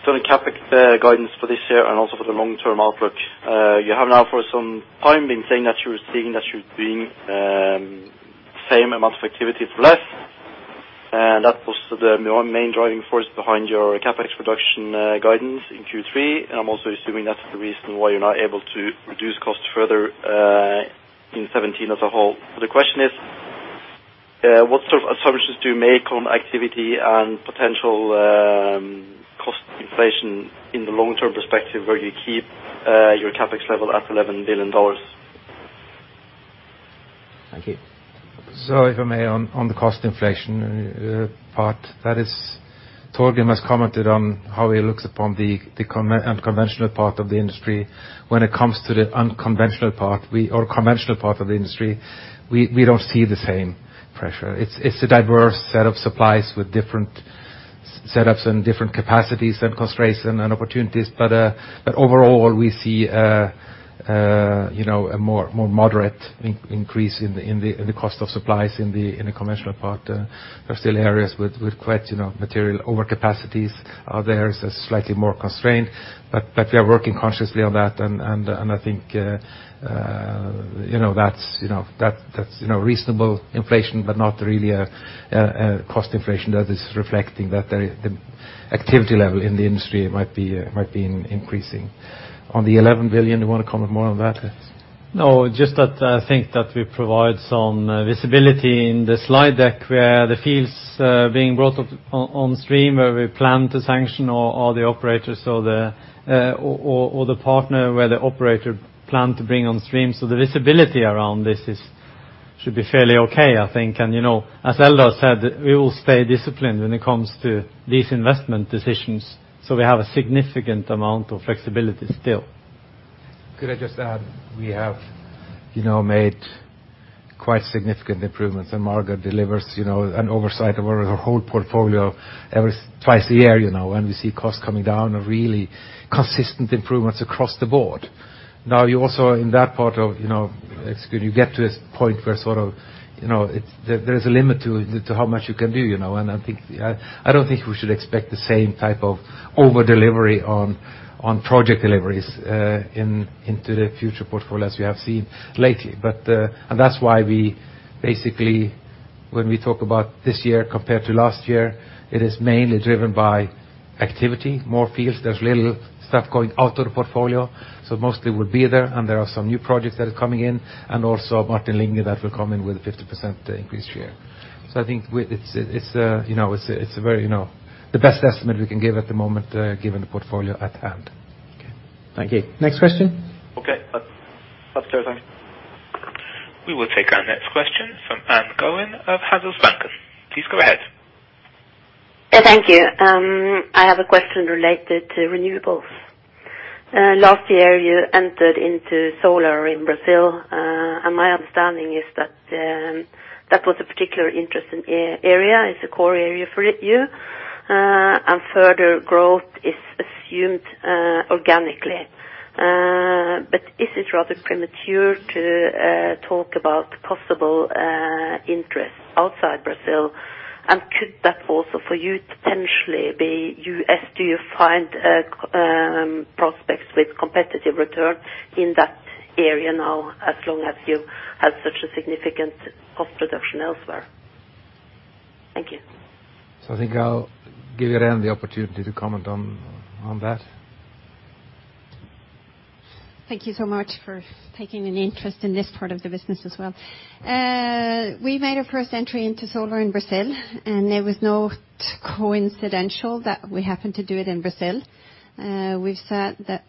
sort of CapEx guidance for this year and also for the long-term outlook. You have now for some time been saying that you're seeing that you're doing same amount of activity for less. That was the main driving force behind your CapEx reduction guidance in Q3. I'm also assuming that's the reason why you're not able to reduce costs further in 2017 as a whole. The question is, what sort of assumptions do you make on activity and potential cost inflation in the long-term perspective where you keep your CapEx level at $11 billion? Thank you. If I may, on the cost inflation part, that is, Torgrim has commented on how he looks upon the unconventional part of the industry. When it comes to the unconventional part, or conventional part of the industry, we don't see the same pressure. It's a diverse set of supplies with different setups and different capacities and constraints and opportunities. Overall we see, you know, a more moderate increase in the cost of supplies in the conventional part. There are still areas with quite, you know, material overcapacities. There is a slightly more constrained, but we are working consciously on that. I think, you know, that's reasonable inflation but not really a cost inflation that is reflecting that the activity level in the industry might be increasing. On the $11 billion, you wanna comment more on that? No, just that I think that we provide some visibility in the slide deck where the fields being brought up on stream, where we plan to sanction or the operators or the partner where the operator plan to bring on stream. The visibility around this should be fairly okay, I think. You know, as Eldar said, we will stay disciplined when it comes to these investment decisions. We have a significant amount of flexibility still. Could I just add, we have, you know, made quite significant improvements, and Margareth Øvrum delivers, you know, an oversight of our whole portfolio every two years, you know. We see costs coming down and really consistent improvements across the board. Now, you also, in that part of, you know, it's when you get to a point where sort of, you know, there is a limit to how much you can do, you know. I think I don't think we should expect the same type of over-delivery on project deliveries into the future portfolio as we have seen lately. That's why we basically, when we talk about this year compared to last year, it is mainly driven by activity, more fields. There's little stuff going out of the portfolio. Mostly we'll be there and there are some new projects that are coming in, and also Martin Linge that will come in with a 50% increase share. I think it's a very, you know, the best estimate we can give at the moment, given the portfolio at hand. Okay. Thank you. Next question? Okay. That's clear. Thanks. We will take our next question from Anne Gjøen of Handelsbanken. Please go ahead. Yeah. Thank you. I have a question related to renewables. Last year you entered into solar in Brazil, and my understanding is that that was a particularly interesting area. It's a core area for you, and further growth is assumed organically. But is it rather premature to talk about possible interest outside Brazil? And could that also for you potentially be or do you find prospects with competitive returns in that area now, as long as you have such a significant cost reduction elsewhere? Thank you. I think I'll give Irene the opportunity to comment on that. Thank you so much for taking an interest in this part of the business as well. We made our first entry into solar in Brazil, and it was not coincidental that we happened to do it in Brazil. We've said that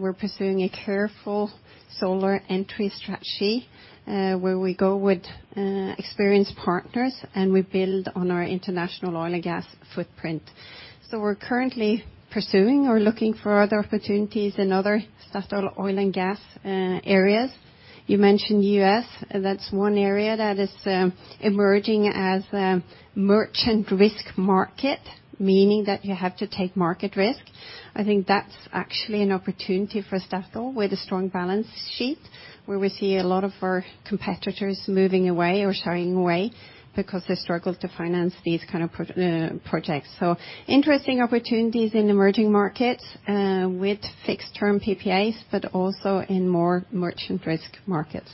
we're pursuing a careful solar entry strategy, where we go with experienced partners and we build on our international oil and gas footprint. We're currently pursuing or looking for other opportunities in other Statoil oil and gas areas. You mentioned U.S., that's one area that is emerging as a merchant risk market, meaning that you have to take market risk. I think that's actually an opportunity for Statoil with a strong balance sheet, where we see a lot of our competitors moving away or shying away because they struggled to finance these kind of projects. Interesting opportunities in emerging markets with fixed-term PPAs but also in more merchant risk markets.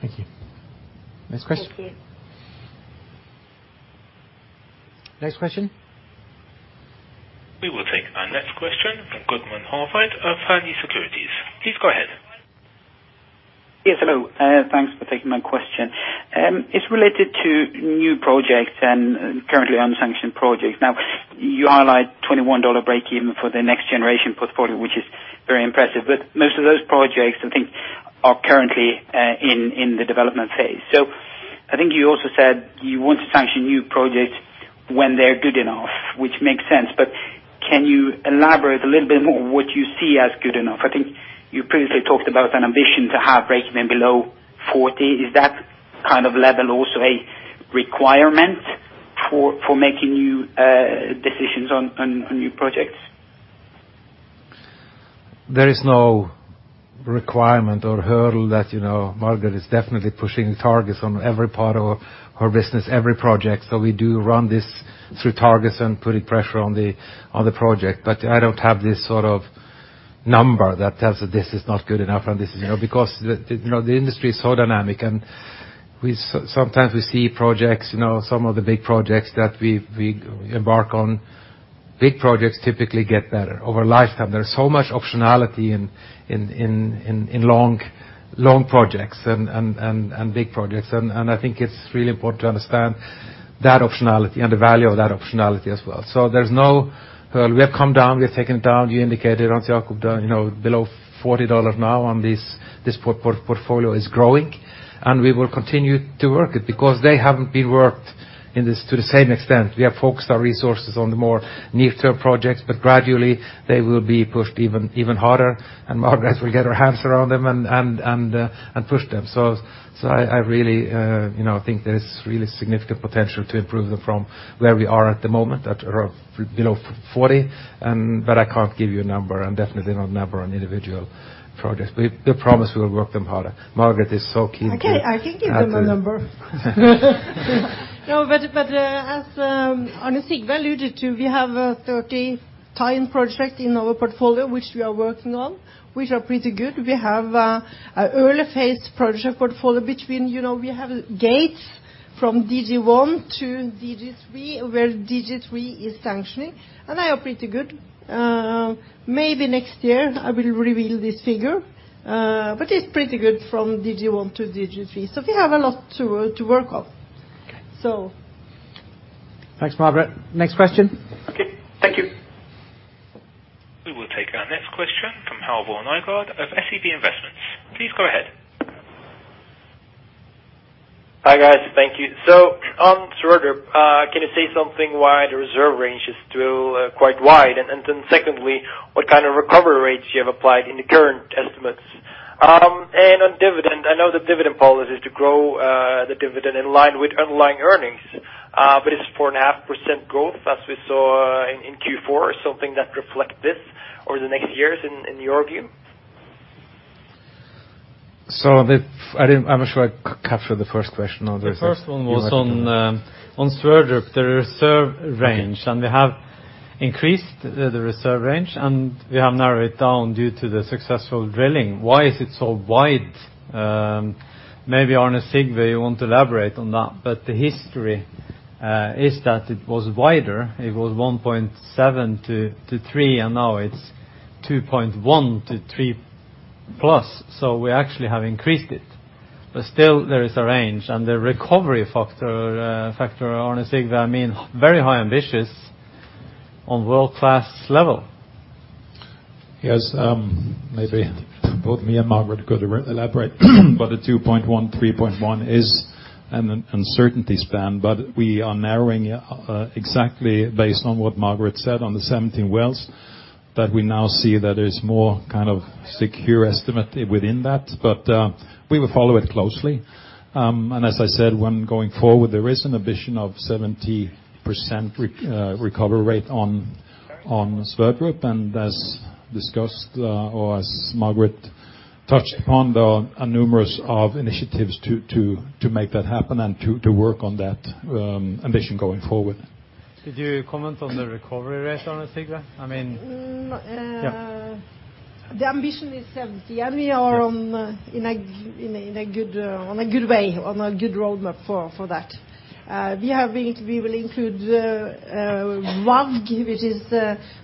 Thank you. Next question. Thank you. Next question. We will take our next question from Gudmund Hartveit of Fearnley Securities. Please go ahead. Yes, hello. Thanks for taking my question. It's related to new projects and currently unsanctioned projects. Now, you highlight $21 break-even for the next generation portfolio, which is very impressive. Most of those projects I think are currently in the development phase. I think you also said you want to sanction new projects when they're good enough, which makes sense. Can you elaborate a little bit more what you see as good enough? I think you previously talked about an ambition to have breakeven below $40. Is that kind of level also a requirement for making new decisions on new projects? There is no requirement or hurdle that, you know, Margareth Øvrum is definitely pushing targets on every part of our business, every project. We do run this through targets and putting pressure on the project. I don't have this sort of number that tells that this is not good enough and this is. You know, because the industry is so dynamic, and we sometimes see projects, you know, some of the big projects that we embark on. Big projects typically get better over lifetime. There's so much optionality in long projects and big projects. I think it's really important to understand that optionality and the value of that optionality as well. There's no hurdle. We have come down, we have taken it down. You indicated, Hans Jacob, down you know below $40 now, and this portfolio is growing, and we will continue to work it because they haven't been worked on to the same extent. We have focused our resources on the more near-term projects, but gradually, they will be pushed even harder. Margareth Øvrum will get her hands around them and push them. I really you know think there's really significant potential to improve them from where we are at the moment at or below $40. I can't give you a number and definitely not a number on individual projects. We promise we will work them harder. Margareth Øvrum is so keen to- Okay, I can give them a number. No, but as Arne Sigve alluded to, we have a 30-times project in our portfolio which we are working on, which are pretty good. We have an early phase project portfolio. We have gates from DG1 to DG3, where DG3 is sanctioning, and they are pretty good. Maybe next year, I will reveal this figure. It's pretty good from DG1 to DG3. We have a lot to work on. Thanks, Margareth. Next question. Okay, thank you. We will take our next question from Halvor Nygård of SEB. Please go ahead. Hi, guys. Thank you. On Sverdrup, can you say something why the reserve range is still quite wide? And then secondly, what kind of recovery rates you have applied in the current estimates? And on dividend, I know the dividend policy is to grow the dividend in line with underlying earnings. But it's 4.5% growth as we saw in Q4. Is something that reflect this over the next years in your view? I'm not sure I captured the first question on this. The first one was on Sverdrup, the reserve range. We have increased the reserve range, and we have narrowed it down due to the successful drilling. Why is it so wide? Maybe Arne Sigve want to elaborate on that. The history is that it was wider. It was 1.7-3, and now it's 2.1-3+. We actually have increased it. Still there is a range. The recovery factor, Arne Sigve, I mean, very high ambitious on world-class level. Yes, maybe both me and Margareth could elaborate. The 2.1-3.1 is an uncertainty span, but we are narrowing exactly based on what Margareth said on the 17 wells that we now see that there's more kind of secure estimate within that. We will follow it closely. As I said, when going forward, there is an ambition of 70% recovery rate on Sverdrup. As discussed, or as Margareth touched upon, the number of initiatives to make that happen and to work on that ambition going forward. Could you comment on the recovery rate, Arne Sigve? Mm, uh- Yeah. The ambition is 70, and we are on a good way, on a good roadmap for that. We will include WAG, which is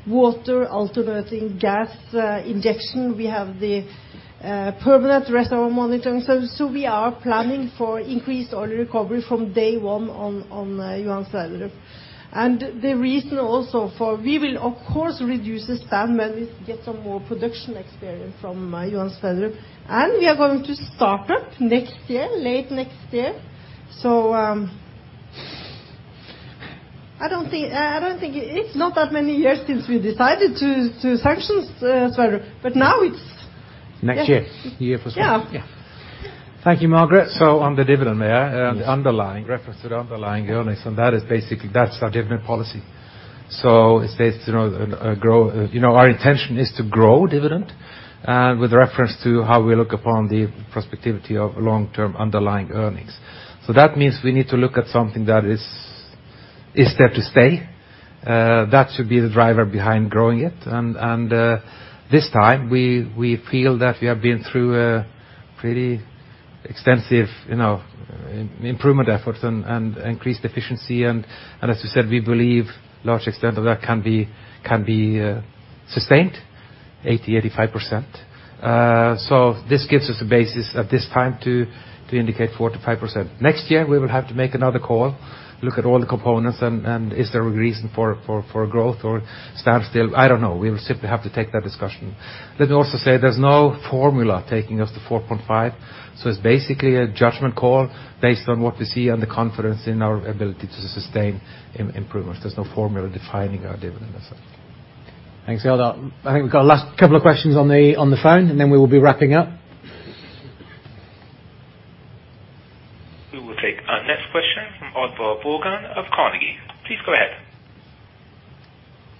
water alternating gas injection. We have the permanent reservoir monitoring. We are planning for increased oil recovery from day one on Johan Sverdrup. The reason also for we will of course reduce the span when we get some more production experience from Johan Sverdrup. We are going to start up next year, late next year. I don't think it's not that many years since we decided to sanction Sverdrup. Now it's Next year. Yeah. Year for. Yeah. Yeah. Thank you, Margareth Øvrum. On the dividend, may I? Yes. The underlying reference to the underlying earnings, and that is basically, that's our dividend policy. It states, you know, grow, you know, our intention is to grow dividend with reference to how we look upon the prospectivity of long-term underlying earnings. That means we need to look at something that is there to stay. That should be the driver behind growing it. This time we feel that we have been through a pretty extensive, you know, improvement efforts and increased efficiency. As you said, we believe large extent of that can be sustained 85%. This gives us the basis at this time to indicate 4%-5%. Next year, we will have to make another call, look at all the components, and is there a reason for growth or stand still? I don't know. We will simply have to take that discussion. Let me also say there's no formula taking us to 4.5. It's basically a judgment call based on what we see and the confidence in our ability to sustain improvements. There's no formula defining our dividend, that's all. Thanks, Eldar. I think we've got a last couple of questions on the phone, and then we will be wrapping up. We will take our next question from Oddvar Bjørgan of Carnegie. Please go ahead.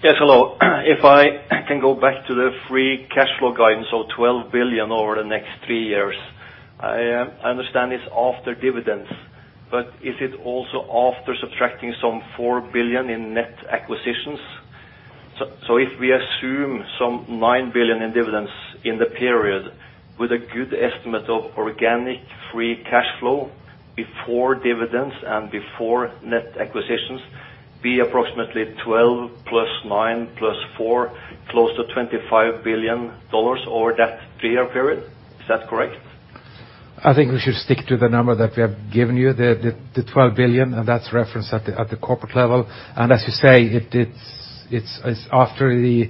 Yes, hello. If I can go back to the free cash flow guidance of $12 billion over the next three years, I understand it's after dividends, but is it also after subtracting some $4 billion in net acquisitions? If we assume some $9 billion in dividends in the period with a good estimate of organic free cash flow before dividends and before net acquisitions be approximately $12 billion + $9 billion + $4 billion close to $25 billion over that three-year period, is that correct? I think we should stick to the number that we have given you, the $12 billion, and that's referenced at the corporate level. As you say, it's after the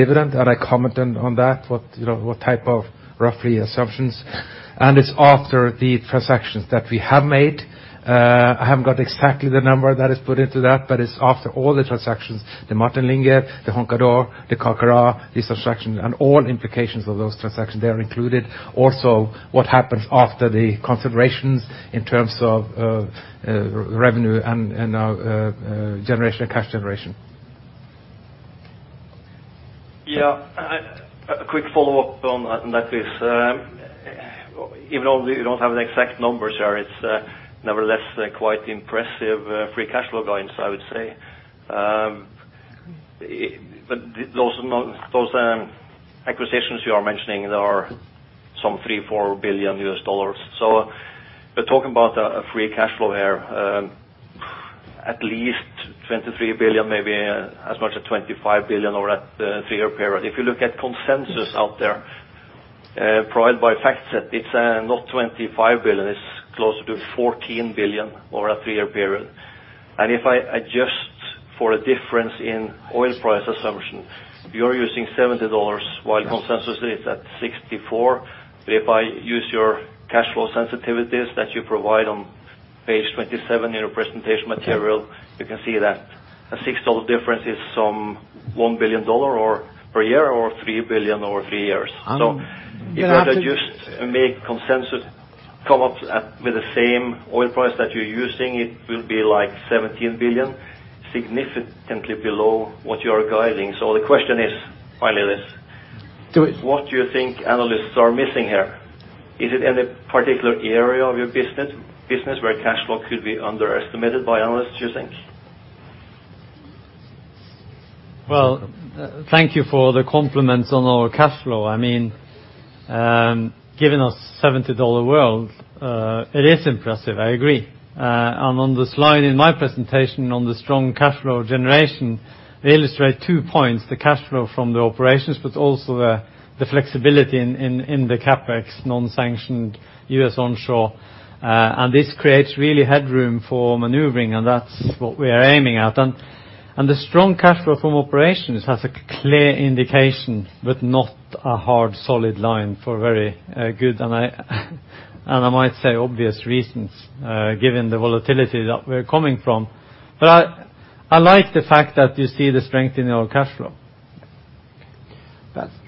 dividend, and I commented on that, what you know, what type of rough assumptions. It's after the transactions that we have made. I haven't got exactly the number that is put into that, but it's after all the transactions, the Martin Linge, the Roncador, the Carcará, these transactions, and all implications of those transactions, they are included. Also, what happens after the considerations in terms of revenue and cash generation. A quick follow-up on that is, even though we don't have an exact number, Sir, it's nevertheless quite impressive free cash flow guidance, I would say. But those acquisitions you are mentioning are some $3-4 billion. So we're talking about a free cash flow here, at least $23 billion, maybe as much as $25 billion over a three-year period. If you look at consensus out there, provided by FactSet, it's not $25 billion, it's closer to $14 billion over a three-year period. If I adjust for a difference in oil price assumption, you're using $70, while consensus is at $64. If I use your cash flow sensitivities that you provide on page 27 in your presentation material, you can see that a $6 difference is some $1 billion or per year or $3 billion over three years. Yeah. If I adjust and make consensus come up at, with the same oil price that you're using, it will be like $17 billion, significantly below what you are guiding. The question is, finally is- Do it. What do you think analysts are missing here? Is it any particular area of your business where cash flow could be underestimated by analysts, do you think? Well, thank you for the compliments on our cash flow. I mean, given a $70 world, it is impressive, I agree. On the slide in my presentation on the strong cash flow generation, we illustrate two points, the cash flow from the operations, but also the flexibility in the CapEx non-sanctioned U.S. onshore. This creates really headroom for maneuvering, and that's what we are aiming at. The strong cash flow from operations has a clear indication, but not a hard solid line for very good, and I might say obvious reasons, given the volatility that we're coming from. I like the fact that you see the strength in our cash flow.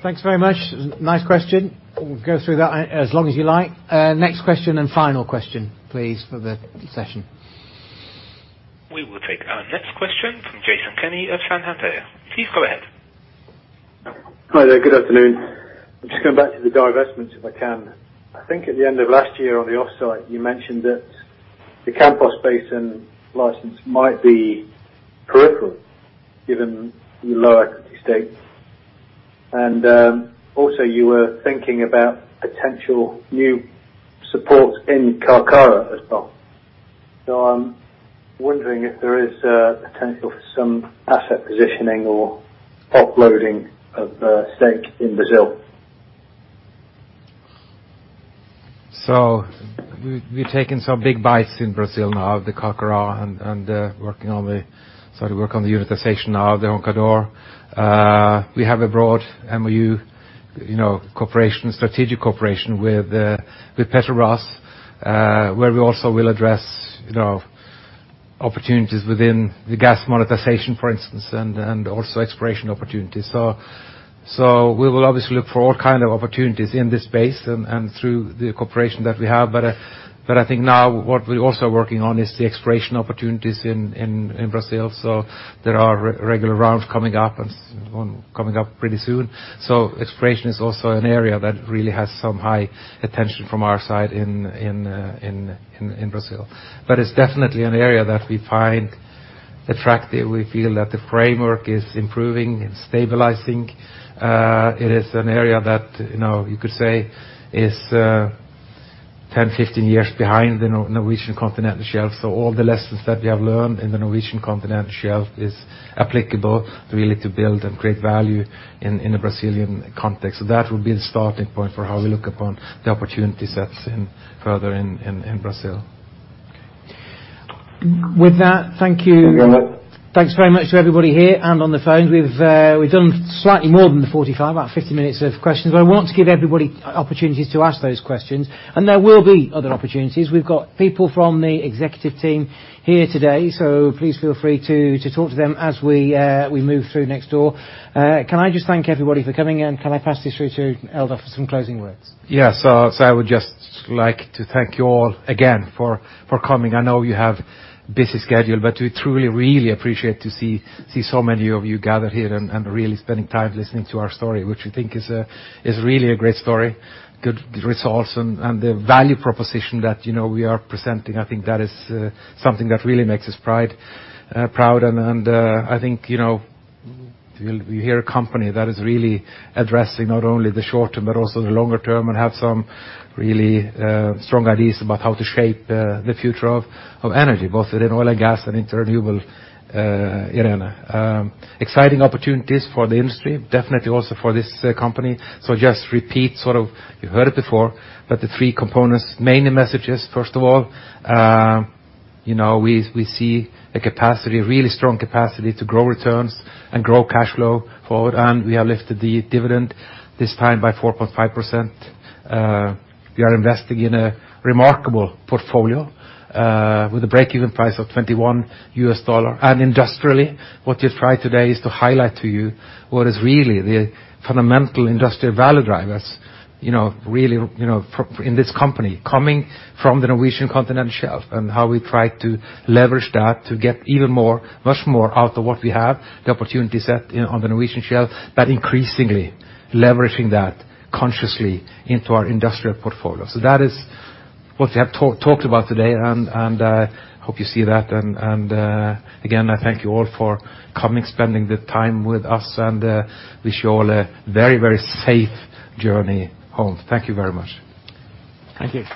Thanks very much. Nice question. We'll go through that as long as you like. Next question and final question, please, for the session. We will take our next question from Jason Kenney of Santander. Please go ahead. Hi there. Good afternoon. I'm just going back to the divestments, if I can. I think at the end of last year on the offsite, you mentioned that the Campos Basin license might be peripheral given your low equity stake. also, you were thinking about potential new support in Carcará as well. I'm wondering if there is a potential for some asset positioning or offloading of stake in Brazil. We've taken some big bites in Brazil now, the Carcará and work on the unitization now of the Roncador. We have a broad MOU, you know, cooperation, strategic cooperation with Petrobras, where we also will address, you know, opportunities within the gas monetization, for instance, and also exploration opportunities. We will obviously look for all kind of opportunities in this space and through the cooperation that we have. But I think now what we're also working on is the exploration opportunities in Brazil. There are regular rounds coming up and one coming up pretty soon. Exploration is also an area that really has some high attention from our side in Brazil. It's definitely an area that we find attractive. We feel that the framework is improving and stabilizing. It is an area that, you know, you could say is 10, 15 years behind the Norwegian continental shelf. All the lessons that we have learned in the Norwegian continental shelf is applicable really to build and create value in Brazil. With that, thank you. Thank you. Thanks very much to everybody here and on the phones. We've done slightly more than the 45, about 50 minutes of questions. I want to give everybody opportunities to ask those questions. There will be other opportunities. We've got people from the executive team here today, so please feel free to talk to them as we move through next door. Can I just thank everybody for coming, and can I pass this through to Eldar for some closing words? Yes. I would just like to thank you all again for coming. I know you have busy schedule, but we truly really appreciate to see so many of you gathered here and really spending time listening to our story, which we think is really a great story. Good results and the value proposition that, you know, we are presenting, I think that is something that really makes us proud. I think, you know, you'll hear a company that is really addressing not only the short term but also the longer term and have some really strong ideas about how to shape the future of energy, both within oil and gas and into renewable, you know. Exciting opportunities for the industry, definitely also for this company. Just repeat, sort of you heard it before, but the three components, mainly messages first of all, you know, we see a really strong capacity to grow returns and grow cash flow forward. We have lifted the dividend this time by 4.5%. We are investing in a remarkable portfolio with a break-even price of $21. Industrially, what we've tried today is to highlight to you what is really the fundamental industrial value drivers, you know, really, you know, from this company coming from the Norwegian Continental Shelf and how we try to leverage that to get even more, much more out of what we have the opportunity set in on the Norwegian Shelf, but increasingly leveraging that consciously into our industrial portfolio. That is what we have talked about today and hope you see that. Again, I thank you all for coming, spending the time with us, and wish you all a very, very safe journey home. Thank you very much. Thank you.